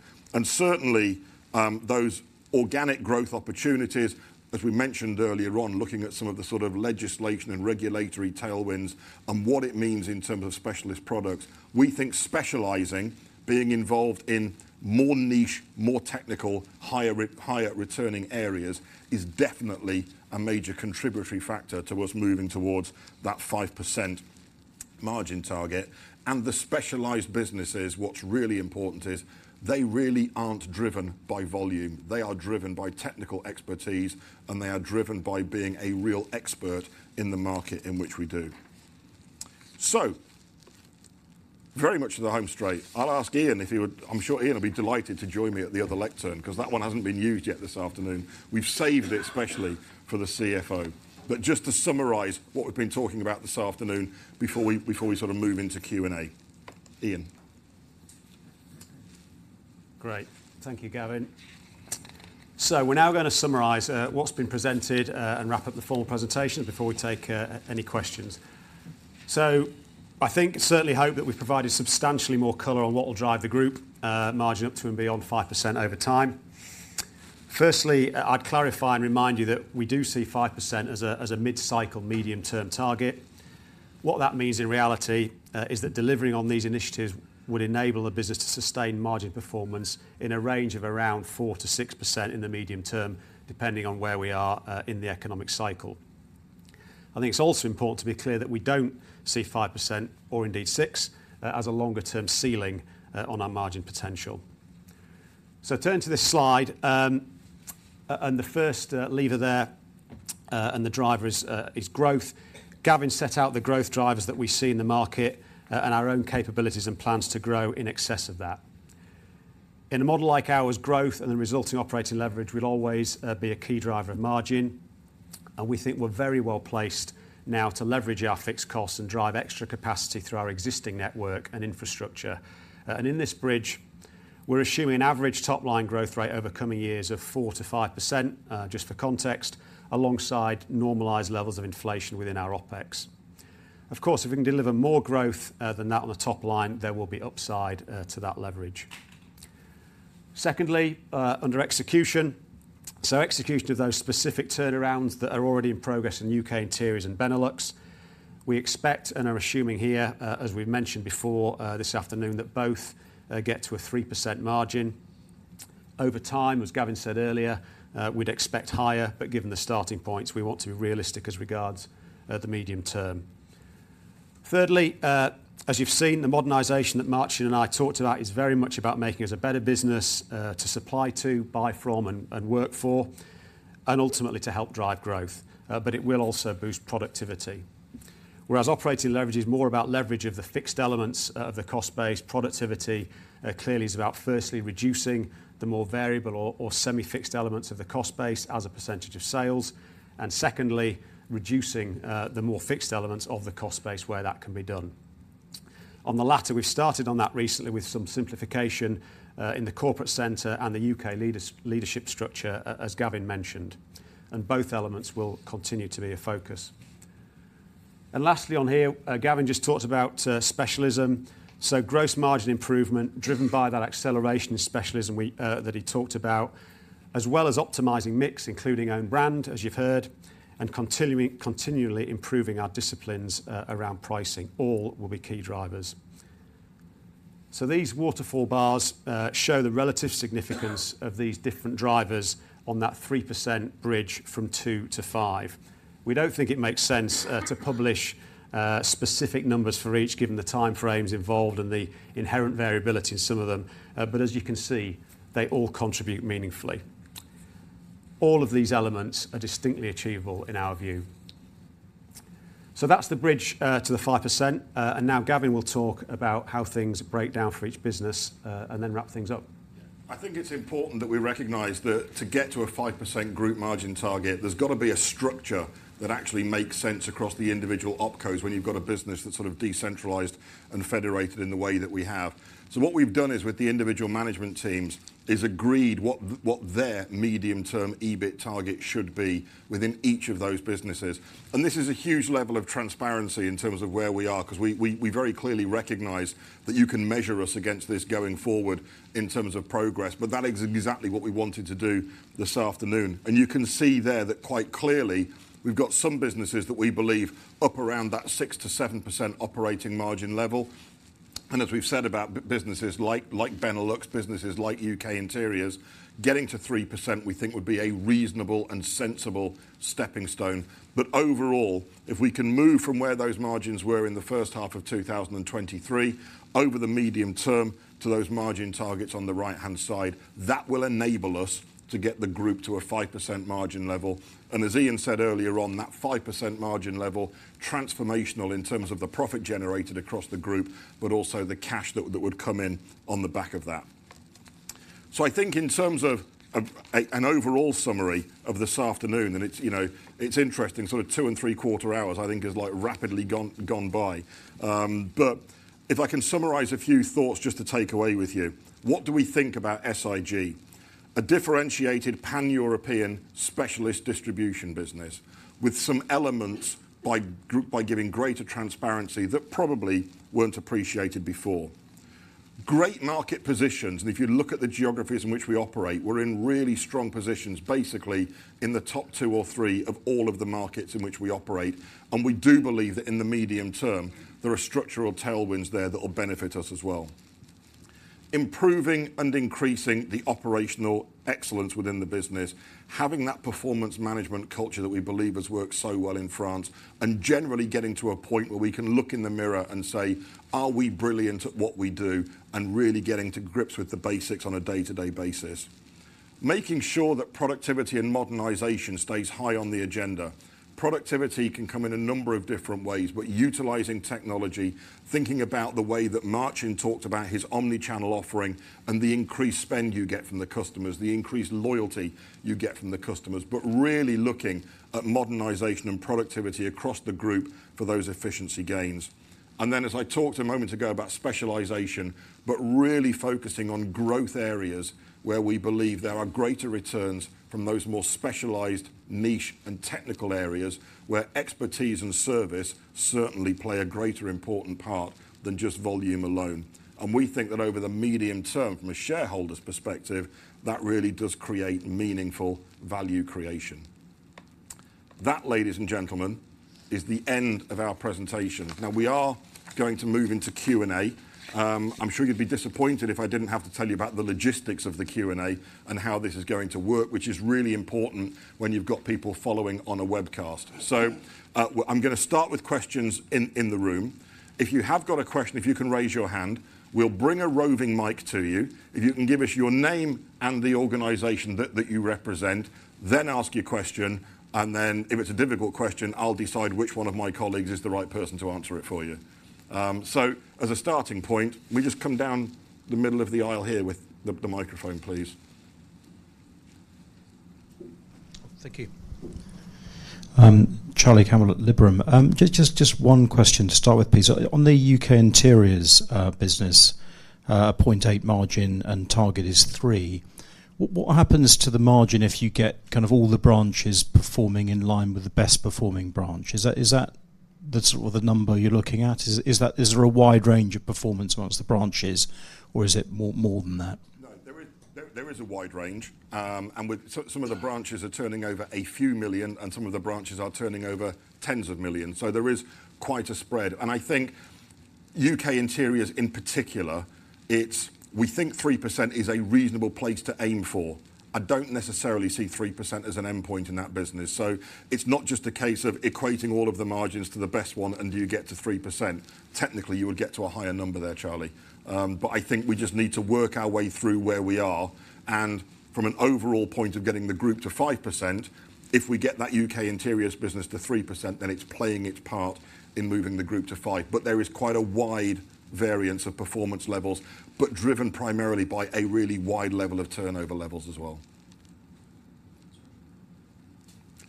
Certainly, those organic growth opportunities, as we mentioned earlier on, looking at some of the sort of legislation and regulatory tailwinds and what it means in terms of specialist products, we think specializing, being involved in more niche, more technical, higher returning areas, is definitely a major contributory factor towards moving towards that 5% margin target. The specialized businesses, what's really important is they really aren't driven by volume. They are driven by technical expertise, and they are driven by being a real expert in the market in which we do. So very much in the home straight. I'll ask Ian if he would. I'm sure Ian will be delighted to join me at the other lectern, because that one hasn't been used yet this afternoon. We've saved it especially for the CFO. Just to summarize what we've been talking about this afternoon before we, before we sort of move into Q&A. Ian? Great. Thank you, Gavin. So we're now going to summarize what's been presented and wrap up the formal presentation before we take any questions. So I think, certainly hope, that we've provided substantially more color on what will drive the group margin up to and beyond 5% over time. Firstly, I'd clarify and remind you that we do see 5% as a mid-cycle medium-term target. What that means in reality is that delivering on these initiatives would enable the business to sustain margin performance in a range of around 4%-6% in the medium term, depending on where we are in the economic cycle. I think it's also important to be clear that we don't see 5%, or indeed 6%, as a longer-term ceiling on our margin potential. So turning to this slide, and the first lever there, and the driver is growth. Gavin set out the growth drivers that we see in the market, and our own capabilities and plans to grow in excess of that. In a model like ours, growth and the resulting operating leverage will always be a key driver of margin, and we think we're very well placed now to leverage our fixed costs and drive extra capacity through our existing network and infrastructure. And in this bridge, we're assuming an average top-line growth rate over coming years of 4%-5%, just for context, alongside normalized levels of inflation within our OpEx. Of course, if we can deliver more growth than that on the top line, there will be upside to that leverage. Secondly, under execution. So execution of those specific turnarounds that are already in progress in UK Interiors and Benelux, we expect and are assuming here, as we've mentioned before, this afternoon, that both get to a 3% margin. Over time, as Gavin said earlier, we'd expect higher, but given the starting points, we want to be realistic as regards the medium term. Thirdly, as you've seen, the modernization that Marcin and I talked about is very much about making us a better business to supply to, buy from, and, and work for, and ultimately to help drive growth. But it will also boost productivity. Whereas operating leverage is more about leverage of the fixed elements of the cost base, productivity clearly is about firstly reducing the more variable or semi-fixed elements of the cost base as a percentage of sales, and secondly, reducing the more fixed elements of the cost base where that can be done. On the latter, we've started on that recently with some simplification in the corporate center and the U.K. leadership structure, as Gavin mentioned, and both elements will continue to be a focus. And lastly on here, Gavin just talked about specialism. So gross margin improvement, driven by that acceleration in specialism we that he talked about, as well as optimizing mix, including own brand, as you've heard, and continuing, continually improving our disciplines around pricing, all will be key drivers. So these waterfall bars show the relative significance of these different drivers on that 3% bridge from 2 to 5. We don't think it makes sense to publish specific numbers for each, given the time frames involved and the inherent variability in some of them. But as you can see, they all contribute meaningfully. All of these elements are distinctly achievable in our view. So that's the bridge to the 5% and now Gavin will talk about how things break down for each business and then wrap things up. I think it's important that we recognize that to get to a 5% group margin target, there's got to be a structure that actually makes sense across the individual OpCos when you've got a business that's sort of decentralized and federated in the way that we have. So what we've done is, with the individual management teams, is agreed what what their medium-term EBIT target should be within each of those businesses. And this is a huge level of transparency in terms of where we are, 'cause we very clearly recognize that you can measure us against this going forward in terms of progress, but that is exactly what we wanted to do this afternoon. And you can see there that quite clearly, we've got some businesses that we believe up around that 6%-7% operating margin level. As we've said about businesses like Benelux, businesses like UK Interiors, getting to 3%, we think, would be a reasonable and sensible stepping stone. But overall, if we can move from where those margins were in the first half of 2023 over the medium term to those margin targets on the right-hand side, that will enable us to get the group to a 5% margin level. And as Ian said earlier on, that 5% margin level, transformational in terms of the profit generated across the group, but also the cash that would come in on the back of that. So I think in terms of an overall summary of this afternoon, and it's, you know, it's interesting, sort of two and three-quarter hours, I think has, like, rapidly gone by. But if I can summarize a few thoughts just to take away with you. What do we think about SIG? A differentiated pan-European specialist distribution business with some elements by giving greater transparency that probably weren't appreciated before. Great market positions, and if you look at the geographies in which we operate, we're in really strong positions, basically in the top two or three of all of the markets in which we operate. And we do believe that in the medium term, there are structural tailwinds there that will benefit us as well. Improving and increasing the operational excellence within the business, having that performance management culture that we believe has worked so well in France, and generally getting to a point where we can look in the mirror and say, "Are we brilliant at what we do?" Really getting to grips with the basics on a day-to-day basis. Making sure that productivity and modernization stays high on the agenda. Productivity can come in a number of different ways, but utilizing technology, thinking about the way that Marcin talked about his omni-channel offering and the increased spend you get from the customers, the increased loyalty you get from the customers, but really looking at modernization and productivity across the group for those efficiency gains. And then, as I talked a moment ago, about specialization, but really focusing on growth areas where we believe there are greater returns from those more specialized niche and technical areas, where expertise and service certainly play a greater important part than just volume alone. And we think that over the medium term, from a shareholder's perspective, that really does create meaningful value creation.... That, ladies and gentlemen, is the end of our presentation. Now, we are going to move into Q&A. I'm sure you'd be disappointed if I didn't have to tell you about the logistics of the Q&A and how this is going to work, which is really important when you've got people following on a webcast. So, I'm gonna start with questions in the room. If you have got a question, if you can raise your hand, we'll bring a roving mic to you. If you can give us your name and the organization that you represent, then ask your question, and then if it's a difficult question, I'll decide which one of my colleagues is the right person to answer it for you. So as a starting point, will you just come down the middle of the aisle here with the microphone, please? Thank you. Charlie Campbell at Liberum. Just one question to start with, please. On the UK Interiors business, 0.8% margin and target is 3%. What happens to the margin if you get kind of all the branches performing in line with the best performing branch? Is that the sort of the number you're looking at? Is there a wide range of performance amongst the branches, or is it more than that? No, there is a wide range. And with some of the branches are turning over a few million, and some of the branches are turning over tens of millions. So there is quite a spread. And I think UK Interiors, in particular, it's, we think 3% is a reasonable place to aim for. I don't necessarily see 3% as an endpoint in that business. So it's not just a case of equating all of the margins to the best one, and do you get to 3%? Technically, you would get to a higher number there, Charlie. But I think we just need to work our way through where we are, and from an overall point of getting the group to 5%, if we get that UK Interiors business to 3%, then it's playing its part in moving the group to 5%. But there is quite a wide variance of performance levels, but driven primarily by a really wide level of turnover levels as well.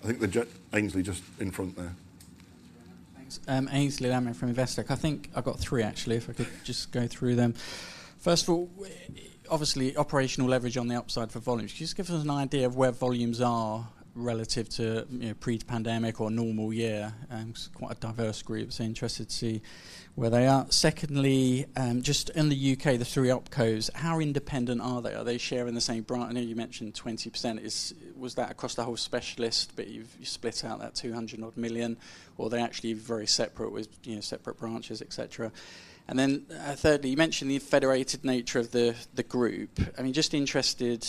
I think, Ainsley, just in front there. Thanks. Aynsley Lammin from Investec. I think I've got three, actually, if I could just go through them. First of all, obviously, operational leverage on the upside for volumes. Can you just give us an idea of where volumes are relative to, you know, pre-pandemic or normal year? It's quite a diverse group, so interested to see where they are. Secondly, just in the UK, the three OpCos, how independent are they? Are they sharing the same branch? I know you mentioned 20%. Is, was that across the whole specialist, but you've split out that 200-odd million, or are they actually very separate with, you know, separate branches, et cetera? And then, thirdly, you mentioned the federated nature of the, the group. I mean, just interested,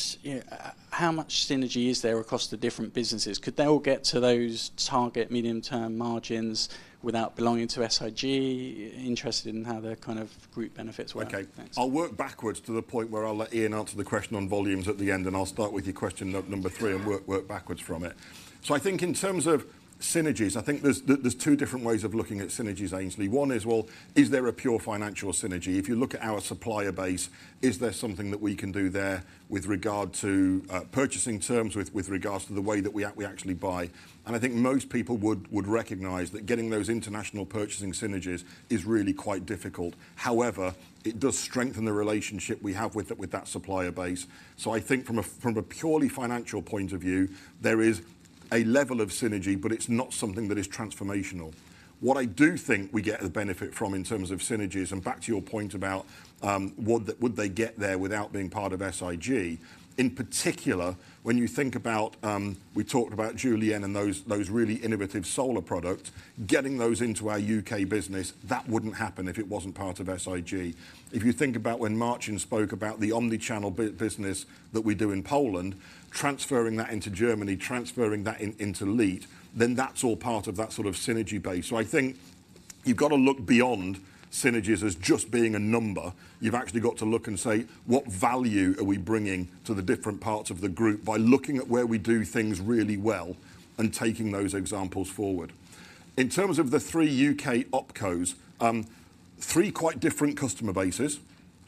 how much synergy is there across the different businesses? Could they all get to those target medium-term margins without belonging to SIG? Interested in how the kind of group benefits work. Okay. Thanks. I'll work backwards to the point where I'll let Ian answer the question on volumes at the end, and I'll start with your question number three and work backwards from it. So I think in terms of synergies, I think there's two different ways of looking at synergies, Ainsley. One is, well, is there a pure financial synergy? If you look at our supplier base, is there something that we can do there with regard to purchasing terms, with regards to the way that we actually buy? And I think most people would recognise that getting those international purchasing synergies is really quite difficult. However, it does strengthen the relationship we have with that supplier base. So I think from a purely financial point of view, there is a level of synergy, but it's not something that is transformational. What I do think we get a benefit from in terms of synergies, and back to your point about, would they, would they get there without being part of SIG, in particular, when you think about... We talked about Julien and those, those really innovative solar products, getting those into our UK business, that wouldn't happen if it wasn't part of SIG. If you think about when Martin spoke about the omni-channel business that we do in Poland, transferring that into Germany, transferring that into LITE, then that's all part of that sort of synergy base. So I think you've got to look beyond synergies as just being a number. You've actually got to look and say: What value are we bringing to the different parts of the group by looking at where we do things really well and taking those examples forward? In terms of the three UK OpCos, three quite different customer bases,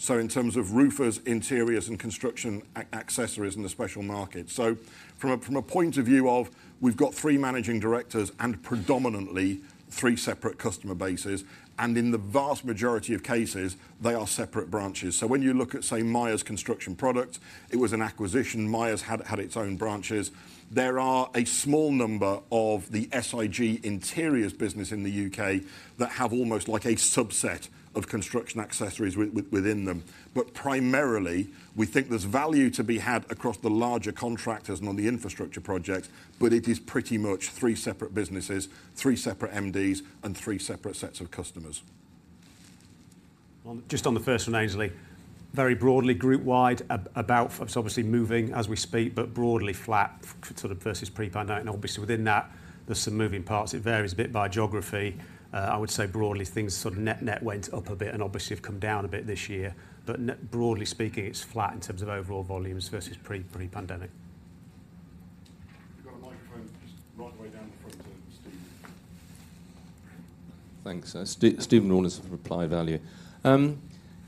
so in terms of roofers, interiors, and construction accessories in the special market. So from a point of view of we've got three managing directors and predominantly three separate customer bases, and in the vast majority of cases, they are separate branches. So when you look at, say, Myers Construction Products, it was an acquisition. Myers had its own branches. There are a small number of the SIG Interiors business in the UK that have almost like a subset of construction accessories within them. But primarily, we think there's value to be had across the larger contractors and on the infrastructure projects, but it is pretty much three separate businesses, three separate MDs, and three separate sets of customers. Just on the first one, Ainsley. Very broadly, group wide, about... It's obviously moving as we speak, but broadly flat sort of versus pre-pandemic, and obviously within that, there's some moving parts. It varies a bit by geography. I would say broadly, things sort of net, net went up a bit and obviously have come down a bit this year. But broadly speaking, it's flat in terms of overall volumes versus pre, pre-pandemic. We've got a microphone just right the way down the front there, Steven. Thanks. Steven Sheridan from Applied Value.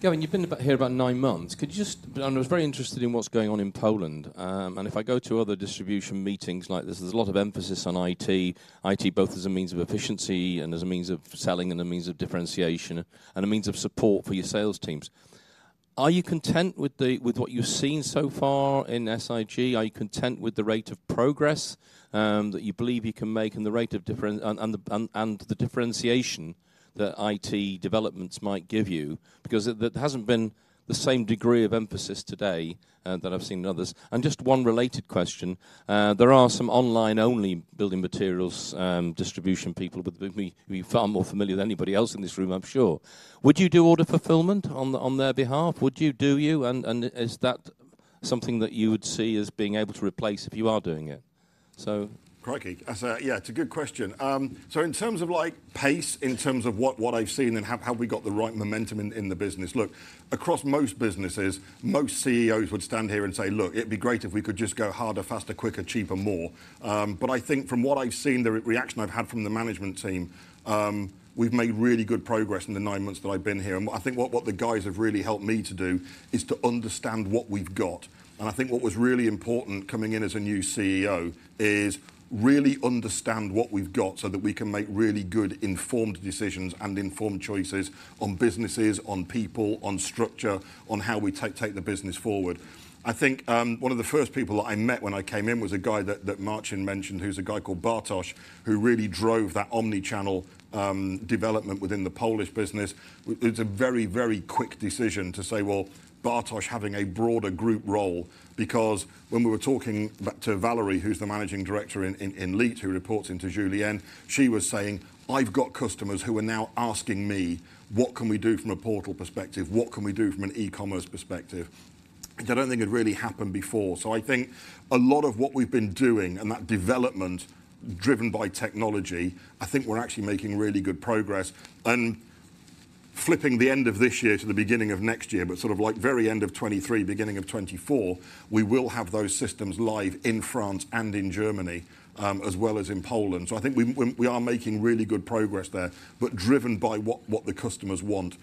Gavin, you've been about here about nine months. Could you just... I was very interested in what's going on in Poland. If I go to other distribution meetings like this, there's a lot of emphasis on IT. IT, both as a means of efficiency and as a means of selling and a means of differentiation and a means of support for your sales teams. Are you content with what you've seen so far in SIG? Are you content with the rate of progress that you believe you can make, and the rate of differentiation that IT developments might give you? Because it, that hasn't been the same degree of emphasis today that I've seen in others. And just one related question, there are some online-only building materials distribution people, but who you're far more familiar than anybody else in this room, I'm sure. Would you do order fulfillment on their behalf? Would you? Do you? And is that something that you would see as being able to replace if you are doing it? So- Crikey! That's a..Yeah, it's a good question. So in terms of, like, pace, in terms of what I've seen and have we got the right momentum in the business? Look, across most businesses, most CEOs would stand here and say, "Look, it'd be great if we could just go harder, faster, quicker, cheaper, more." But I think from what I've seen, the reaction I've had from the management team, we've made really good progress in the nine months that I've been here. And what I think, what the guys have really helped me to do is to understand what we've got. I think what was really important coming in as a new CEO is really understand what we've got, so that we can make really good, informed decisions and informed choices on businesses, on people, on structure, on how we take the business forward. I think, one of the first people that I met when I came in was a guy that Marcin mentioned, who's a guy called Bartosz, who really drove that omni-channel development within the Polish business. It's a very, very quick decision to say, "Well, Bartosz having a broader group role," because when we were talking to Valerie, who's the Managing Director in Leeds, who reports into Julien, she was saying, "I've got customers who are now asking me, 'What can we do from a portal perspective?' What can we do from an e-commerce perspective?'" Which I don't think had really happened before. So I think a lot of what we've been doing and that development driven by technology, I think we're actually making really good progress. And flipping the end of this year to the beginning of next year, but sort of like very end of 2023, beginning of 2024, we will have those systems live in France and in Germany, as well as in Poland. So I think we are making really good progress there, but driven by what the customers want.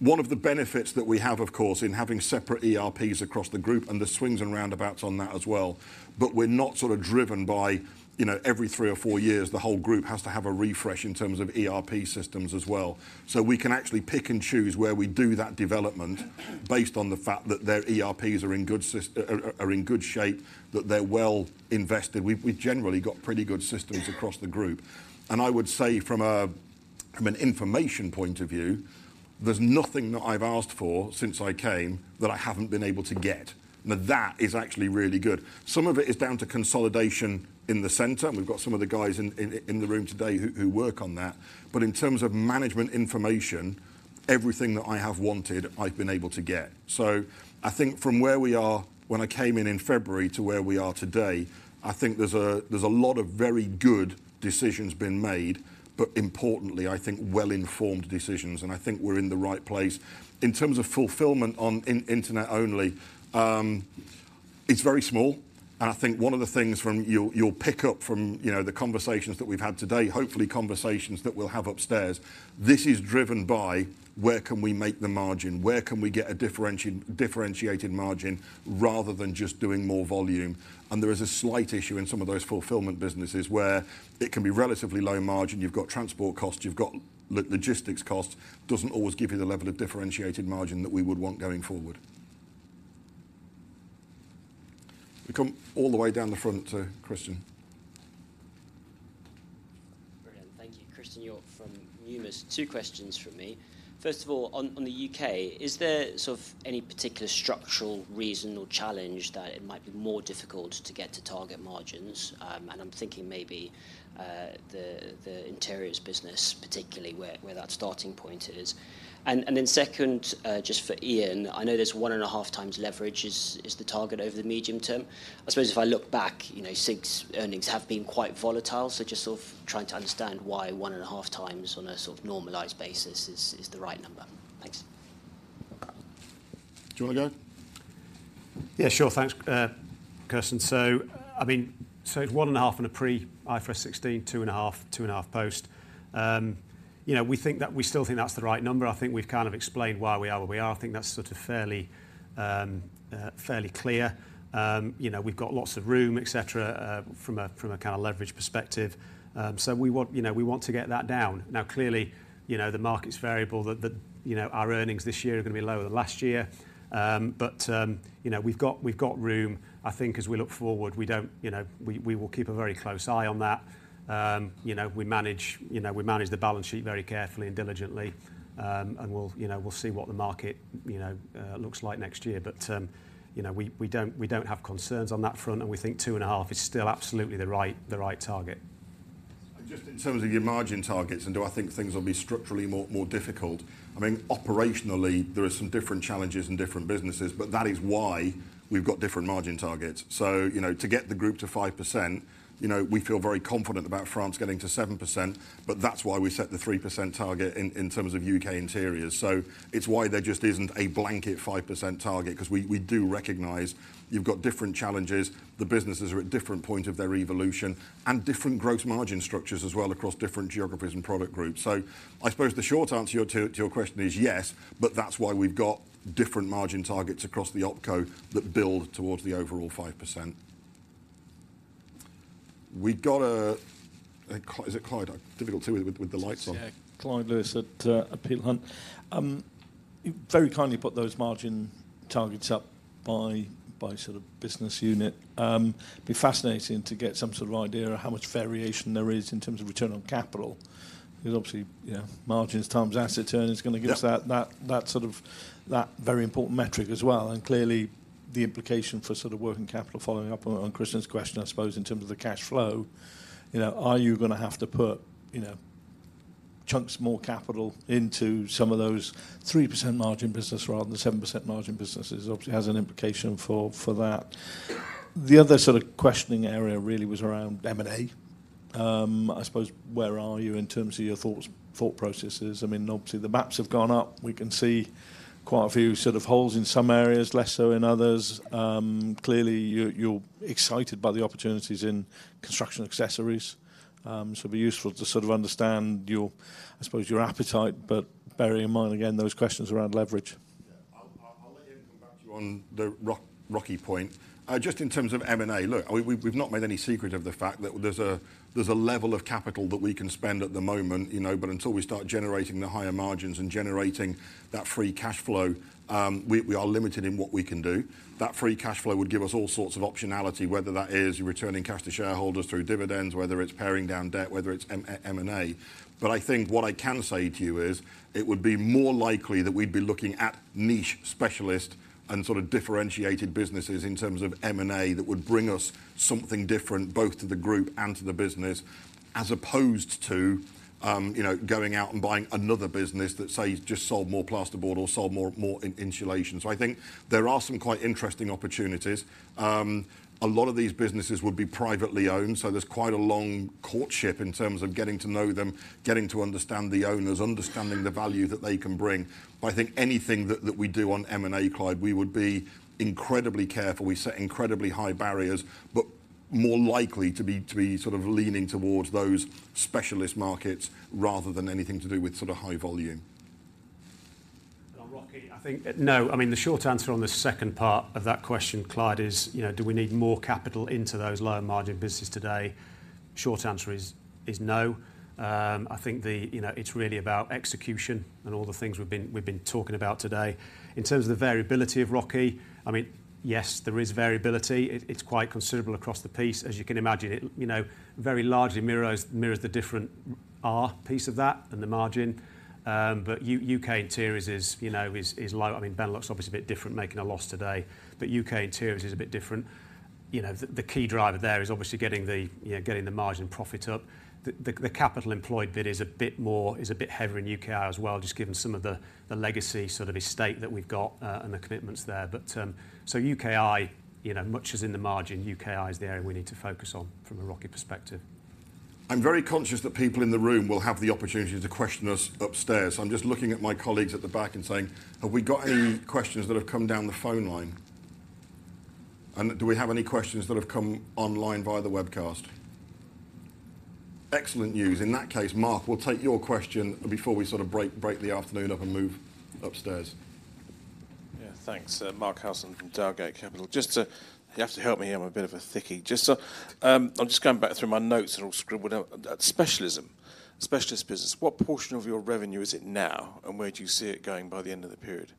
One of the benefits that we have, of course, in having separate ERPs across the group, and there's swings and roundabouts on that as well, but we're not sort of driven by, you know, every three or four years, the whole group has to have a refresh in terms of ERP systems as well. So we can actually pick and choose where we do that development based on the fact that their ERPs are in good shape, that they're well invested. We've generally got pretty good systems across the group. And I would say from a, from an information point of view, there's nothing that I've asked for since I came, that I haven't been able to get, and that is actually really good. Some of it is down to consolidation in the center, and we've got some of the guys in the room today who work on that. But in terms of management information, everything that I have wanted, I've been able to get. So I think from where we are when I came in in February to where we are today, I think there's a lot of very good decisions been made, but importantly, I think well-informed decisions, and I think we're in the right place. In terms of fulfillment on internet only, it's very small, and I think one of the things from... You'll pick up from, you know, the conversations that we've had today, hopefully conversations that we'll have upstairs, this is driven by: Where can we make the margin? Where can we get a differentiated margin, rather than just doing more volume? There is a slight issue in some of those fulfillment businesses, where it can be relatively low margin. You've got transport costs, you've got logistics costs. Doesn't always give you the level of differentiated margin that we would want going forward. We come all the way down the front to Kirsten. Brilliant. Thank you. Christen Hjorth from Numis. Two questions from me. First of all, on the UK, is there sort of any particular structural reason or challenge that it might be more difficult to get to target margins? And I'm thinking maybe the Interiors business, particularly, where that starting point is. And then second, just for Ian, I know there's 1.5x leverage is the target over the medium term. I suppose if I look back, you know, SIG's earnings have been quite volatile, so just sort of trying to understand why 1.5x on a sort of normalized basis is the right number. Thanks. Do you want to go? Yeah, sure. Thanks, Kirsten. So I mean, so it's 1.5 on a pre IFRS 16, 2.5, 2.5 post. You know, we think that - we still think that's the right number. I think we've kind of explained why we are where we are. I think that's sort of fairly, fairly clear. You know, we've got lots of room, et cetera, from a, from a kind of leverage perspective. So we want, you know, we want to get that down. Now, clearly, you know, the market's variable, that the, you know, our earnings this year are going to be lower than last year. But, you know, we've got, we've got room. I think as we look forward, we don't, you know, we, we will keep a very close eye on that. You know, we manage, you know, we manage the balance sheet very carefully and diligently. And we'll, you know, we'll see what the market, you know, looks like next year. But, you know, we, we don't, we don't have concerns on that front, and we think 2.5 is still absolutely the right, the right target. Just in terms of your margin targets, and do I think things will be structurally more difficult? I mean, operationally, there are some different challenges in different businesses, but that is why we've got different margin targets. So, you know, to get the group to 5%, you know, we feel very confident about France getting to 7%, but that's why we set the 3% target in terms of UK Interiors. So it's why there just isn't a blanket 5% target, 'cause we do recognise you've got different challenges, the businesses are at different points of their evolution, and different gross margin structures as well across different geographies and product groups. So I suppose the short answer to your question is yes, but that's why we've got different margin targets across the opco that build towards the overall 5%. We got a Clyde? Is it Clyde? Difficult with the lights on. Yeah, Clyde Lewis at Peel Hunt. You very kindly put those margin targets up by sort of business unit. It'd be fascinating to get some sort of idea of how much variation there is in terms of return on capital. Because obviously, you know, margins times asset turn is going to give us- Yeah that sort of, that very important metric as well, and clearly, the implication for sort of working capital, following up on Christian's question, I suppose, in terms of the cash flow, you know, are you going to have to put, you know, chunks more capital into some of those 3% margin business rather than 7% margin businesses? Obviously, has an implication for that. The other sort of questioning area really was around M&A. I suppose where are you in terms of your thoughts, thought processes? I mean, obviously, the multiples have gone up. We can see quite a few sort of holes in some areas, less so in others. Clearly, you're excited by the opportunities in construction accessories. So, it'd be useful to sort of understand your, I suppose, your appetite, but bearing in mind, again, those questions around leverage. Yeah. I'll let Ian come back to you on the ROCE Point. Just in terms of M&A, look, I mean, we've not made any secret of the fact that there's a level of capital that we can spend at the moment, you know, but until we start generating the higher margins and generating that free cash flow, we are limited in what we can do. That free cash flow would give us all sorts of optionality, whether that is returning cash to shareholders through dividends, whether it's paring down debt, whether it's M&A. But I think what I can say to you is, it would be more likely that we'd be looking at niche specialist and sort of differentiated businesses in terms of M&A that would bring us something different, both to the group and to the business, as opposed to, you know, going out and buying another business that, say, just sold more plasterboard or sold more insulation. So I think there are some quite interesting opportunities. A lot of these businesses would be privately owned, so there's quite a long courtship in terms of getting to know them, getting to understand the owners, understanding the value that they can bring. But I think anything that we do on M&A, Clyde, we would be incredibly careful. We set incredibly high barriers, but more likely to be sort of leaning towards those specialist markets rather than anything to do with sort of high volume. On ROCE, I think, no, I mean, the short answer on the second part of that question, Clyde, is, you know, do we need more capital into those lower margin businesses today? Short answer is no. I think the, you know, it's really about execution and all the things we've been talking about today. In terms of the variability of ROCE, I mean, yes, there is variability. It, it's quite considerable across the piece, as you can imagine. It, you know, very largely mirrors the different ROCE piece of that and the margin. But UK Interiors is, you know, is low. I mean, Benelux obviously a bit different, making a loss today, but UK Interiors is a bit different. You know, the key driver there is obviously getting the margin profit up. The capital employed bit is a bit more, is a bit heavier in UKI as well, just given some of the legacy sort of estate that we've got, and the commitments there. But so UKI, you know, much as in the margin, UKI is the area we need to focus on from a ROCE perspective. I'm very conscious that people in the room will have the opportunity to question us upstairs. I'm just looking at my colleagues at the back and saying: Have we got any questions that have come down the phone line? And do we have any questions that have come online via the webcast? Excellent news. In that case, Mark, we'll take your question before we sort of break, break the afternoon up and move upstairs. Yeah, thanks. Mark Harrison from Dowgate Capital. Just to... You have to help me, I'm a bit of a thickie. Just, I'm just going back through my notes that I scribbled down. That specialism, specialist business, what portion of your revenue is it now, and where do you see it going by the end of the period?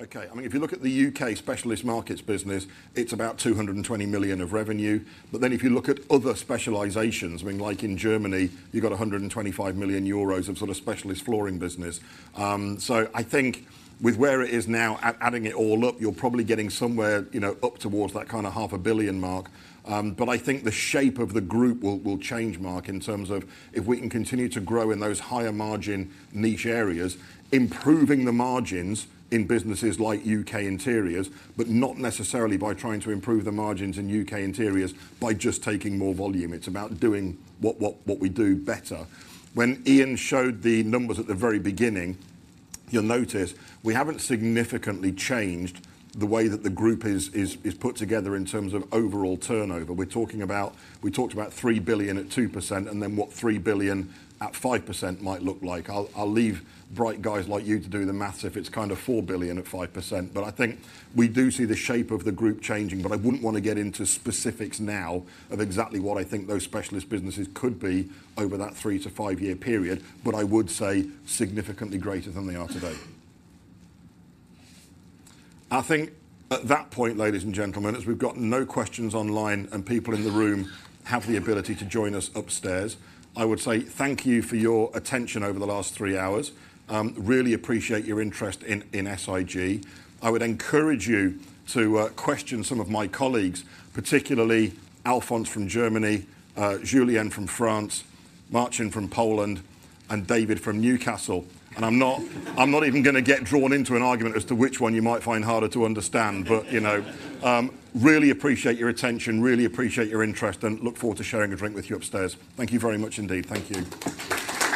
Okay. I mean, if you look at the UK specialist markets business, it's about 220 million of revenue. But then, if you look at other specializations, I mean, like in Germany, you got 125 million euros of sort of specialist flooring business. So I think with where it is now, adding it all up, you're probably getting somewhere, you know, up towards that kind of 500 million mark. But I think the shape of the group will change, Mark, in terms of if we can continue to grow in those higher margin niche areas, improving the margins in businesses like UK Interiors, but not necessarily by trying to improve the margins in UK Interiors by just taking more volume. It's about doing what we do better. When Ian showed the numbers at the very beginning, you'll notice we haven't significantly changed the way that the group is put together in terms of overall turnover. We're talking about. We talked about 3 billion at 2%, and then what 3 billion at 5% might look like. I'll leave bright guys like you to do the math if it's kind of 4 billion at 5%. But I think we do see the shape of the group changing, but I wouldn't want to get into specifics now of exactly what I think those specialist businesses could be over that three- to five-year period, but I would say significantly greater than they are today. I think at that point, ladies and gentlemen, as we've got no questions online and people in the room have the ability to join us upstairs, I would say thank you for your attention over the last three hours. Really appreciate your interest in SIG. I would encourage you to question some of my colleagues, particularly Alfons from Germany, Julien from France, Marcin from Poland, and David from Newcastle. And I'm not, I'm not even going to get drawn into an argument as to which one you might find harder to understand, but, you know... Really appreciate your attention, really appreciate your interest, and look forward to sharing a drink with you upstairs. Thank you very much indeed. Thank you.